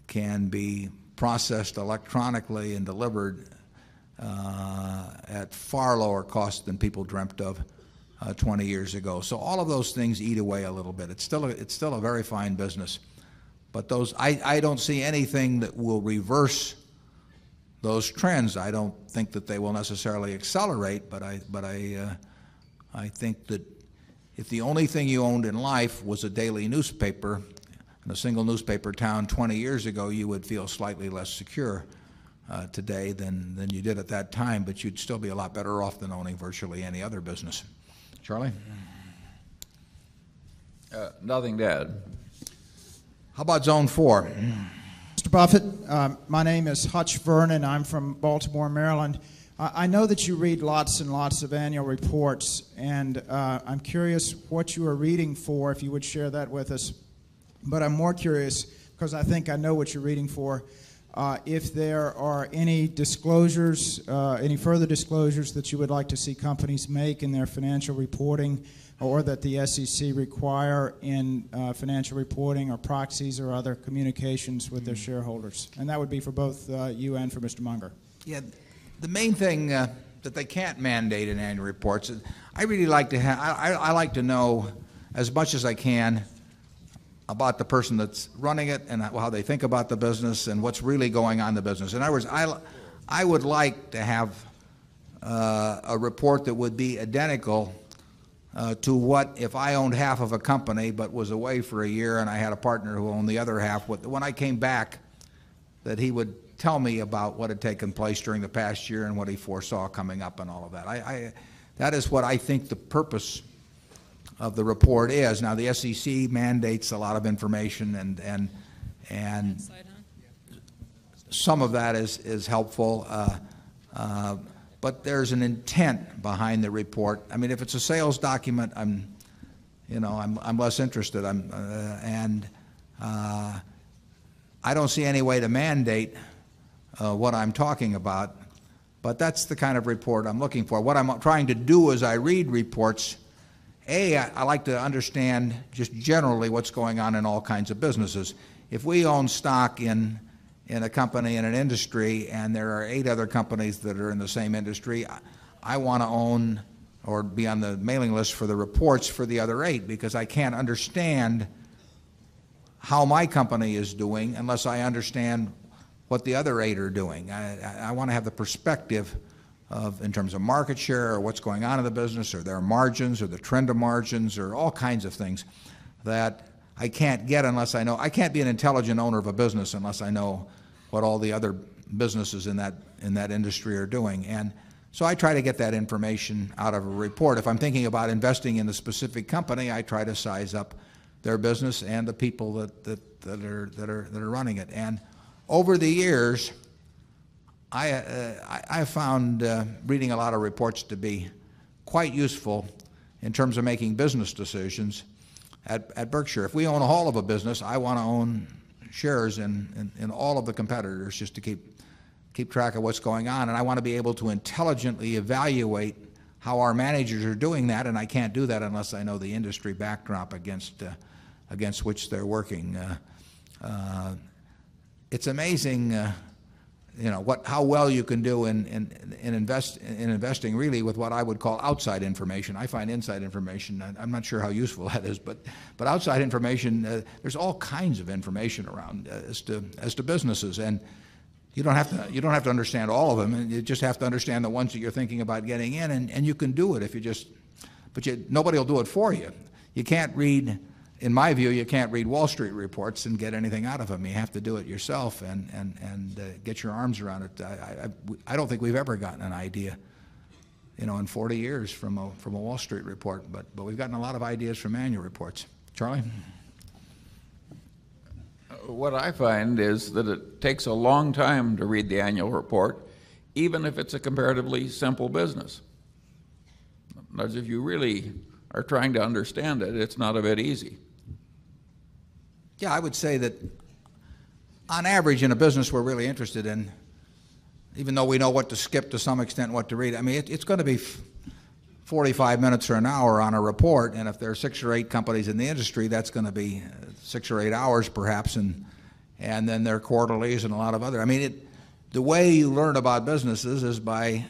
can be processed electronically and delivered at far lower cost than people dreamt of 20 years ago. So all of those things eat away a little bit. It's still a very fine business, but those I don't see anything that will reverse those trends. I don't think that they will necessarily accelerate, but I, but I, I think that if the only thing you owned in life was a daily newspaper and a single newspaper town 20 years ago, you would feel slightly less secure today than you did at that time, but you'd still be a lot better off than owning virtually any other business. Charlie? Nothing to add. How about zone 4? Mr. Buffet, my name is Hutch Vernon. I'm from Baltimore, Maryland. I know that you read lots and lots of annual reports and I'm curious what you are reading for, if you would share that with us. But I'm more curious because I think I know what you're reading for, if there are any disclosures, any further disclosures that you would like to see companies make in their financial reporting or that the SEC require in financial reporting or proxies or other communications with their shareholders? And that would be for both you and for Mr. Munger. Yeah. The main thing that they can't mandate in annual reports is I really like to have I like to know as much as I can about the person that's running it and how they think about the business and what's really going on in the business. In other words, I would like to have a report that would be identical to what if I owned half of a company but was away for a year and I had a partner who owned the other half, when I came back that he would tell me about what had taken place during the past year and what he foresaw coming up and all of that. That is what I think the purpose of the report is. Now the SEC mandates a lot of information and some of that is helpful, but there's an intent behind the report. I mean, if it's a sales document, I'm less interested. And I don't see any way to mandate what I'm talking about, but that's the kind of report I'm looking for. What I'm trying to do as I read reports, a, I like to understand just generally what's going on in all kinds of businesses. If we own stock in a company in an industry and there are 8 other companies that are in the same industry, I want to own or be on the mailing list for the reports for the other 8 because I can't understand how my company is doing unless I understand what the other 8 are doing. I want to have the perspective of in terms of market share or what's going on in the business or their margins or the trend of margins or all kinds of things that I can't get unless I know I can't be an intelligent owner of a business unless I know what all the other businesses in that industry are doing. And so I try to get that information out of a report. If I'm thinking about investing in the specific company, I try to size up their business and the people that are running it. And over the years, I found reading a lot of reports to be quite useful in terms of making business decisions at Berkshire. If we own a whole of a business, I want to own shares in all of the competitors just to keep track of what's going on. And I want to be able to intelligently evaluate how our managers are doing that. And I can't do that unless I know the industry backdrop against which they're working. It's amazing, what how well you can do in invest in investing really with what I would call outside information. I find inside information. I'm not sure how useful that is, but outside information, there's all kinds of information around as to businesses. And you don't have to understand all of them and you just have to understand the ones that you're thinking about getting in and you can do it if you just but nobody will do it for you. You can't read in my view, you can't read Wall Street reports and get anything out of them. You have to do it yourself and get your arms around it. I don't think we've ever gotten an idea in 40 years from a Wall Street report, but we've gotten a lot of ideas from annual reports. Charlie? What I find is that it takes a long time to read the annual report, even if it's a comparatively simple business. As if you really are trying to understand it, it's not a bit easy. Yeah. I would say that on average in a business we're really interested in, even though we know what to skip to some extent, what to read, I mean, it's going to be 45 minutes or an hour on a report and if there are 6 or 8 companies in the industry, that's going to be 6 or 8 hours perhaps and then their quarterlies and a lot of other. I mean, the way you learn about businesses is by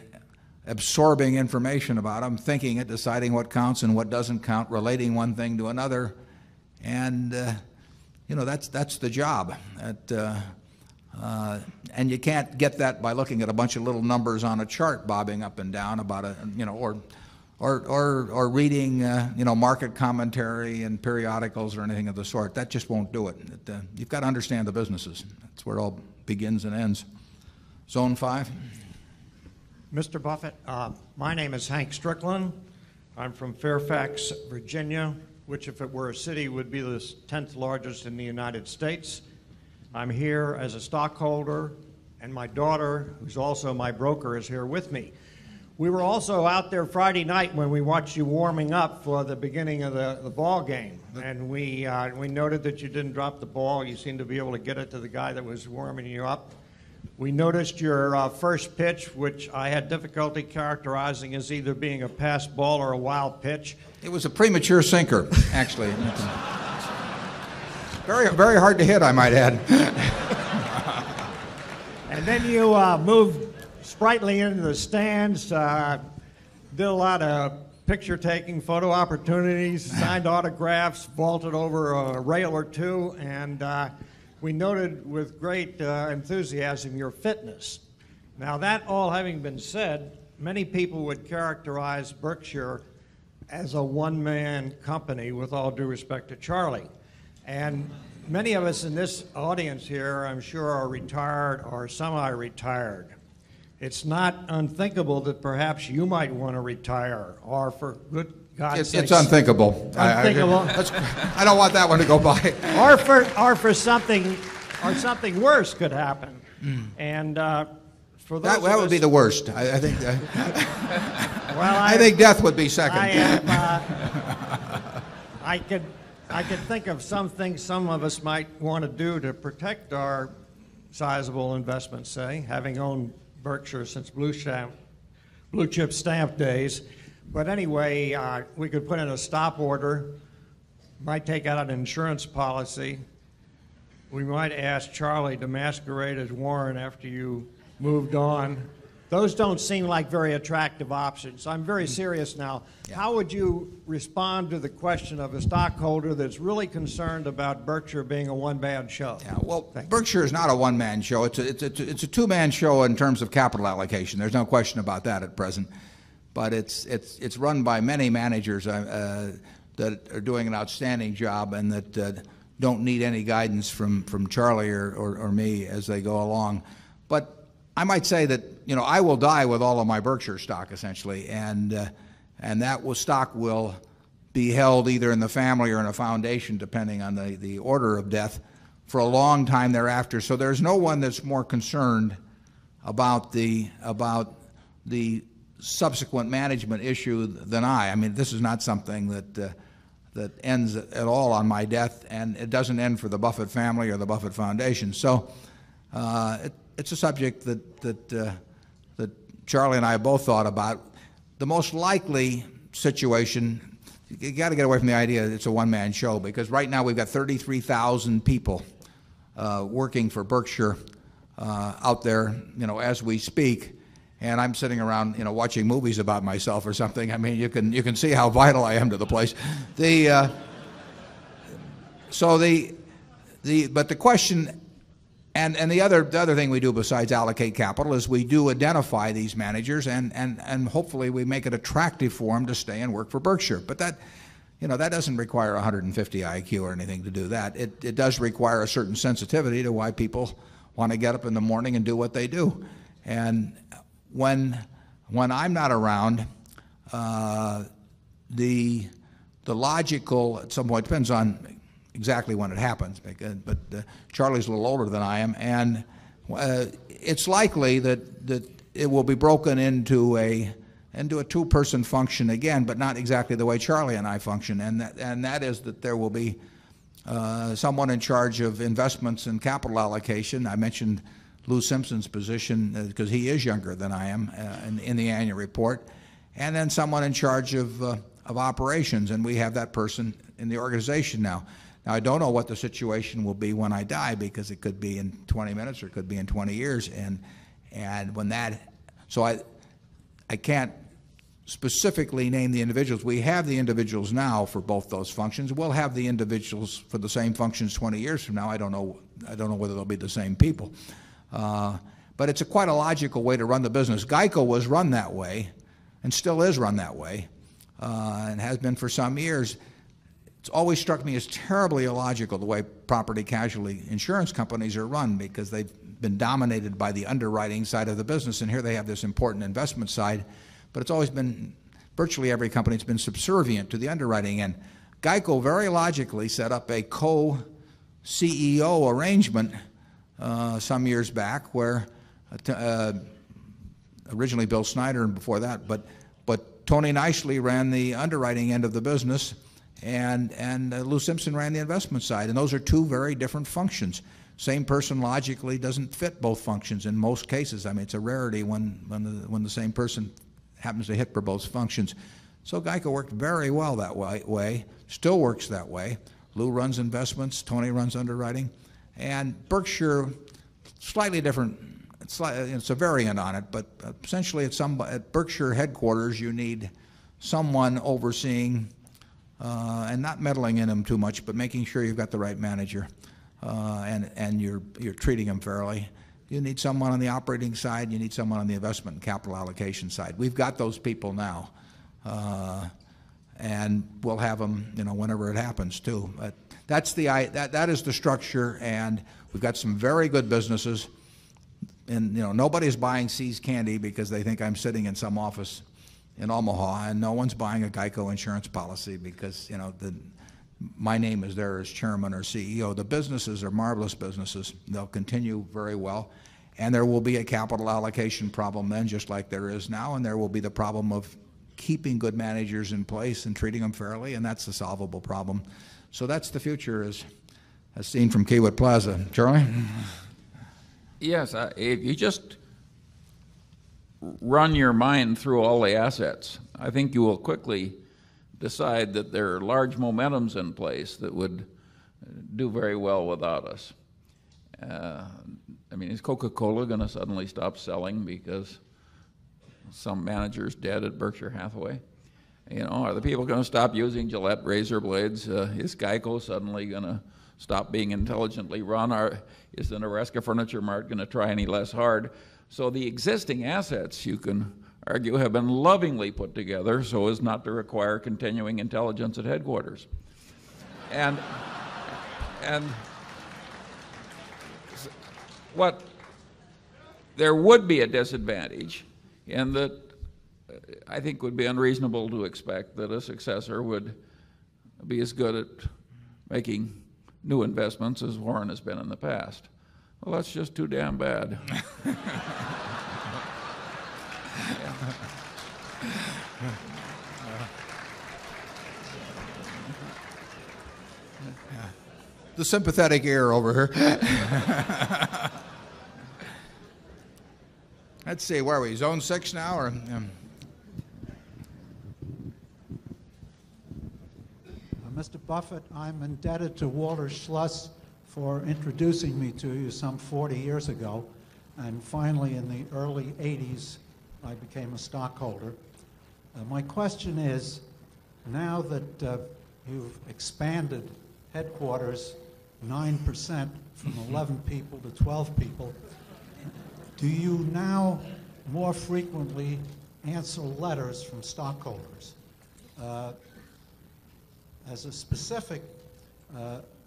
absorbing information about them, thinking it, deciding what counts and what doesn't count, relating one thing to another. And, you know, that's the job. And you can't get that by looking at a bunch of little numbers on a chart bobbing up and down about a or reading market commentary and periodicals or anything of the sort. That just won't do it. You've got to understand the businesses. That's where it all begins and ends. Zone 5. Mr. Buffet, my name is Hank Strickland. I'm from Fairfax, Virginia, which if it were a city, would be the 10th largest in the United States. I'm here as a stockholder, and my daughter, who's also my broker, is here with me. We were also out there Friday night when we watched you warming up for the beginning of the ball game. And we noted that you didn't drop the ball. You seemed to be able to get it to the guy that was warming you up. We noticed your, 1st pitch, which I had difficulty characterizing as either being a pass ball or a wild pitch. He was a premature sinker, actually. Very, very hard to hit, I might add. And then you, moved sprightly into the stands, did a lot of picture taking photo opportunities, signed autographs, vaulted over a rail or 2, and we noted with great enthusiasm your fitness. Now that all having been said, many people would characterize Berkshire as a 1 man company with all due respect to Charlie. And many of us in this audience here, I'm sure are retired or semi retired. It's not unthinkable that perhaps you might want to retire or for good God's sake. It's unthinkable. I don't want that one to go by. Or for something worse could happen. And for those That would be the worst. I think I think death would be second. I could think of something some of us might want to do to protect our sizable investments, say, having owned Berkshire since blue chip stamp days. But anyway, we could put in a stop order, might take out an insurance policy. We might ask Charlie to masquerade as Warren after you moved on. Those don't seem like very attractive options. I'm very serious now. How would you respond to the question of a stockholder that's really concerned about Berkshire being a one man show. Well, Berkshire is not a one man show. It's a 2 man show in terms of capital allocation. There's no question about that at present, but it's run by many managers that are doing an outstanding job and that don't need any guidance from Charlie or me as go along. But I might say that I will die with all of my Berkshire stock essentially and that stock will be held either in the family or in a foundation depending on the order of death for a long time thereafter. So there's no one that's more concerned about the subsequent management issue than I. I mean, this is not something that ends at all on my death and it doesn't end for the Buffett family or the Buffett Foundation. So, it's a subject that Charlie and I both thought about. The most likely situation, you've got to get away from the idea that it's a 1 man show, because right now we've got 30 3,000 people working for Berkshire out there as we speak. And I'm sitting around watching movies myself or something. I mean, you can see how vital I am to the place. So the but the question and the other thing we do besides allocate capital is we do identify these managers and hopefully we make it attractive for them to stay and work for Berkshire. But that doesn't require 150 IQ or anything to do that. It does require a certain sensitivity to why people want to get up in the morning and do what they do. And when I'm not around, the logical, somewhat depends on exactly when it happens, but Charlie's a little older than I am. And it's likely that it will be broken into a 2 person function again, but not exactly the way Charlie and I function. And that is that there will be, someone in charge of investments in capital allocation. I mentioned Lou Simpson's position because he is younger than I am. And allocation. I mentioned Lou Simpson's position because he is younger than I am in the annual report. And then someone in charge of operations. And we have that person in the organization now. Now, I don't know what the situation will be when I die because it could be in 20 minutes or it could be in 20 years. And when that so I can't specifically name the individuals. We have the individuals now for both those functions. We'll have the individuals for the same functions 20 years from now. I don't know. I don't know whether they'll be the same people. But it's a quite a logical way to run the business. GEICO was run that way and still is run that way, and has been for some years. It's always struck me as terribly illogical the way property casualty insurance companies are run because they've been dominated by the underwriting side of the business and here they have this important investment side, but it's always been virtually every company has been subservient to the underwriting and GEICO very logically set up a co CEO arrangement, some years back where originally Bill Snyder and before that, but Tony nicely ran the underwriting end of the business and Lou Simpson ran the investment side and those are 2 very different functions. Same person logically doesn't fit both functions in most cases. I mean it's a rarity when the same person happens to hit for both functions. So GEICO worked very well that way, still works that way. Lou runs investments, Tony runs underwriting. And Berkshire slightly different, it's a variant on it, but essentially at some Berkshire headquarters, you need someone overseeing, and not meddling in them too much, but making sure you've got the right manager, and you're treating them fairly. You need someone on the operating side, you need someone on the investment and capital allocation side. We've got those people now. And we'll have them, you know, whenever it happens too. But that's the, that is the structure and we've got some very good businesses and nobody is buying See's Candy because they think I'm sitting in some office in Omaha and no one's buying a GEICO insurance policy because my name is there as Chairman or CEO. The businesses are marvelous businesses. They'll continue very well. And there will be a capital allocation problem then just like there is now. And there will be the problem of keeping good managers in place and treating them fairly. And that's a solvable problem. So that's the future as seen from Kiewit Plaza. Charlie? Yes. If you just run your mind through all the assets, I think you will quickly decide that there are large momentums in place that would do very well without us. I mean, is Coca Cola going to suddenly stop selling because some manager's dead at Berkshire Hathaway? You know, are the people going to stop using Gillette razor blades? Is GEICO suddenly going to stop being intelligently run? Or is the Nebraska Furniture Mart going to try any less hard? So the existing assets, you can argue, have been lovingly put together so as not to require continuing intelligence at headquarters. And what there would be a disadvantage and that I think would be unreasonable to expect that a successor would be as good at making new investments as Warren has been in the past. Well, that's just too damn bad. The sympathetic air over here. Let's see, where are we, zone 6 now? Mr. Buffet, I'm indebted to Walter Schloss for introducing me to you some 40 years ago. And finally, in the early eighties, I became a stockholder. My question is now that you've expanded headquarters 9% from 11 people to 12 people, Do you now more frequently answer letters from stockholders? As a specific,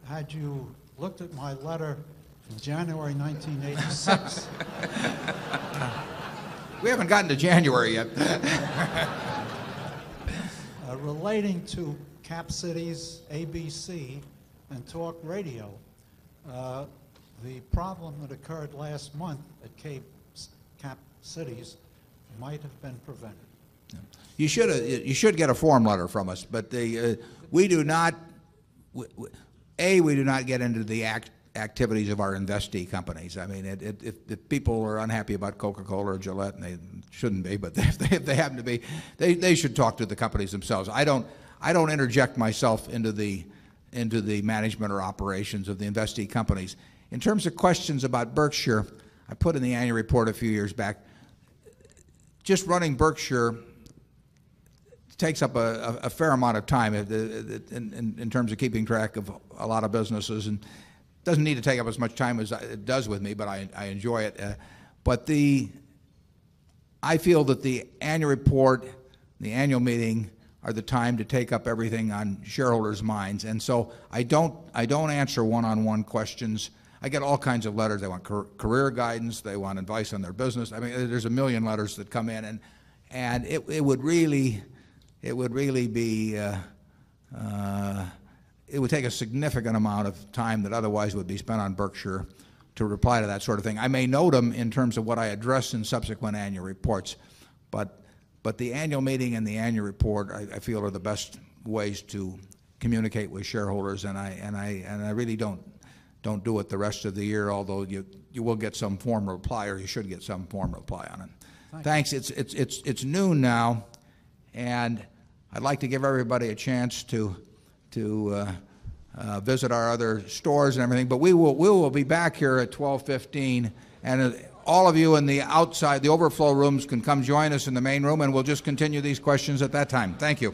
had you looked at my letter in January, 1986? We haven't gotten to January yet. Relating to Cap Cities ABC and talk radio, the problem that occurred last month at cap cities might have been prevented. You should get a form letter from us, but we do not A, we do not get into the activities of our investee companies. I mean, if people are unhappy about Coca Cola or Gillette, and they shouldn't be, but if they happen to be, they should talk to the companies themselves. I don't interject myself into the management or operations of the investee companies. In terms of questions about Berkshire, I put in the annual report a few years back, just running Berkshire takes up a fair amount of time in terms of keeping track of a lot of businesses and doesn't need to take up as much time as it does with me, but I enjoy it. But the I feel that the annual report, the annual meeting are the time to take up everything on shareholders' minds. And so I don't answer 1 on 1 questions. I get all kinds of letters. They want career guidance. They want advice on their business. I mean, there's a 1,000,000 letters that come in and it would really be it would take a significant amount of time that otherwise would be spent on Berkshire to reply to that sort of thing. I may note them in terms of what I address in subsequent annual reports, but the annual meeting and the annual report I feel are the best ways to communicate with shareholders and I really don't do it the rest of the year, although you will get some form of reply or you should get some form of reply on it. Thanks. It's noon now and I'd like to give everybody a chance to visit our other stores and everything, but we will be back here at 12:15, and all of you in the outside, the overflow rooms can come join us in the main room, and we'll just continue these questions at that time. Thank you.